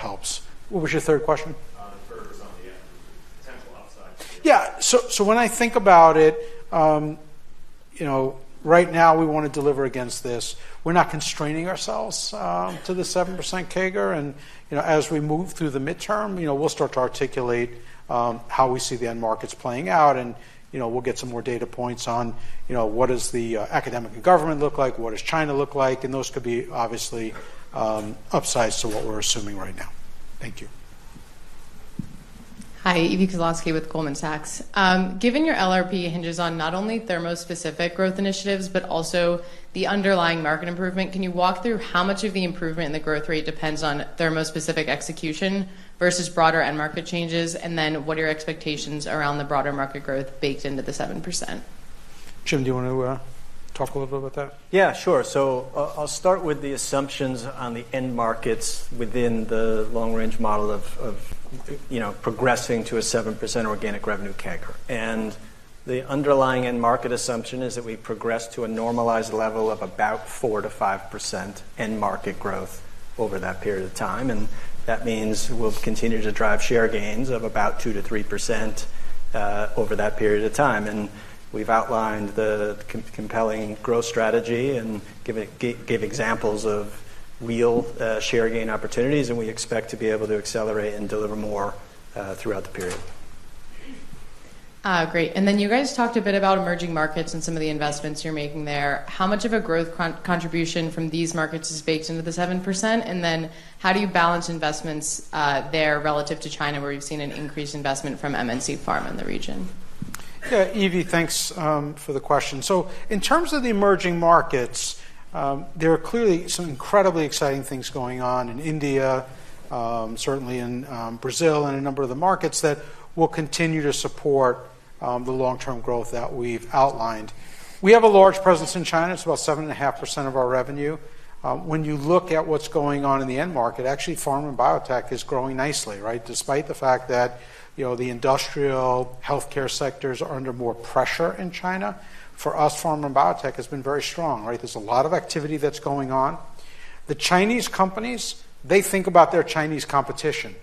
helps. What was your third question? The third was on the potential upside. Yeah. When I think about it, right now, we want to deliver against this. We're not constraining ourselves to the 7% CAGR. As we move through the midterm, we'll start to articulate how we see the end markets playing out, and we'll get some more data points on what does the academic and government look like, what does China look like, and those could be obviously upsides to what we're assuming right now. Thank you. Hi. Evie Koslosky with Goldman Sachs. Given your LRP hinges on not only Thermo-specific growth initiatives but also the underlying market improvement, can you walk through how much of the improvement in the growth rate depends on Thermo-specific execution versus broader end market changes? What are your expectations around the broader market growth baked into the 7%? Jim, do you want to talk a little bit about that? Yeah, sure. I'll start with the assumptions on the end markets within the long-range model of progressing to a 7% organic revenue CAGR. The underlying end market assumption is that we progress to a normalized level of about 4%-5% end market growth over that period of time. That means we'll continue to drive share gains of about 2%-3% over that period of time. We've outlined the compelling growth strategy and gave examples of real share gain opportunities, and we expect to be able to accelerate and deliver more throughout the period. Great. You guys talked a bit about emerging markets and some of the investments you're making there. How much of a growth contribution from these markets is baked into the 7%? How do you balance investments there relative to China, where you've seen an increased investment from MNC Pharma in the region? Evie, thanks for the question. In terms of the emerging markets, there are clearly some incredibly exciting things going on in India, certainly in Brazil, and a number of the markets that will continue to support the long-term growth that we've outlined. We have a large presence in China. It's about 7.5% of our revenue. When you look at what's going on in the end market, actually, pharma and biotech is growing nicely. Despite the fact that the industrial healthcare sectors are under more pressure in China, for us, pharma and biotech has been very strong. There's a lot of activity that's going on. The Chinese companies, they think about their Chinese competition.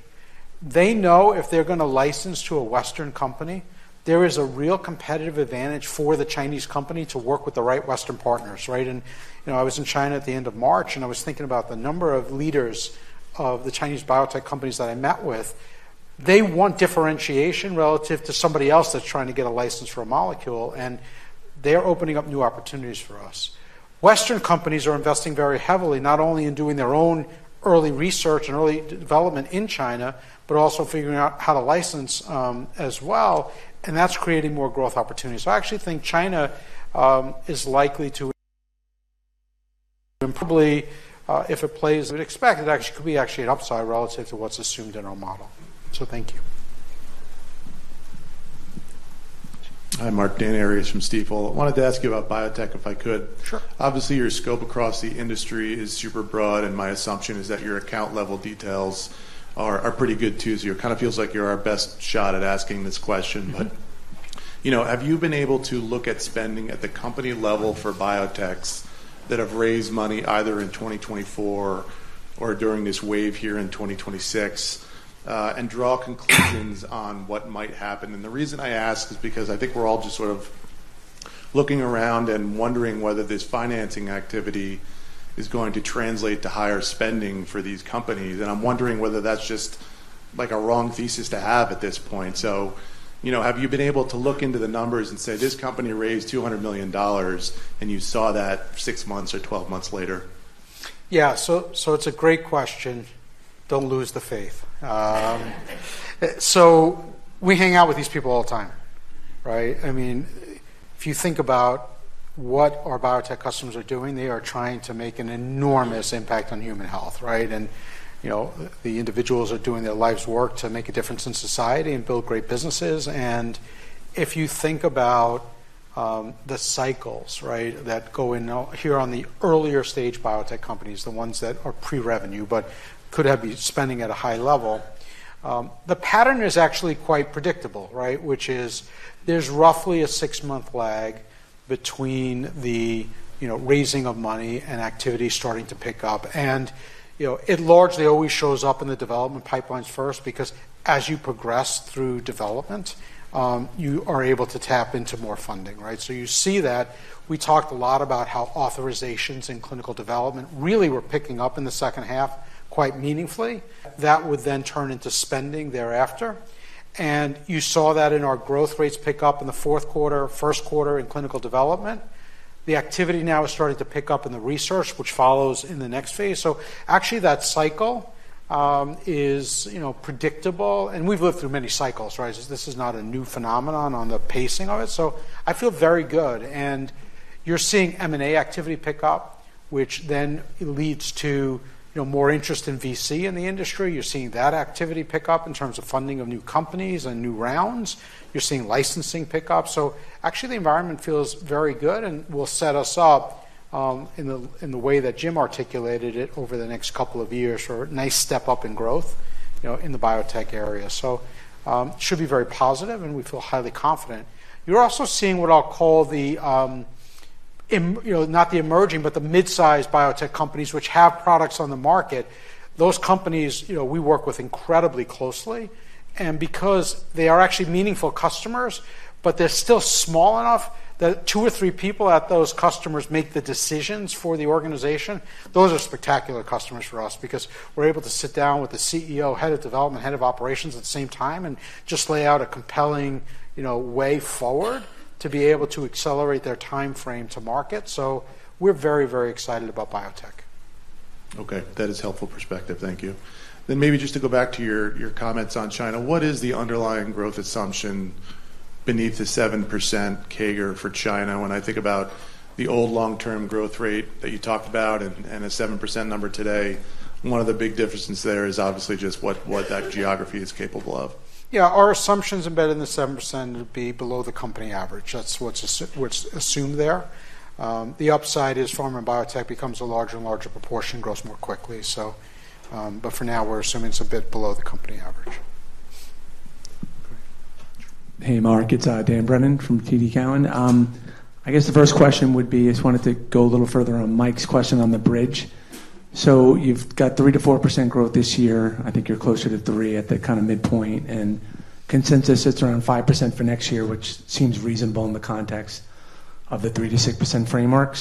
They know if they're going to license to a Western company, there is a real competitive advantage for the Chinese company to work with the right Western partners. I was in China at the end of March, and I was thinking about the number of leaders of the Chinese biotech companies that I met with. They want differentiation relative to somebody else that's trying to get a license for a molecule, and they're opening up new opportunities for us. Western companies are investing very heavily, not only in doing their own early research and early development in China, but also figuring out how to license, as well, and that's creating more growth opportunities. I actually think China is likely to improve, and probably, if it plays as we'd expect, it could be actually an upside relative to what's assumed in our model. Thank you. Hi, Marc. Dan Arias from Stifel. I wanted to ask you about biotech if I could. Sure. Obviously, your scope across the industry is super broad, and my assumption is that your account-level details are pretty good, too. It kind of feels like you're our best shot at asking this question. Have you been able to look at spending at the company level for biotechs that have raised money either in 2024 or during this wave here in 2026, and draw conclusions on what might happen? The reason I ask is because I think we're all just sort of looking around and wondering whether this financing activity is going to translate to higher spending for these companies. I'm wondering whether that's just a wrong thesis to have at this point. Have you been able to look into the numbers and say, "This company raised $200 million," and you saw that six months or 12 months later? Yeah. It's a great question. Don't lose the faith. We hang out with these people all the time. If you think about what our biotech customers are doing, they are trying to make an enormous impact on human health. The individuals are doing their life's work to make a difference in society and build great businesses. If you think about the cycles that go in here on the earlier-stage biotech companies, the ones that are pre-revenue but could have you spending at a high level, the pattern is actually quite predictable. Which is, there's roughly a six-month lag between the raising of money and activity starting to pick up. It largely always shows up in the development pipelines first because as you progress through development, you are able to tap into more funding. You see that. We talked a lot about how authorizations in clinical development really were picking up in the second half quite meaningfully. That would then turn into spending thereafter. You saw that in our growth rates pick up in the fourth quarter, first quarter in clinical development. The activity now is starting to pick up in the research, which follows in the next phase. Actually, that cycle is predictable, and we've lived through many cycles. This is not a new phenomenon on the pacing of it. I feel very good. You're seeing M&A activity pick up, which then leads to more interest in VC in the industry. You're seeing that activity pick up in terms of funding of new companies and new rounds. You're seeing licensing pick up. Actually, the environment feels very good and will set us up, in the way that Jim articulated it over the next couple of years for a nice step-up in growth in the biotech area. Should be very positive, and we feel highly confident. You're also seeing what I'll call the, not the emerging, but the mid-size biotech companies which have products on the market. Those companies we work with incredibly closely, and because they are actually meaningful customers, but they're still small enough that two or three people at those customers make the decisions for the organization. Those are spectacular customers for us because we're able to sit down with the CEO, head of development, head of operations at the same time, and just lay out a compelling way forward to be able to accelerate their timeframe to market. We're very excited about biotech. Okay. That is helpful perspective. Thank you. Maybe just to go back to your comments on China, what is the underlying growth assumption beneath the 7% CAGR for China? When I think about the old long-term growth rate that you talked about and the 7% number today, one of the big differences there is obviously just what that geography is capable of. Yeah. Our assumptions embedded in the 7% would be below the company average. That's what's assumed there. The upside is pharma and biotech becomes a larger and larger proportion, grows more quickly. For now, we're assuming it's a bit below the company average. Okay. Hey, Marc, it's Dan Brennan from TD Cowen. I guess the first question would be, I just wanted to go a little further on Mike's question on the bridge. You've got 3%-4% growth this year. I think you're closer to 3% at the kind of midpoint, and consensus sits around 5% for next year, which seems reasonable in the context of the 3%-6% framework.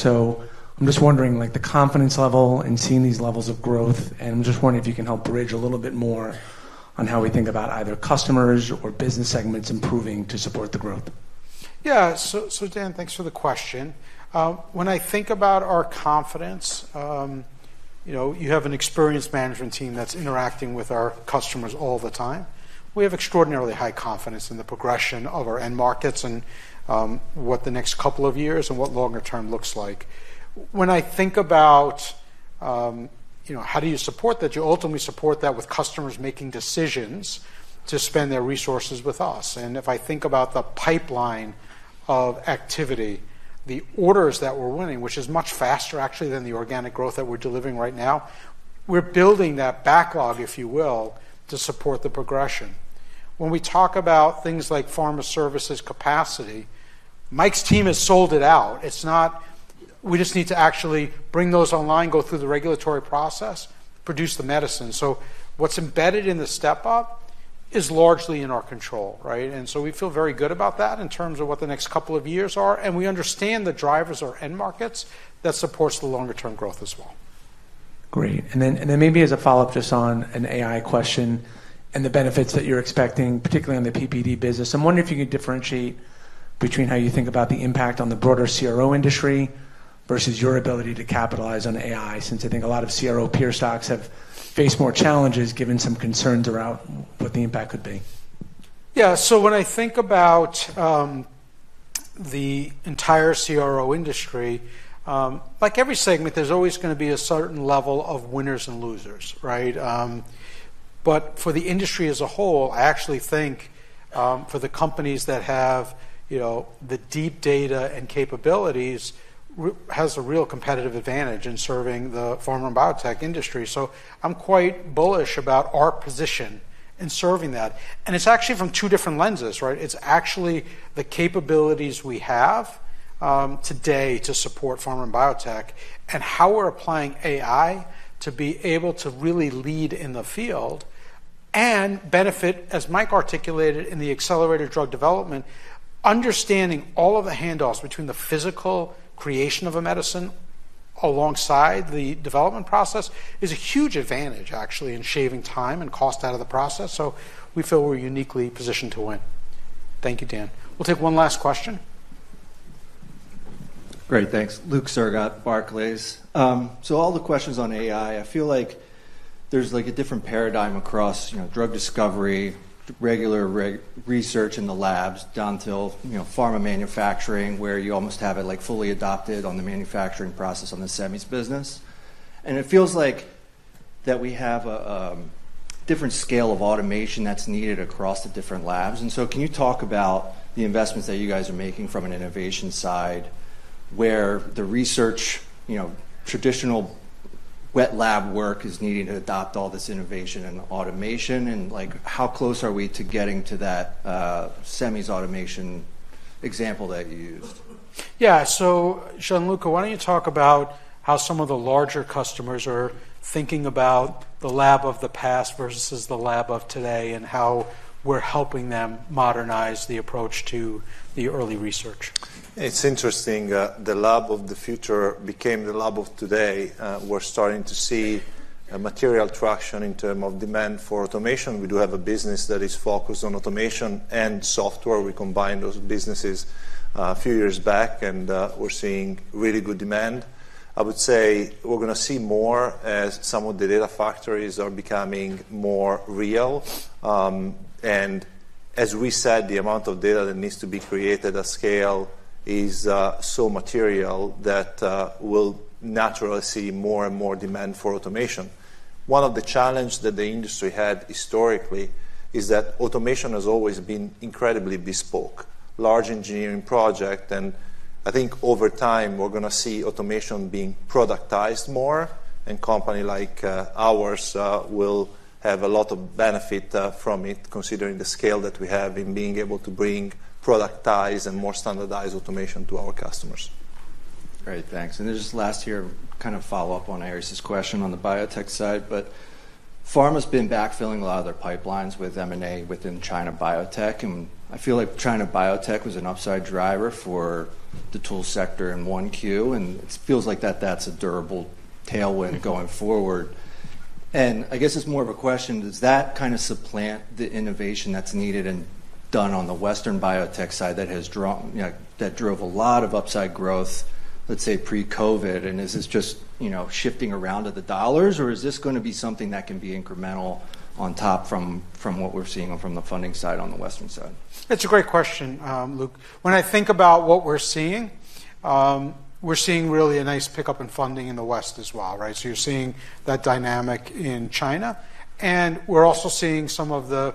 I'm just wondering, the confidence level in seeing these levels of growth, and I'm just wondering if you can help bridge a little bit more on how we think about either customers or business segments improving to support the growth. Yeah. Dan, thanks for the question. When I think about our confidence, you have an experienced management team that's interacting with our customers all the time. We have extraordinarily high confidence in the progression of our end markets and what the next couple of years and what longer term looks like. When I think about how do you support that, you ultimately support that with customers making decisions to spend their resources with us. If I think about the pipeline of activity, the orders that we're winning, which is much faster, actually, than the organic growth that we're delivering right now, we're building that backlog, if you will, to support the progression. When we talk about things like pharma services capacity, Mike's team has sold it out. We just need to actually bring those online, go through the regulatory process, produce the medicine. What's embedded in the step-up is largely in our control, right? We feel very good about that in terms of what the next couple of years are, and we understand the drivers or end markets that supports the longer-term growth as well. Great. Maybe as a follow-up just on an AI question and the benefits that you're expecting, particularly on the PPD business, I'm wondering if you could differentiate between how you think about the impact on the broader CRO industry versus your ability to capitalize on AI, since I think a lot of CRO peer stocks have faced more challenges given some concerns around what the impact could be. Yeah. When I think about the entire CRO industry, like every segment, there's always going to be a certain level of winners and losers, right? For the industry as a whole, I actually think for the companies that have the deep data and capabilities has a real competitive advantage in serving the pharma and biotech industry. I'm quite bullish about our position in serving that. It's actually from two different lenses, right? It's actually the capabilities we have today to support pharma and biotech and how we're applying AI to be able to really lead in the field and benefit, as Mike articulated in the Accelerator Drug Development, understanding all of the handoffs between the physical creation of a medicine alongside the development process is a huge advantage, actually, in shaving time and cost out of the process. We feel we're uniquely positioned to win. Thank you, Dan. We'll take one last question. Great, thanks. Luke Sergott, Barclays. All the questions on AI, I feel like there's a different paradigm across drug discovery, regular research in the labs, down till pharma manufacturing, where you almost have it fully adopted on the manufacturing process on the semis business. It feels like that we have a different scale of automation that's needed across the different labs. Can you talk about the investments that you guys are making from an innovation side where the research, traditional wet lab work is needing to adopt all this innovation and automation, and how close are we to getting to that semis automation example that you used? Yeah. Gianluca, why don't you talk about how some of the larger customers are thinking about the lab of the past versus the lab of today and how we're helping them modernize the approach to the early research? It's interesting. The lab of the future became the lab of today. We're starting to see material traction in terms of demand for automation. We do have a business that is focused on automation and software. We combined those businesses a few years back, and we're seeing really good demand. I would say we're going to see more as some of the data factories are becoming more real. As we said, the amount of data that needs to be created at scale is so material that we'll naturally see more and more demand for automation. One of the challenges that the industry had historically is that automation has always been incredibly bespoke. Large engineering project, and I think over time, we're going to see automation being productized more and company like ours will have a lot of benefit from it, considering the scale that we have in being able to bring productized and more standardized automation to our customers. Great, thanks. Just last here, kind of follow up on Arias's question on the biotech side, pharma's been backfilling a lot of their pipelines with M&A within China biotech. I feel like China biotech was an upside driver for the tool sector in 1Q, and it feels like that's a durable tailwind going forward. I guess it's more of a question, does that kind of supplant the innovation that's needed and done on the Western biotech side that drove a lot of upside growth, let's say, pre-COVID? Is this just shifting around of the dollars, or is this going to be something that can be incremental on top from what we're seeing from the funding side on the Western side? It's a great question, Luke. When I think about what we're seeing, we're seeing really a nice pickup in funding in the West as well, right? You're seeing that dynamic in China. We're also seeing some of the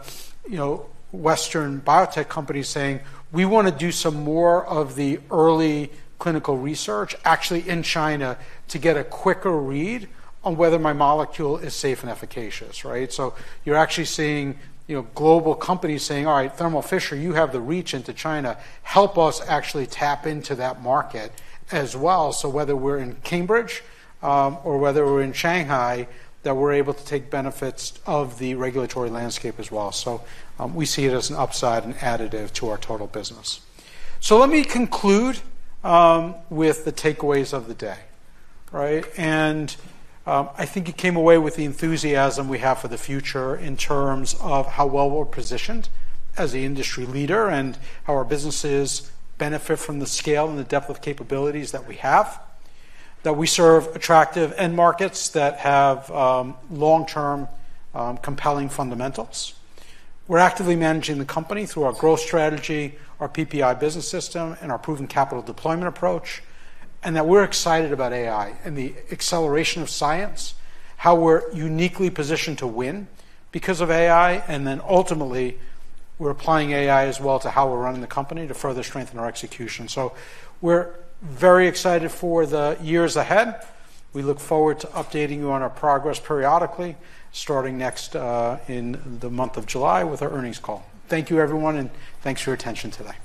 Western biotech companies saying, "We want to do some more of the early clinical research actually in China to get a quicker read on whether my molecule is safe and efficacious," right? You're actually seeing global companies saying, "All right, Thermo Fisher, you have the reach into China. Help us actually tap into that market as well." Whether we're in Cambridge or whether we're in Shanghai, that we're able to take benefits of the regulatory landscape as well. We see it as an upside and additive to our total business. Let me conclude with the takeaways of the day. Right? I think you came away with the enthusiasm we have for the future in terms of how well we're positioned as the industry leader and how our businesses benefit from the scale and the depth of capabilities that we have. We serve attractive end markets that have long-term compelling fundamentals. We're actively managing the company through our growth strategy, our PPI Business System, and our proven capital deployment approach. We're excited about AI and the acceleration of science, how we're uniquely positioned to win because of AI, and then ultimately, we're applying AI as well to how we're running the company to further strengthen our execution. We're very excited for the years ahead. We look forward to updating you on our progress periodically, starting next in the month of July with our earnings call. Thank you, everyone, and thanks for your attention today.